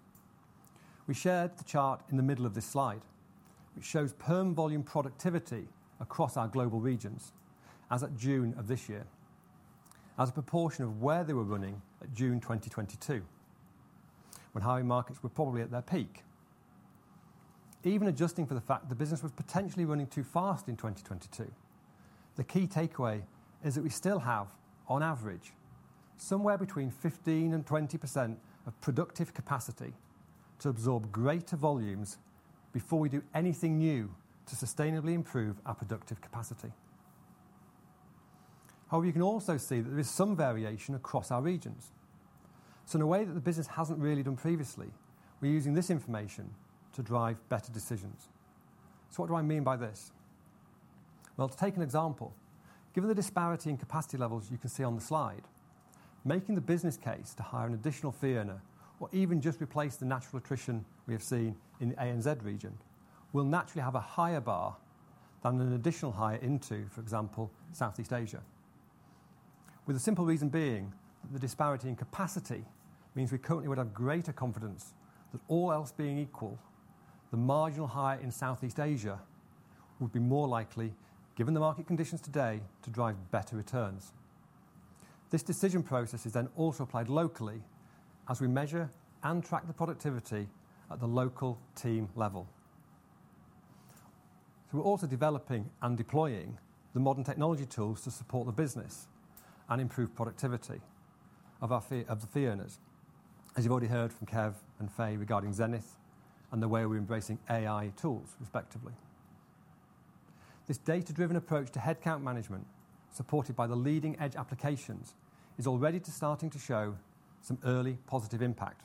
We shared the chart in the middle of this slide, which shows perm volume productivity across our global regions as at June of this year, as a proportion of where they were running at June 2022, when hiring markets were probably at their peak. Even adjusting for the fact that the business was potentially running too fast in 2022, the key takeaway is that we still have, on average, somewhere between 15% and 20% of productive capacity to absorb greater volumes before we do anything new to sustainably improve our productive capacity. However, you can also see that there is some variation across our regions. So in a way that the business hasn't really done previously, we're using this information to drive better decisions. So what do I mean by this? Well, to take an example, given the disparity in capacity levels you can see on the slide, making the business case to hire an additional fee earner or even just replace the natural attrition we have seen in the ANZ region, will naturally have a higher bar than an additional hire into, for example, Southeast Asia. With the simple reason being that the disparity in capacity means we currently would have greater confidence that all else being equal, the marginal hire in Southeast Asia would be more likely, given the market conditions today, to drive better returns. This decision process is then also applied locally as we measure and track the productivity at the local team level. So we're also developing and deploying the modern technology tools to support the business and improve productivity of our fee earners, as you've already heard from Kev and Faye regarding Zenith and the way we're embracing AI tools respectively. This data-driven approach to headcount management, supported by the leading-edge applications, is already starting to show some early positive impact.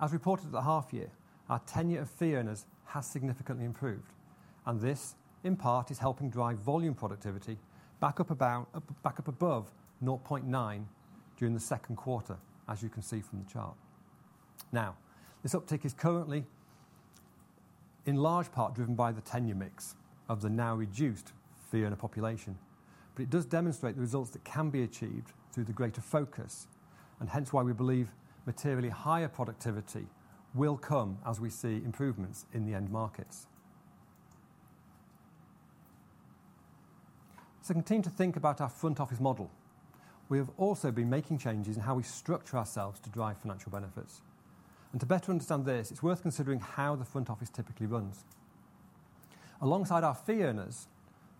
As reported at the half year, our tenure of fee earners has significantly improved, and this, in part, is helping drive volume productivity back up above 0.9 during the second quarter, as you can see from the chart. Now, this uptick is currently in large part driven by the tenure mix of the now reduced fee earner population, but it does demonstrate the results that can be achieved through the greater focus and hence why we believe materially higher productivity will come as we see improvements in the end markets, so continue to think about our front office model. We have also been making changes in how we structure ourselves to drive financial benefits, and to better understand this, it's worth considering how the front office typically runs. Alongside our fee earners,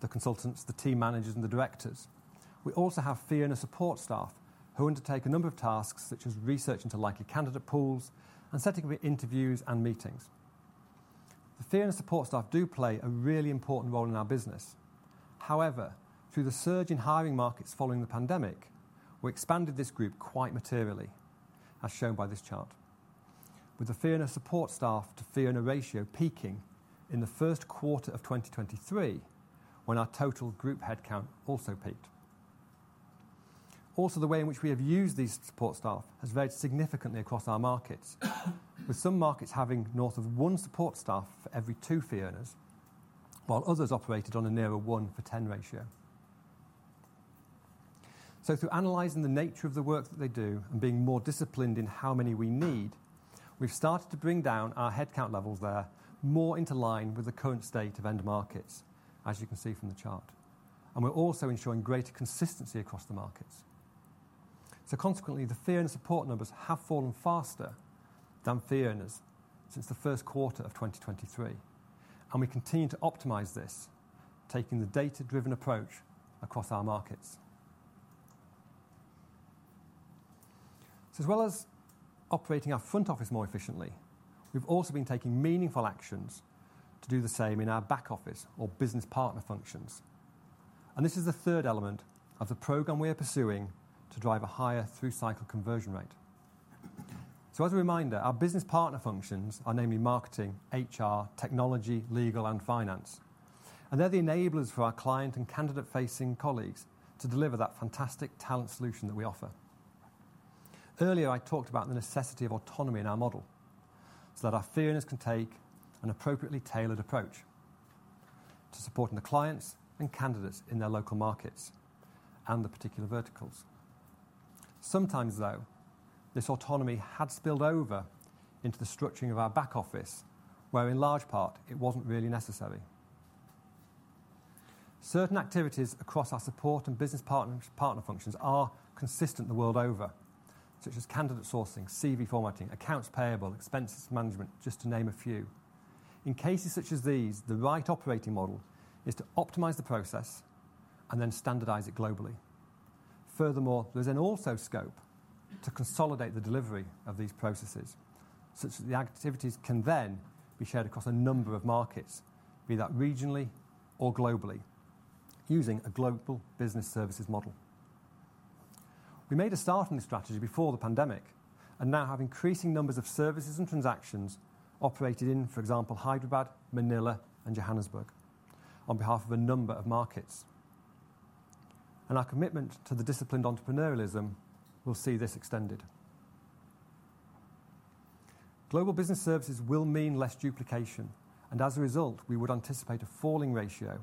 the consultants, the team managers, and the directors, we also have fee earner support staff who undertake a number of tasks such as research into likely candidate pools and setting up interviews and meetings. The fee earner support staff do play a really important role in our business. However, through the surge in hiring markets following the pandemic, we expanded this group quite materially, as shown by this chart. With the fee earner support staff to fee earner ratio peaking in the first quarter of 2023, when our total group headcount also peaked. Also, the way in which we have used these support staff has varied significantly across our markets, with some markets having north of one support staff for every two fee earners, while others operated on a nearer one for 10 ratio. So through analyzing the nature of the work that they do and being more disciplined in how many we need, we've started to bring down our headcount levels there more into line with the current state of end markets, as you can see from the chart, and we're also ensuring greater consistency across the markets. So consequently, the fee earner support numbers have fallen faster than fee earners since the first quarter of 2023, and we continue to optimize this, taking the data-driven approach across our markets. So as well as operating our front office more efficiently, we've also been taking meaningful actions to do the same in our back office or business partner functions, and this is the third element of the program we are pursuing to drive a higher through-cycle conversion rate. So as a reminder, our business partner functions are namely marketing, HR, technology, legal, and finance, and they're the enablers for our client and candidate-facing colleagues to deliver that fantastic talent solution that we offer. Earlier, I talked about the necessity of autonomy in our model, so that our fee earners can take an appropriately tailored approach to supporting the clients and candidates in their local markets and the particular verticals. Sometimes, though, this autonomy had spilled over into the structuring of our back office, where in large part it wasn't really necessary. Certain activities across our support and business partners, partner functions are consistent the world over, such as candidate sourcing, CV formatting, accounts payable, expenses management, just to name a few. In cases such as these, the right operating model is to optimize the process and then standardize it globally. Furthermore, there's then also scope to consolidate the delivery of these processes, such that the activities can then be shared across a number of markets, be that regionally or globally, using a global business services model. We made a start on this strategy before the pandemic and now have increasing numbers of services and transactions operated in, for example, Hyderabad, Manila, and Johannesburg on behalf of a number of markets, and our commitment to the disciplined entrepreneurialism will see this extended. Global business services will mean less duplication, and as a result, we would anticipate a falling ratio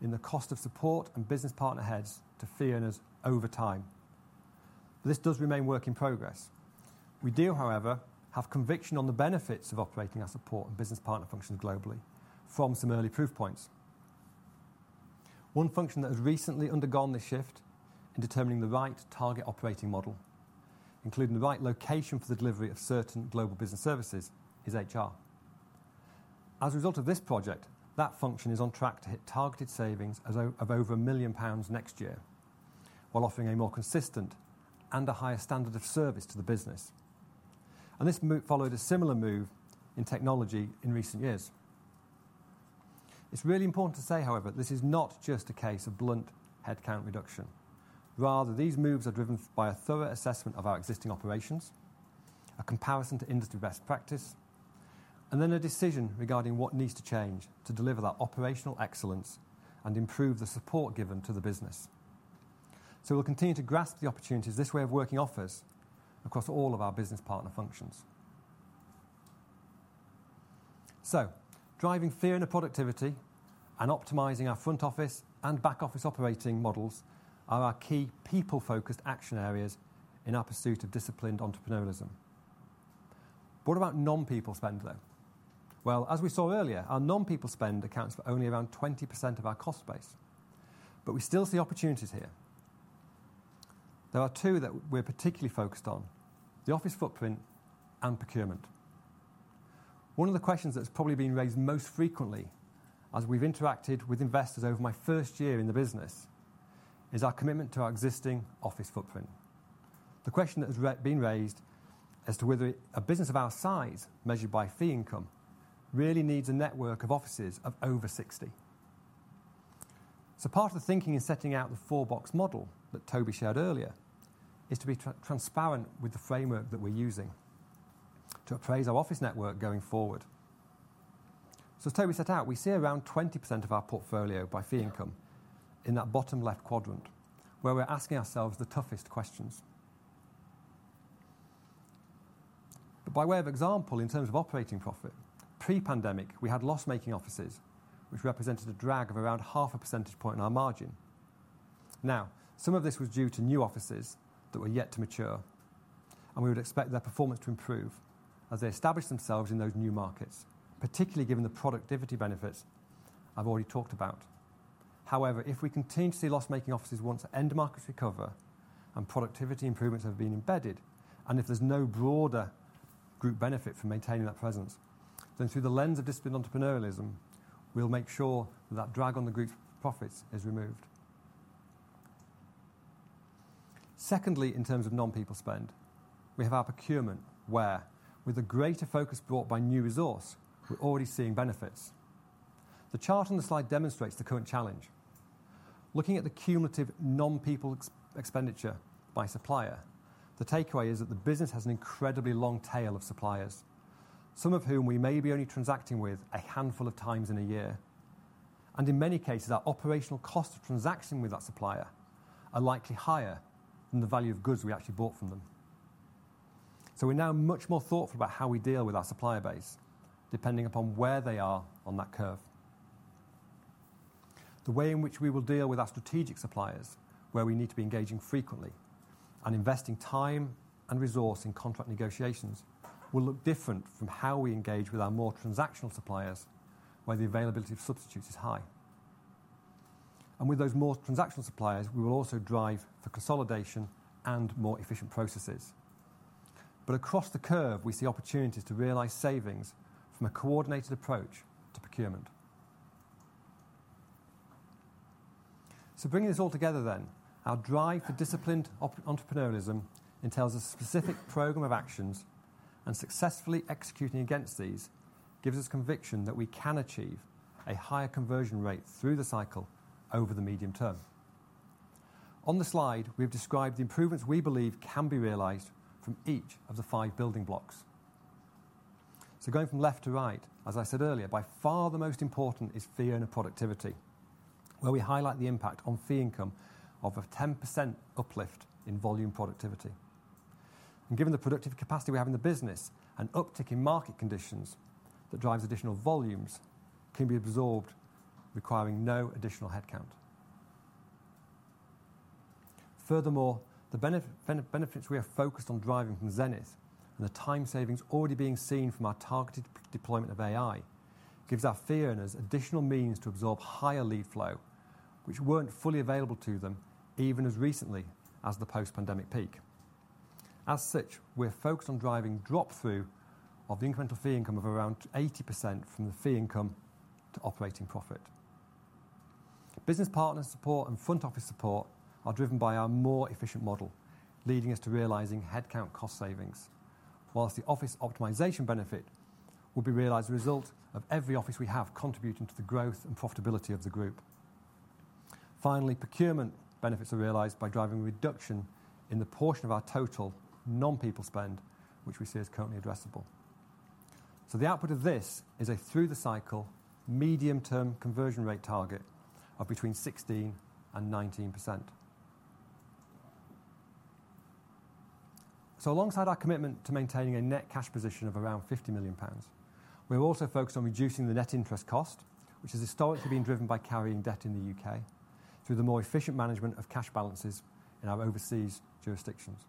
in the cost of support and business partner heads to fee earners over time. This does remain work in progress. We do, however, have conviction on the benefits of operating our support and business partner functions globally from some early proof points. One function that has recently undergone this shift in determining the right target operating model, including the right location for the delivery of certain global business services, is HR. As a result of this project, that function is on track to hit targeted savings of over 1 million pounds next year, while offering a more consistent and a higher standard of service to the business, and this followed a similar move in technology in recent years. It's really important to say, however, this is not just a case of blunt headcount reduction. Rather, these moves are driven by a thorough assessment of our existing operations, a comparison to industry best practice, and then a decision regarding what needs to change to deliver that operational excellence and improve the support given to the business. So we'll continue to grasp the opportunities this way of working offers across all of our business partner functions. So driving fee earner productivity and optimizing our front office and back-office operating models are our key people-focused action areas in our pursuit of disciplined entrepreneurialism. What about non-people spend, though? Well, as we saw earlier, our non-people spend accounts for only around 20% of our cost base, but we still see opportunities here. There are two that we're particularly focused on: the office footprint and procurement. One of the questions that's probably been raised most frequently as we've interacted with investors over my first year in the business is our commitment to our existing office footprint. The question that has been raised as to whether a business of our size, measured by fee income, really needs a network of offices of over 60.... Part of the thinking in setting out the four-box model that Toby shared earlier is to be transparent with the framework that we're using to appraise our office network going forward. As Toby set out, we see around 20% of our portfolio by fee income in that bottom left quadrant, where we're asking ourselves the toughest questions. By way of example, in terms of operating profit, pre-pandemic, we had loss-making offices, which represented a drag of around half a percentage point in our margin. Some of this was due to new offices that were yet to mature, and we would expect their performance to improve as they establish themselves in those new markets, particularly given the productivity benefits I've already talked about. However, if we continue to see loss-making offices once end markets recover and productivity improvements have been embedded, and if there's no broader group benefit for maintaining that presence, then through the lens of Disciplined Entrepreneurialism, we'll make sure that drag on the group's profits is removed. Secondly, in terms of non-people spend, we have our procurement, where, with a greater focus brought by new resource, we're already seeing benefits. The chart on the slide demonstrates the current challenge. Looking at the cumulative non-people expenditure by supplier, the takeaway is that the business has an incredibly long tail of suppliers, some of whom we may be only transacting with a handful of times in a year, and in many cases, our operational cost of transacting with that supplier are likely higher than the value of goods we actually bought from them. So we're now much more thoughtful about how we deal with our supplier base, depending upon where they are on that curve. The way in which we will deal with our strategic suppliers, where we need to be engaging frequently and investing time and resource in contract negotiations, will look different from how we engage with our more transactional suppliers, where the availability of substitutes is high. And with those more transactional suppliers, we will also drive for consolidation and more efficient processes. But across the curve, we see opportunities to realize savings from a coordinated approach to procurement. So bringing this all together then, our drive for disciplined entrepreneurialism entails a specific program of actions, and successfully executing against these gives us conviction that we can achieve a higher conversion rate through the cycle over the medium term. On the slide, we have described the improvements we believe can be realized from each of the five building blocks, so going from left to right, as I said earlier, by far, the most important is fee earner productivity, where we highlight the impact on fee income of a 10% uplift in volume productivity, and given the productive capacity we have in the business, an uptick in market conditions that drives additional volumes can be absorbed, requiring no additional headcount. Furthermore, the benefits we are focused on driving from Zenith and the time savings already being seen from our targeted deployment of AI gives our fee earners additional means to absorb higher lead flow, which weren't fully available to them even as recently as the post-pandemic peak. As such, we're focused on driving drop-through of the incremental fee income of around 80% from the fee income to operating profit. Business partner support and front office support are driven by our more efficient model, leading us to realizing headcount cost savings, whilst the office optimization benefit will be realized as a result of every office we have contributing to the growth and profitability of the group. Finally, procurement benefits are realized by driving a reduction in the portion of our total non-people spend, which we see as currently addressable. So the output of this is a through-the-cycle, medium-term conversion rate target of between 16% and 19%. So alongside our commitment to maintaining a net cash position of around 50 million pounds, we're also focused on reducing the net interest cost, which has historically been driven by carrying debt in the U.K., through the more efficient management of cash balances in our overseas jurisdictions.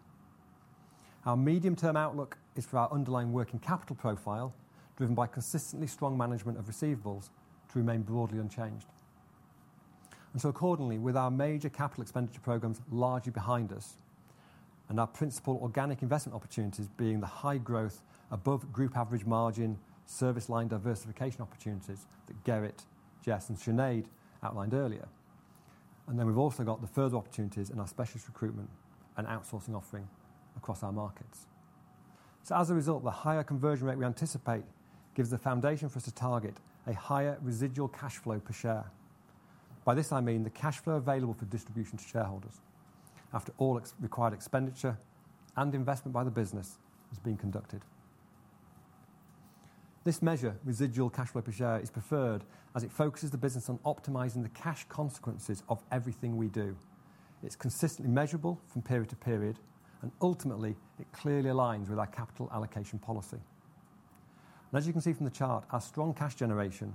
Our medium-term outlook is for our underlying working capital profile, driven by consistently strong management of receivables, to remain broadly unchanged, and so accordingly, with our major capital expenditure programs largely behind us and our principal organic investment opportunities being the high growth above group average margin, service line diversification opportunities that Gerrit, Jess, and Sinead outlined earlier, and then we've also got the further opportunities in our specialist recruitment and outsourcing offering across our markets, so as a result, the higher conversion rate we anticipate gives the foundation for us to target a higher residual cash flow per share. By this, I mean the cash flow available for distribution to shareholders after all required expenditure and investment by the business has been conducted. This measure, residual cash flow per share, is preferred as it focuses the business on optimizing the cash consequences of everything we do. It's consistently measurable from period to period, and ultimately, it clearly aligns with our capital allocation policy, and as you can see from the chart, our strong cash generation,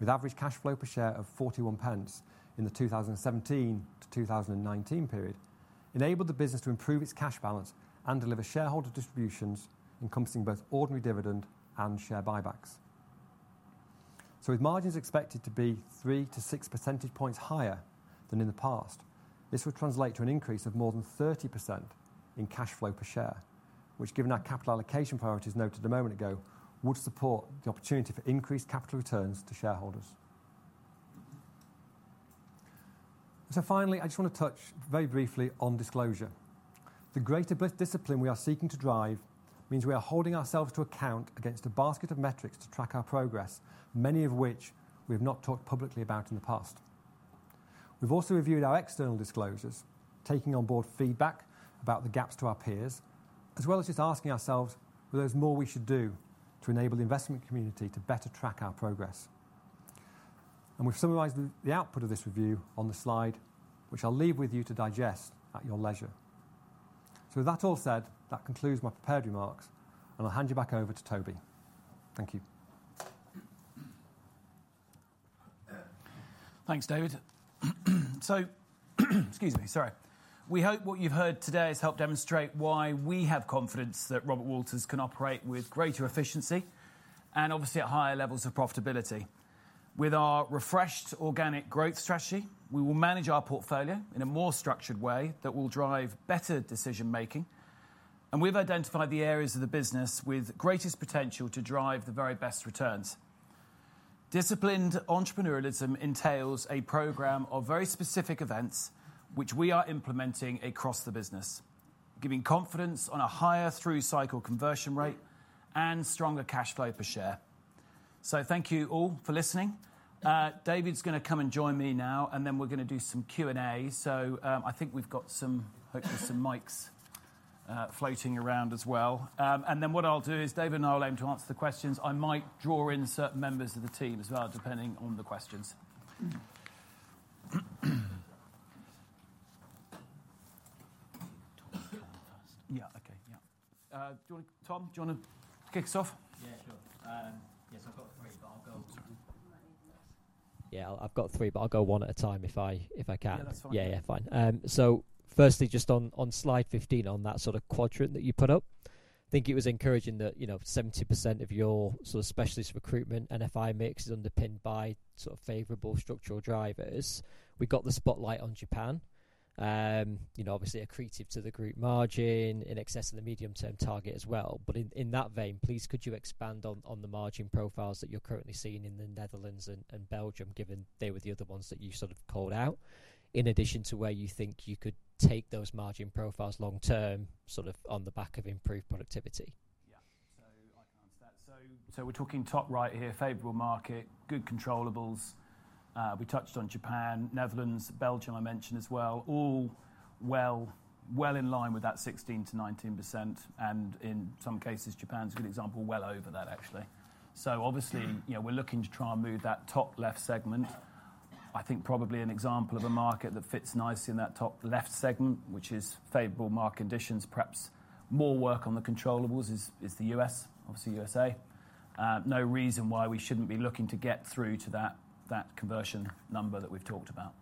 with average cash flow per share of 41 in the 2017-2019 period, enabled the business to improve its cash balance and deliver shareholder distributions encompassing both ordinary dividend and share buybacks. With margins expected to be three to six percentage points higher than in the past, this would translate to an increase of more than 30% in cash flow per share, which, given our capital allocation priorities noted a moment ago, would support the opportunity for increased capital returns to shareholders. Finally, I just want to touch very briefly on disclosure... the greater discipline we are seeking to drive means we are holding ourselves to account against a basket of metrics to track our progress, many of which we have not talked publicly about in the past. We have also reviewed our external disclosures, taking on board feedback about the gaps to our peers, as well as just asking ourselves whether there is more we should do to enable the investment community to better track our progress. We've summarized the output of this review on the slide, which I'll leave with you to digest at your leisure. With that all said, that concludes my prepared remarks, and I'll hand you back over to Toby. Thank you. Thanks, David. Excuse me, sorry. We hope what you've heard today has helped demonstrate why we have confidence that Robert Walters can operate with greater efficiency and obviously at higher levels of profitability. With our refreshed organic growth strategy, we will manage our portfolio in a more structured way that will drive better decision-making, and we've identified the areas of the business with greatest potential to drive the very best returns. Disciplined entrepreneurialism entails a program of very specific events which we are implementing across the business, giving confidence on a higher through-cycle conversion rate and stronger cash flow per share. Thank you all for listening. David's gonna come and join me now, and then we're gonna do some Q&A. I think we've got some hopefully some mics floating around as well. And then what I'll do is David and I will aim to answer the questions. I might draw in certain members of the team as well, depending on the questions. Yeah, okay. Yeah. Do you wanna... Tom, do you wanna kick us off? Yeah, sure. Yes, I've got three, but I'll go one at a time if I can. Yeah, that's fine. Yeah, yeah, fine. So firstly, just on slide 15, on that sort of quadrant that you put up, I think it was encouraging that, you know, 70% of your sort of specialist recruitment and BFSI mix is underpinned by sort of favorable structural drivers. We got the spotlight on Japan, you know, obviously accretive to the group margin, in excess of the medium-term target as well. But in that vein, please, could you expand on the margin profiles that you're currently seeing in the Netherlands and Belgium, given they were the other ones that you sort of called out, in addition to where you think you could take those margin profiles long term, sort of on the back of improved productivity? Yeah. So I can answer that. So we're talking top right here, favorable market, good controllables. We touched on Japan, Netherlands, Belgium I mentioned as well. All well in line with that 16%-19%, and in some cases, Japan's a good example, well over that, actually. So obviously, you know, we're looking to try and move that top left segment. I think probably an example of a market that fits nicely in that top left segment, which is favorable market conditions, perhaps more work on the controllables is the US, obviously USA. No reason why we shouldn't be looking to get through to that conversion number that we've talked about.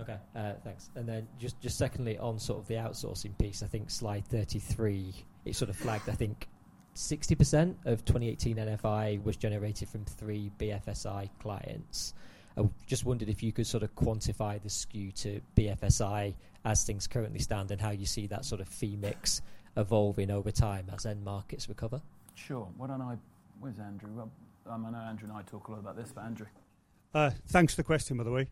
Okay, thanks. And then just secondly, on sort of the outsourcing piece, I think slide 33, it sort of flagged, I think 60% of 2018 NFI was generated from three BFSI clients. I just wondered if you could sort of quantify the skew to BFSI as things currently stand and how you see that sort of fee mix evolving over time as end markets recover. Sure. Why don't I... Where's Andrew? Well, I know Andrew and I talk a lot about this, but Andrew. Thanks for the question, by the way.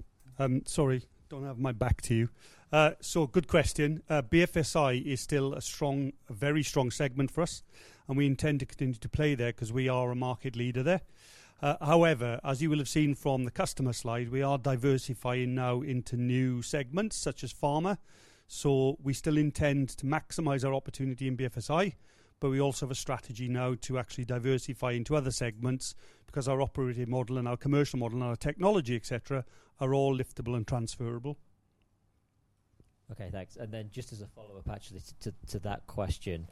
Sorry, don't have my back to you. So good question. BFSI is still a strong, a very strong segment for us, and we intend to continue to play there 'cause we are a market leader there. However, as you will have seen from the customer slide, we are diversifying now into new segments such as pharma. So we still intend to maximize our opportunity in BFSI, but we also have a strategy now to actually diversify into other segments because our operating model and our commercial model and our technology, et cetera, are all liftable and transferable. Okay, thanks. And then just as a follow-up, actually, to that question,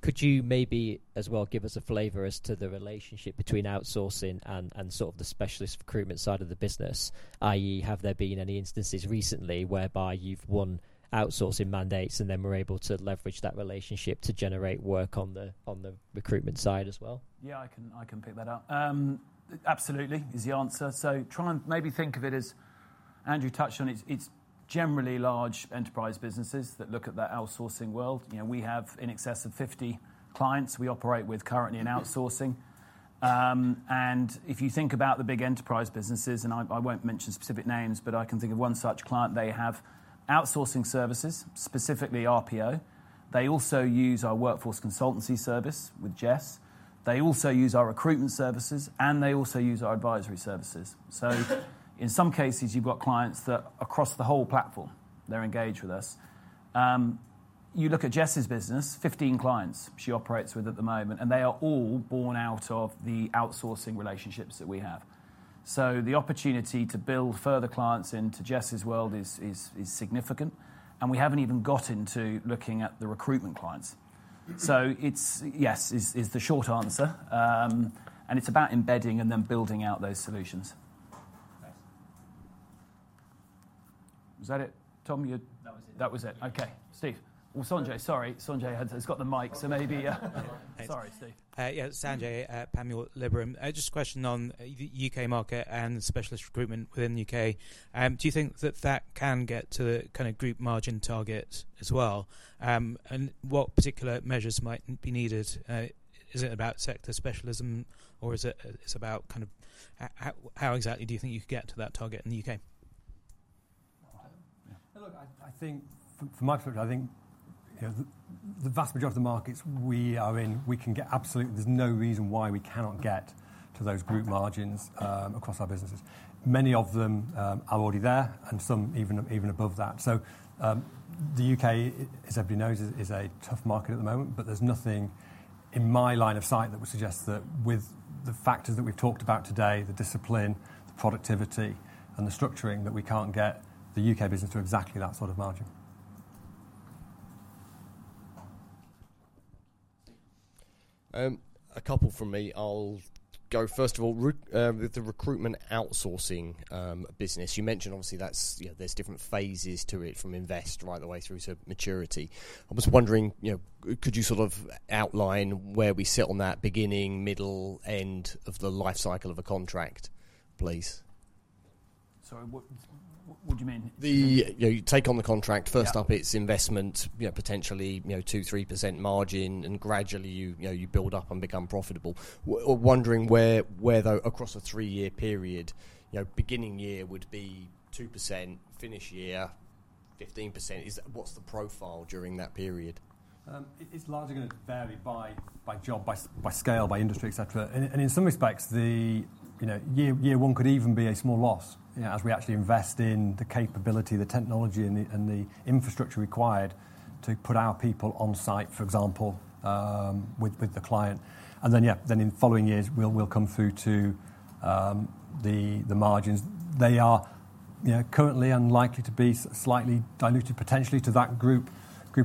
could you maybe as well give us a flavor as to the relationship between outsourcing and sort of the specialist recruitment side of the business, i.e., have there been any instances recently whereby you've won outsourcing mandates and then were able to leverage that relationship to generate work on the recruitment side as well? Yeah, I can pick that up. Absolutely is the answer. Try and maybe think of it as Andrew touched on it. It's generally large enterprise businesses that look at that outsourcing world. You know, we have in excess of 50 clients we operate with currently in outsourcing. And if you think about the big enterprise businesses, and I won't mention specific names, but I can think of one such client. They have outsourcing services, specifically RPO. They also use our workforce consultancy service with Jess. They also use our recruitment services, and they also use our advisory services. In some cases, you've got clients that across the whole platform, they're engaged with us. You look at Jess's business, 15 clients she operates with at the moment, and they are all born out of the outsourcing relationships that we have. The opportunity to build further clients into Jess's world is significant, and we haven't even got into looking at the recruitment clients. It's, yes, the short answer, and it's about embedding and then building out those solutions. Thanks. Was that it, Tom? You- That was it. That was it. Okay. Steve. Well, Sanjay, sorry. Sanjay has got the mic, so maybe... Sorry, Steve. Yeah, Sanjay [Panmure] at Liberum. Just a question on the U.K. market and specialist recruitment within the U.K. Do you think that that can get to the kind of group margin target as well?... and what particular measures might be needed? Is it about sector specialism, or is it, it's about kind of how exactly do you think you could get to that target in the UK? Well, look, I think from my perspective, I think, you know, the vast majority of the markets we are in, we can get. Absolutely, there's no reason why we cannot get to those group margins across our businesses. Many of them are already there, and some even above that. So, the UK, as everybody knows, is a tough market at the moment, but there's nothing in my line of sight that would suggest that with the factors that we've talked about today, the discipline, the productivity, and the structuring, that we can't get the UK business to exactly that sort of margin. A couple from me. I'll go, first of all, with the recruitment outsourcing business. You mentioned obviously that's, you know, there's different phases to it, from invest right the way through to maturity. I was wondering, you know, could you sort of outline where we sit on that beginning, middle, end of the life cycle of a contract, please? Sorry, what, what do you mean? You know, you take on the contract- Yeah. First up, it's investment, you know, potentially, you know, 2-3% margin, and gradually you know you build up and become profitable. We're wondering where, though, across a three-year period, you know, beginning year would be 2%, finish year 15%. Is that... What's the profile during that period? It's largely gonna vary by job, by scale, by industry, et cetera. In some respects, you know, year one could even be a small loss, you know, as we actually invest in the capability, the technology, and the infrastructure required to put our people on site, for example, with the client. Then in following years, we'll come through to the margins. They are, you know, currently unlikely to be slightly diluted, potentially to that group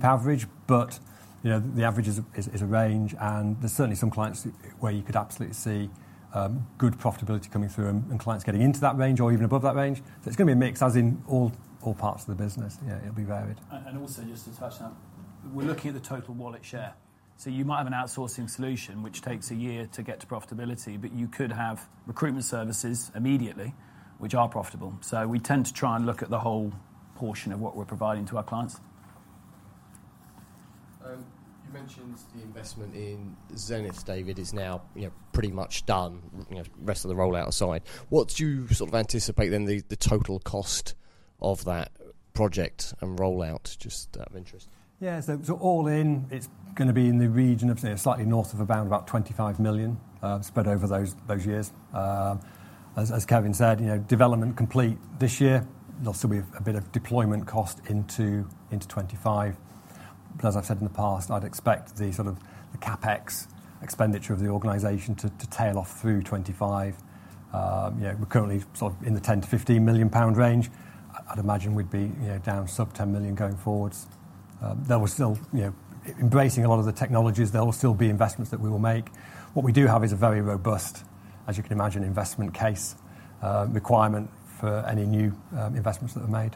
average, but, you know, the average is a range, and there's certainly some clients where you could absolutely see good profitability coming through and clients getting into that range or even above that range. It's gonna be a mix, as in all parts of the business. Yeah, it'll be varied. Also, just to touch on, we're looking at the total wallet share. So you might have an outsourcing solution, which takes a year to get to profitability, but you could have recruitment services immediately, which are profitable. So we tend to try and look at the whole portion of what we're providing to our clients. You mentioned the investment in Zenith, David, is now, you know, pretty much done, you know, rest of the rollout aside. What do you sort of anticipate then the total cost of that project and rollout, just out of interest? Yeah, so all in, it's gonna be in the region of slightly north of around about 25 million, spread over those years. As Kevin said, you know, development complete this year. There'll still be a bit of deployment cost into 2025. But as I've said in the past, I'd expect the sort of the CapEx expenditure of the organization to tail off through 2025. You know, we're currently sort of in the 10-15 million pound range. I'd imagine we'd be, you know, down sub-10 million going forwards. There was still, you know, embracing a lot of the technologies, there will still be investments that we will make. What we do have is a very robust, as you can imagine, investment case, requirement for any new investments that are made.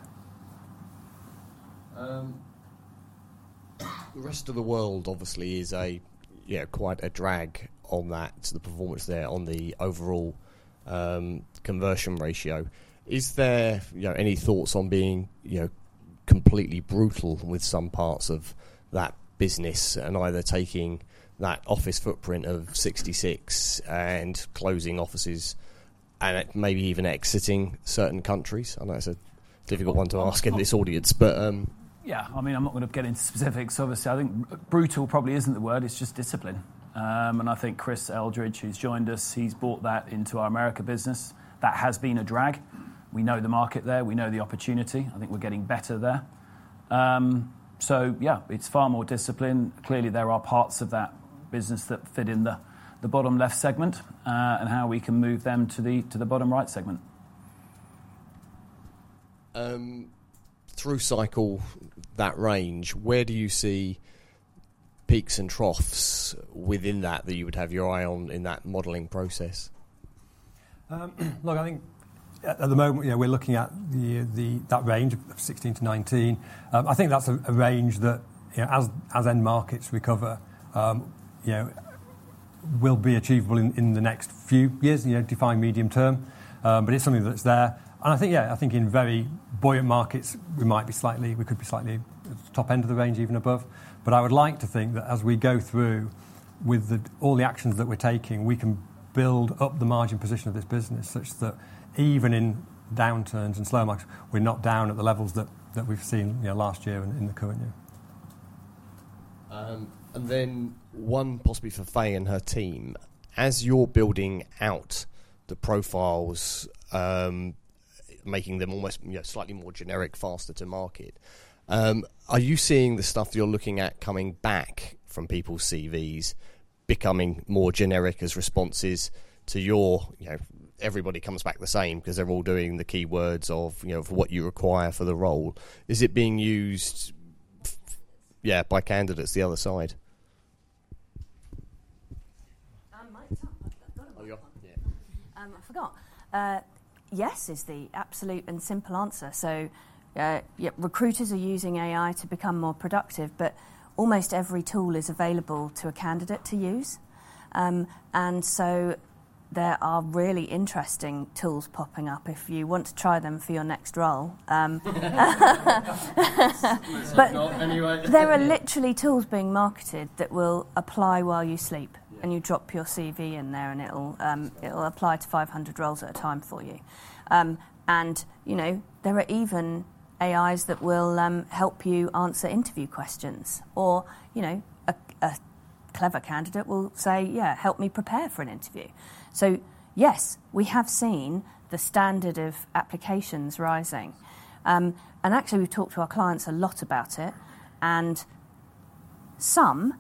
The rest of the world obviously is a, yeah, quite a drag on that, the performance there on the overall conversion ratio. Is there, you know, any thoughts on being, you know, completely brutal with some parts of that business and either taking that office footprint of 66 and closing offices and maybe even exiting certain countries? I know it's a difficult one to ask in this audience, but Yeah, I mean, I'm not going to get into specifics, obviously. I think brutal probably isn't the word, it's just discipline. And I think Chris Eldridge, who's joined us, he's brought that into our America business. That has been a drag. We know the market there, we know the opportunity. I think we're getting better there. So yeah, it's far more discipline. Clearly, there are parts of that business that fit in the bottom-left segment, and how we can move them to the bottom-right segment. Through cycle that range, where do you see peaks and troughs within that you would have your eye on in that modeling process? Look, I think at the moment, you know, we're looking at that range of 16%-19%. I think that's a range that, you know, as end markets recover, you know, will be achievable in the next few years, you know, defining medium term. But it's something that's there. And I think, yeah, I think in very buoyant markets, we might be slightly, we could be slightly top end of the range, even above. But I would like to think that as we go through with all the actions that we're taking, we can build up the margin position of this business such that even in downturns and slow markets, we're not down at the levels that we've seen, you know, last year and in the current year. Then one possibly for Faye and her team. As you're building out the profiles, making them almost, you know, slightly more generic, faster to market, are you seeing the stuff that you're looking at coming back from people's CVs becoming more generic as responses to your, you know... Everybody comes back the same because they're all doing the keywords of, you know, for what you require for the role. Is it being used, yeah, by candidates, the other side? Mic's up. I've got a mic. Oh, you have? Yeah. Yes, is the absolute and simple answer, so yeah, recruiters are using AI to become more productive, but almost every tool is available to a candidate to use, and so,... there are really interesting tools popping up if you want to try them for your next role. Not anyway. There are literally tools being marketed that will apply while you sleep, and you drop your CV in there, and it'll apply to five hundred roles at a time for you. You know, there are even AIs that will help you answer interview questions or, you know, a clever candidate will say, "Yeah, help me prepare for an interview." So yes, we have seen the standard of applications rising. Actually, we've talked to our clients a lot about it, and some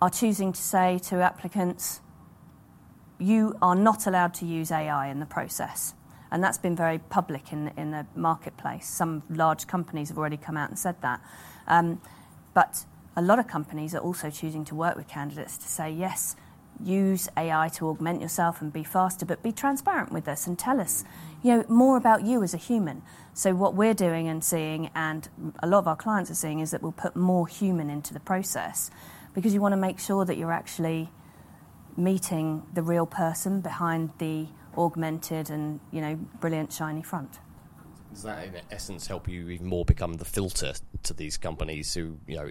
are choosing to say to applicants, "You are not allowed to use AI in the process," and that's been very public in the marketplace. Some large companies have already come out and said that. But a lot of companies are also choosing to work with candidates to say, "Yes, use AI to augment yourself and be faster, but be transparent with us and tell us, you know, more about you as a human." So what we're doing and seeing, and a lot of our clients are seeing, is that we'll put more human into the process because you wanna make sure that you're actually meeting the real person behind the augmented and, you know, brilliant, shiny front. Does that, in essence, help you even more become the filter to these companies who, you know,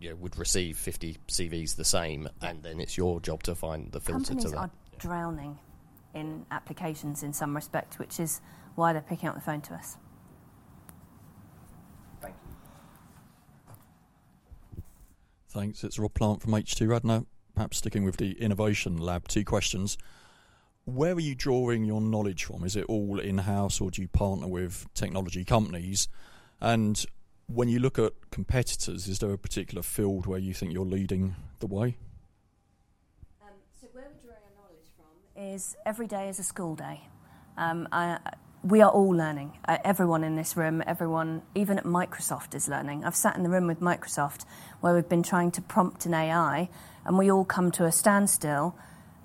it would receive 50 CVs the same, and then it's your job to find the filter to that? Companies are drowning in applications in some respect, which is why they're picking up the phone to us. Thank you. Thanks. It's Rob Plant from H2 Radnor. Perhaps sticking with the innovation lab, two questions: Where are you drawing your knowledge from? Is it all in-house, or do you partner with technology companies? And when you look at competitors, is there a particular field where you think you're leading the way? So where we're drawing our knowledge from is every day is a school day. We are all learning. Everyone in this room, everyone, even at Microsoft, is learning. I've sat in the room with Microsoft, where we've been trying to prompt an AI, and we all come to a standstill,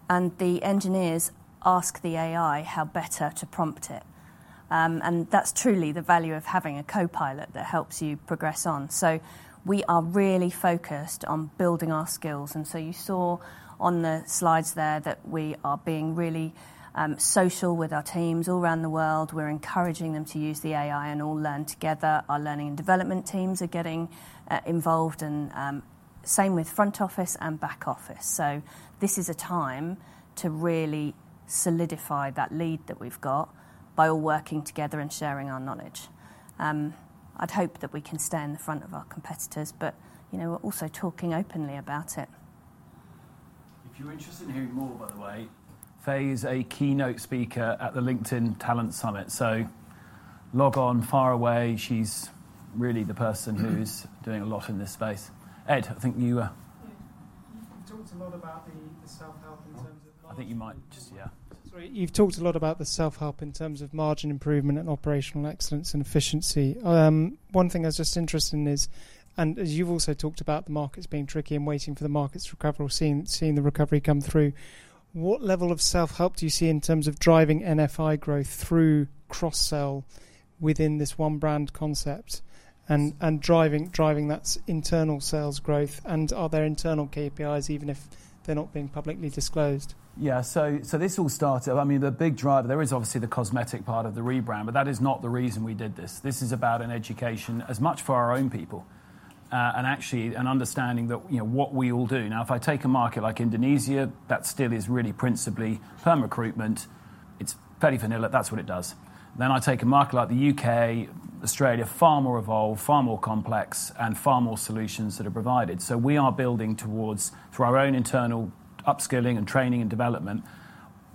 and the engineers ask the AI how better to prompt it, and that's truly the value of having a Copilot that helps you progress on. So we are really focused on building our skills, and so you saw on the slides there that we are being really social with our teams all around the world. We're encouraging them to use the AI and all learn together. Our learning and development teams are getting involved, and same with front office and back office. So this is a time to really solidify that lead that we've got by all working together and sharing our knowledge. I'd hope that we can stay in the front of our competitors, but, you know, we're also talking openly about it. If you're interested in hearing more, by the way, Faye is a keynote speaker at the LinkedIn Talent Summit, so log on early. She's really the person who's doing a lot in this space. Ed, I think you, Yeah. You've talked a lot about the self-help in terms of- I think you might just, yeah. Sorry. You've talked a lot about the self-help in terms of margin improvement and operational excellence and efficiency. One thing I was just interested in is, and as you've also talked about the markets being tricky and waiting for the markets to recover or seeing the recovery come through, what level of self-help do you see in terms of driving NFI growth through cross-sell within this one brand concept and driving that's internal sales growth, and are there internal KPIs, even if they're not being publicly disclosed? Yeah, so this all started. I mean, the big driver there is obviously the cosmetic part of the rebrand, but that is not the reason we did this. This is about an education as much for our own people and actually understanding that, you know, what we all do. Now, if I take a market like Indonesia, that still is really principally perm recruitment. It's fairly vanilla. That's what it does. Then I take a market like the UK, Australia, far more evolved, far more complex, and far more solutions that are provided. So we are building towards, through our own internal upskilling and training and development,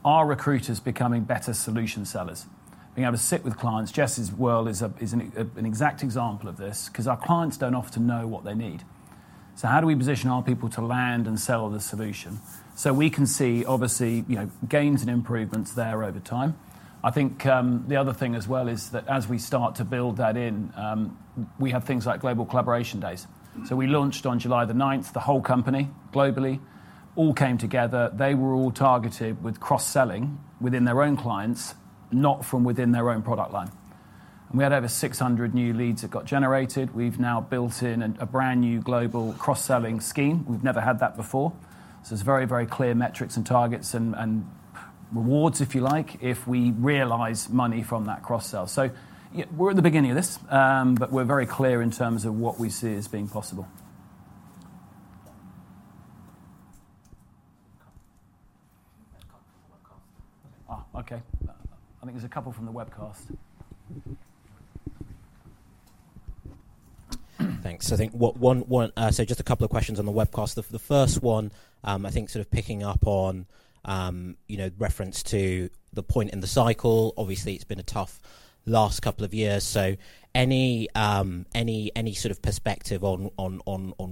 our recruiters becoming better solution sellers. Being able to sit with clients, Jess's world is an exact example of this 'cause our clients don't often know what they need. So how do we position our people to land and sell the solution? So we can see obviously, you know, gains and improvements there over time. I think, the other thing as well is that as we start to build that in, we have things like global collaboration days. So we launched on July the ninth, the whole company, globally, all came together. They were all targeted with cross-selling within their own clients, not from within their own product line. And we had over 600 new leads that got generated. We've now built in a brand-new global cross-selling scheme. We've never had that before. So it's very, very clear metrics and targets and rewards, if you like, if we realize money from that cross-sell. So, yeah, we're at the beginning of this, but we're very clear in terms of what we see as being possible. Webcast. Okay. I think there's a couple from the webcast. Thanks. I think one, so just a couple of questions on the webcast. The first one, I think sort of picking up on, you know, reference to the point in the cycle. Obviously, it's been a tough last couple of years, so any sort of perspective on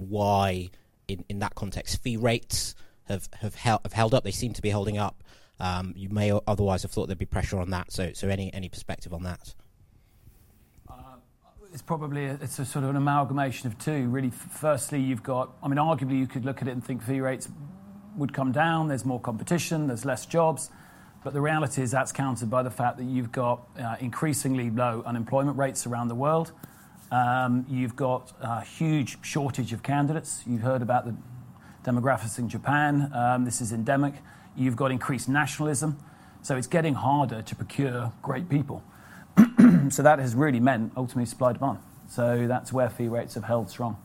why, in that context, fee rates have held up? They seem to be holding up. You may otherwise have thought there'd be pressure on that. So any perspective on that? It's probably, it's a sort of an amalgamation of two, really. Firstly, you've got... I mean, arguably, you could look at it and think fee rates would come down. There's more competition, there's less jobs, but the reality is that's countered by the fact that you've got increasingly low unemployment rates around the world. You've got a huge shortage of candidates. You heard about the big- ...demographics in Japan, this is endemic. You've got increased nationalism, so it's getting harder to procure great people. So that has really meant ultimately supply and demand. So that's where fee rates have held strong.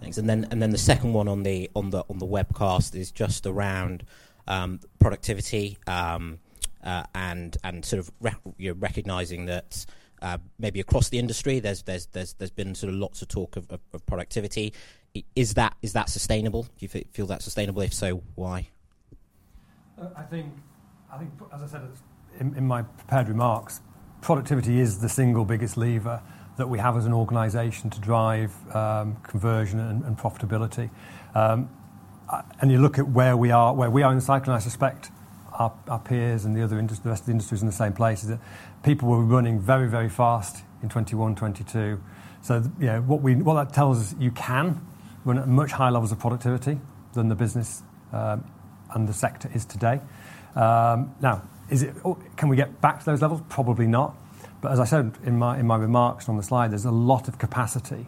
Thanks. And then the second one on the webcast is just around productivity, and sort of, you know, recognizing that maybe across the industry, there's been sort of lots of talk of productivity. Is that sustainable? Do you feel that's sustainable? If so, why? I think, as I said it in my prepared remarks, productivity is the single biggest lever that we have as an organization to drive, conversion and profitability. And you look at where we are in the cycle, and I suspect our peers and the other industry, the rest of the industry is in the same place, is that people were running very, very fast in 2021, 2022. So, you know, what that tells us, you can run at much higher levels of productivity than the business, and the sector is today. Now, is it... Or can we get back to those levels? Probably not. But as I said in my remarks on the slide, there's a lot of capacity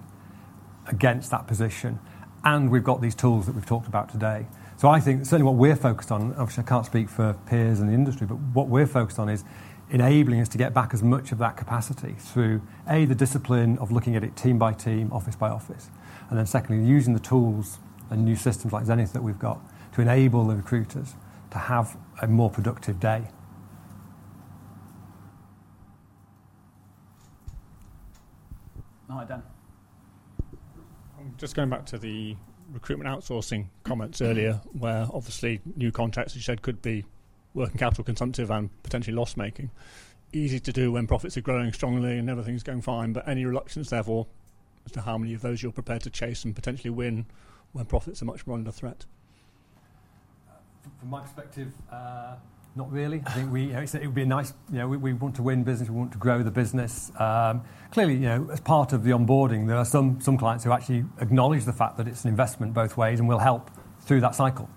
against that position, and we've got these tools that we've talked about today. So I think certainly what we're focused on, obviously, I can't speak for peers in the industry, but what we're focused on is enabling us to get back as much of that capacity through, A, the discipline of looking at it team by team, office by office, and then secondly, using the tools and new systems like Zenith that we've got to enable the recruiters to have a more productive day. Hi, Dan. Just going back to the recruitment outsourcing comments earlier, where obviously new contracts, you said, could be working capital consumptive and potentially loss-making. Easy to do when profits are growing strongly and everything's going fine, but any reluctance, therefore, as to how many of those you're prepared to chase and potentially win when profits are much more under threat? From my perspective, not really. I think it would be nice, you know, we want to win business, we want to grow the business. Clearly, you know, as part of the onboarding, there are some clients who actually acknowledge the fact that it's an investment both ways and will help through that cycle.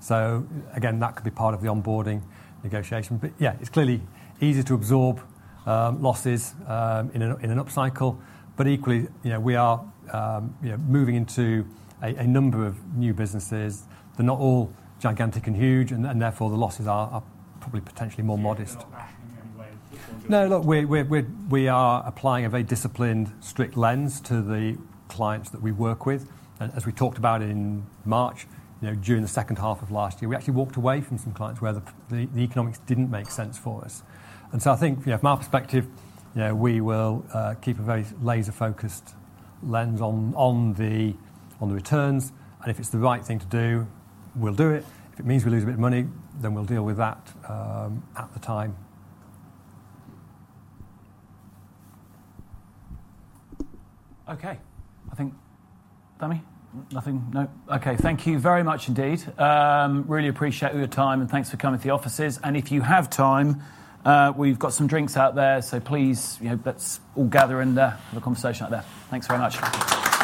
So again, that could be part of the onboarding negotiation. But yeah, it's clearly easier to absorb losses in an upcycle. But equally, you know, we are moving into a number of new businesses. They're not all gigantic and huge, and therefore, the losses are probably potentially more modest. No, look, we are applying a very disciplined, strict lens to the clients that we work with. As we talked about in March, you know, during the second half of last year, we actually walked away from some clients where the economics didn't make sense for us. So I think, you know, from our perspective, you know, we will keep a very laser-focused lens on the returns, and if it's the right thing to do, we'll do it. If it means we lose a bit of money, then we'll deal with that at the time. Okay. I think, Danny, nothing? No. Okay. Thank you very much indeed. Really appreciate all your time, and thanks for coming to the offices. And if you have time, we've got some drinks out there, so please, you know, let's all gather in there, have a conversation out there. Thanks very much.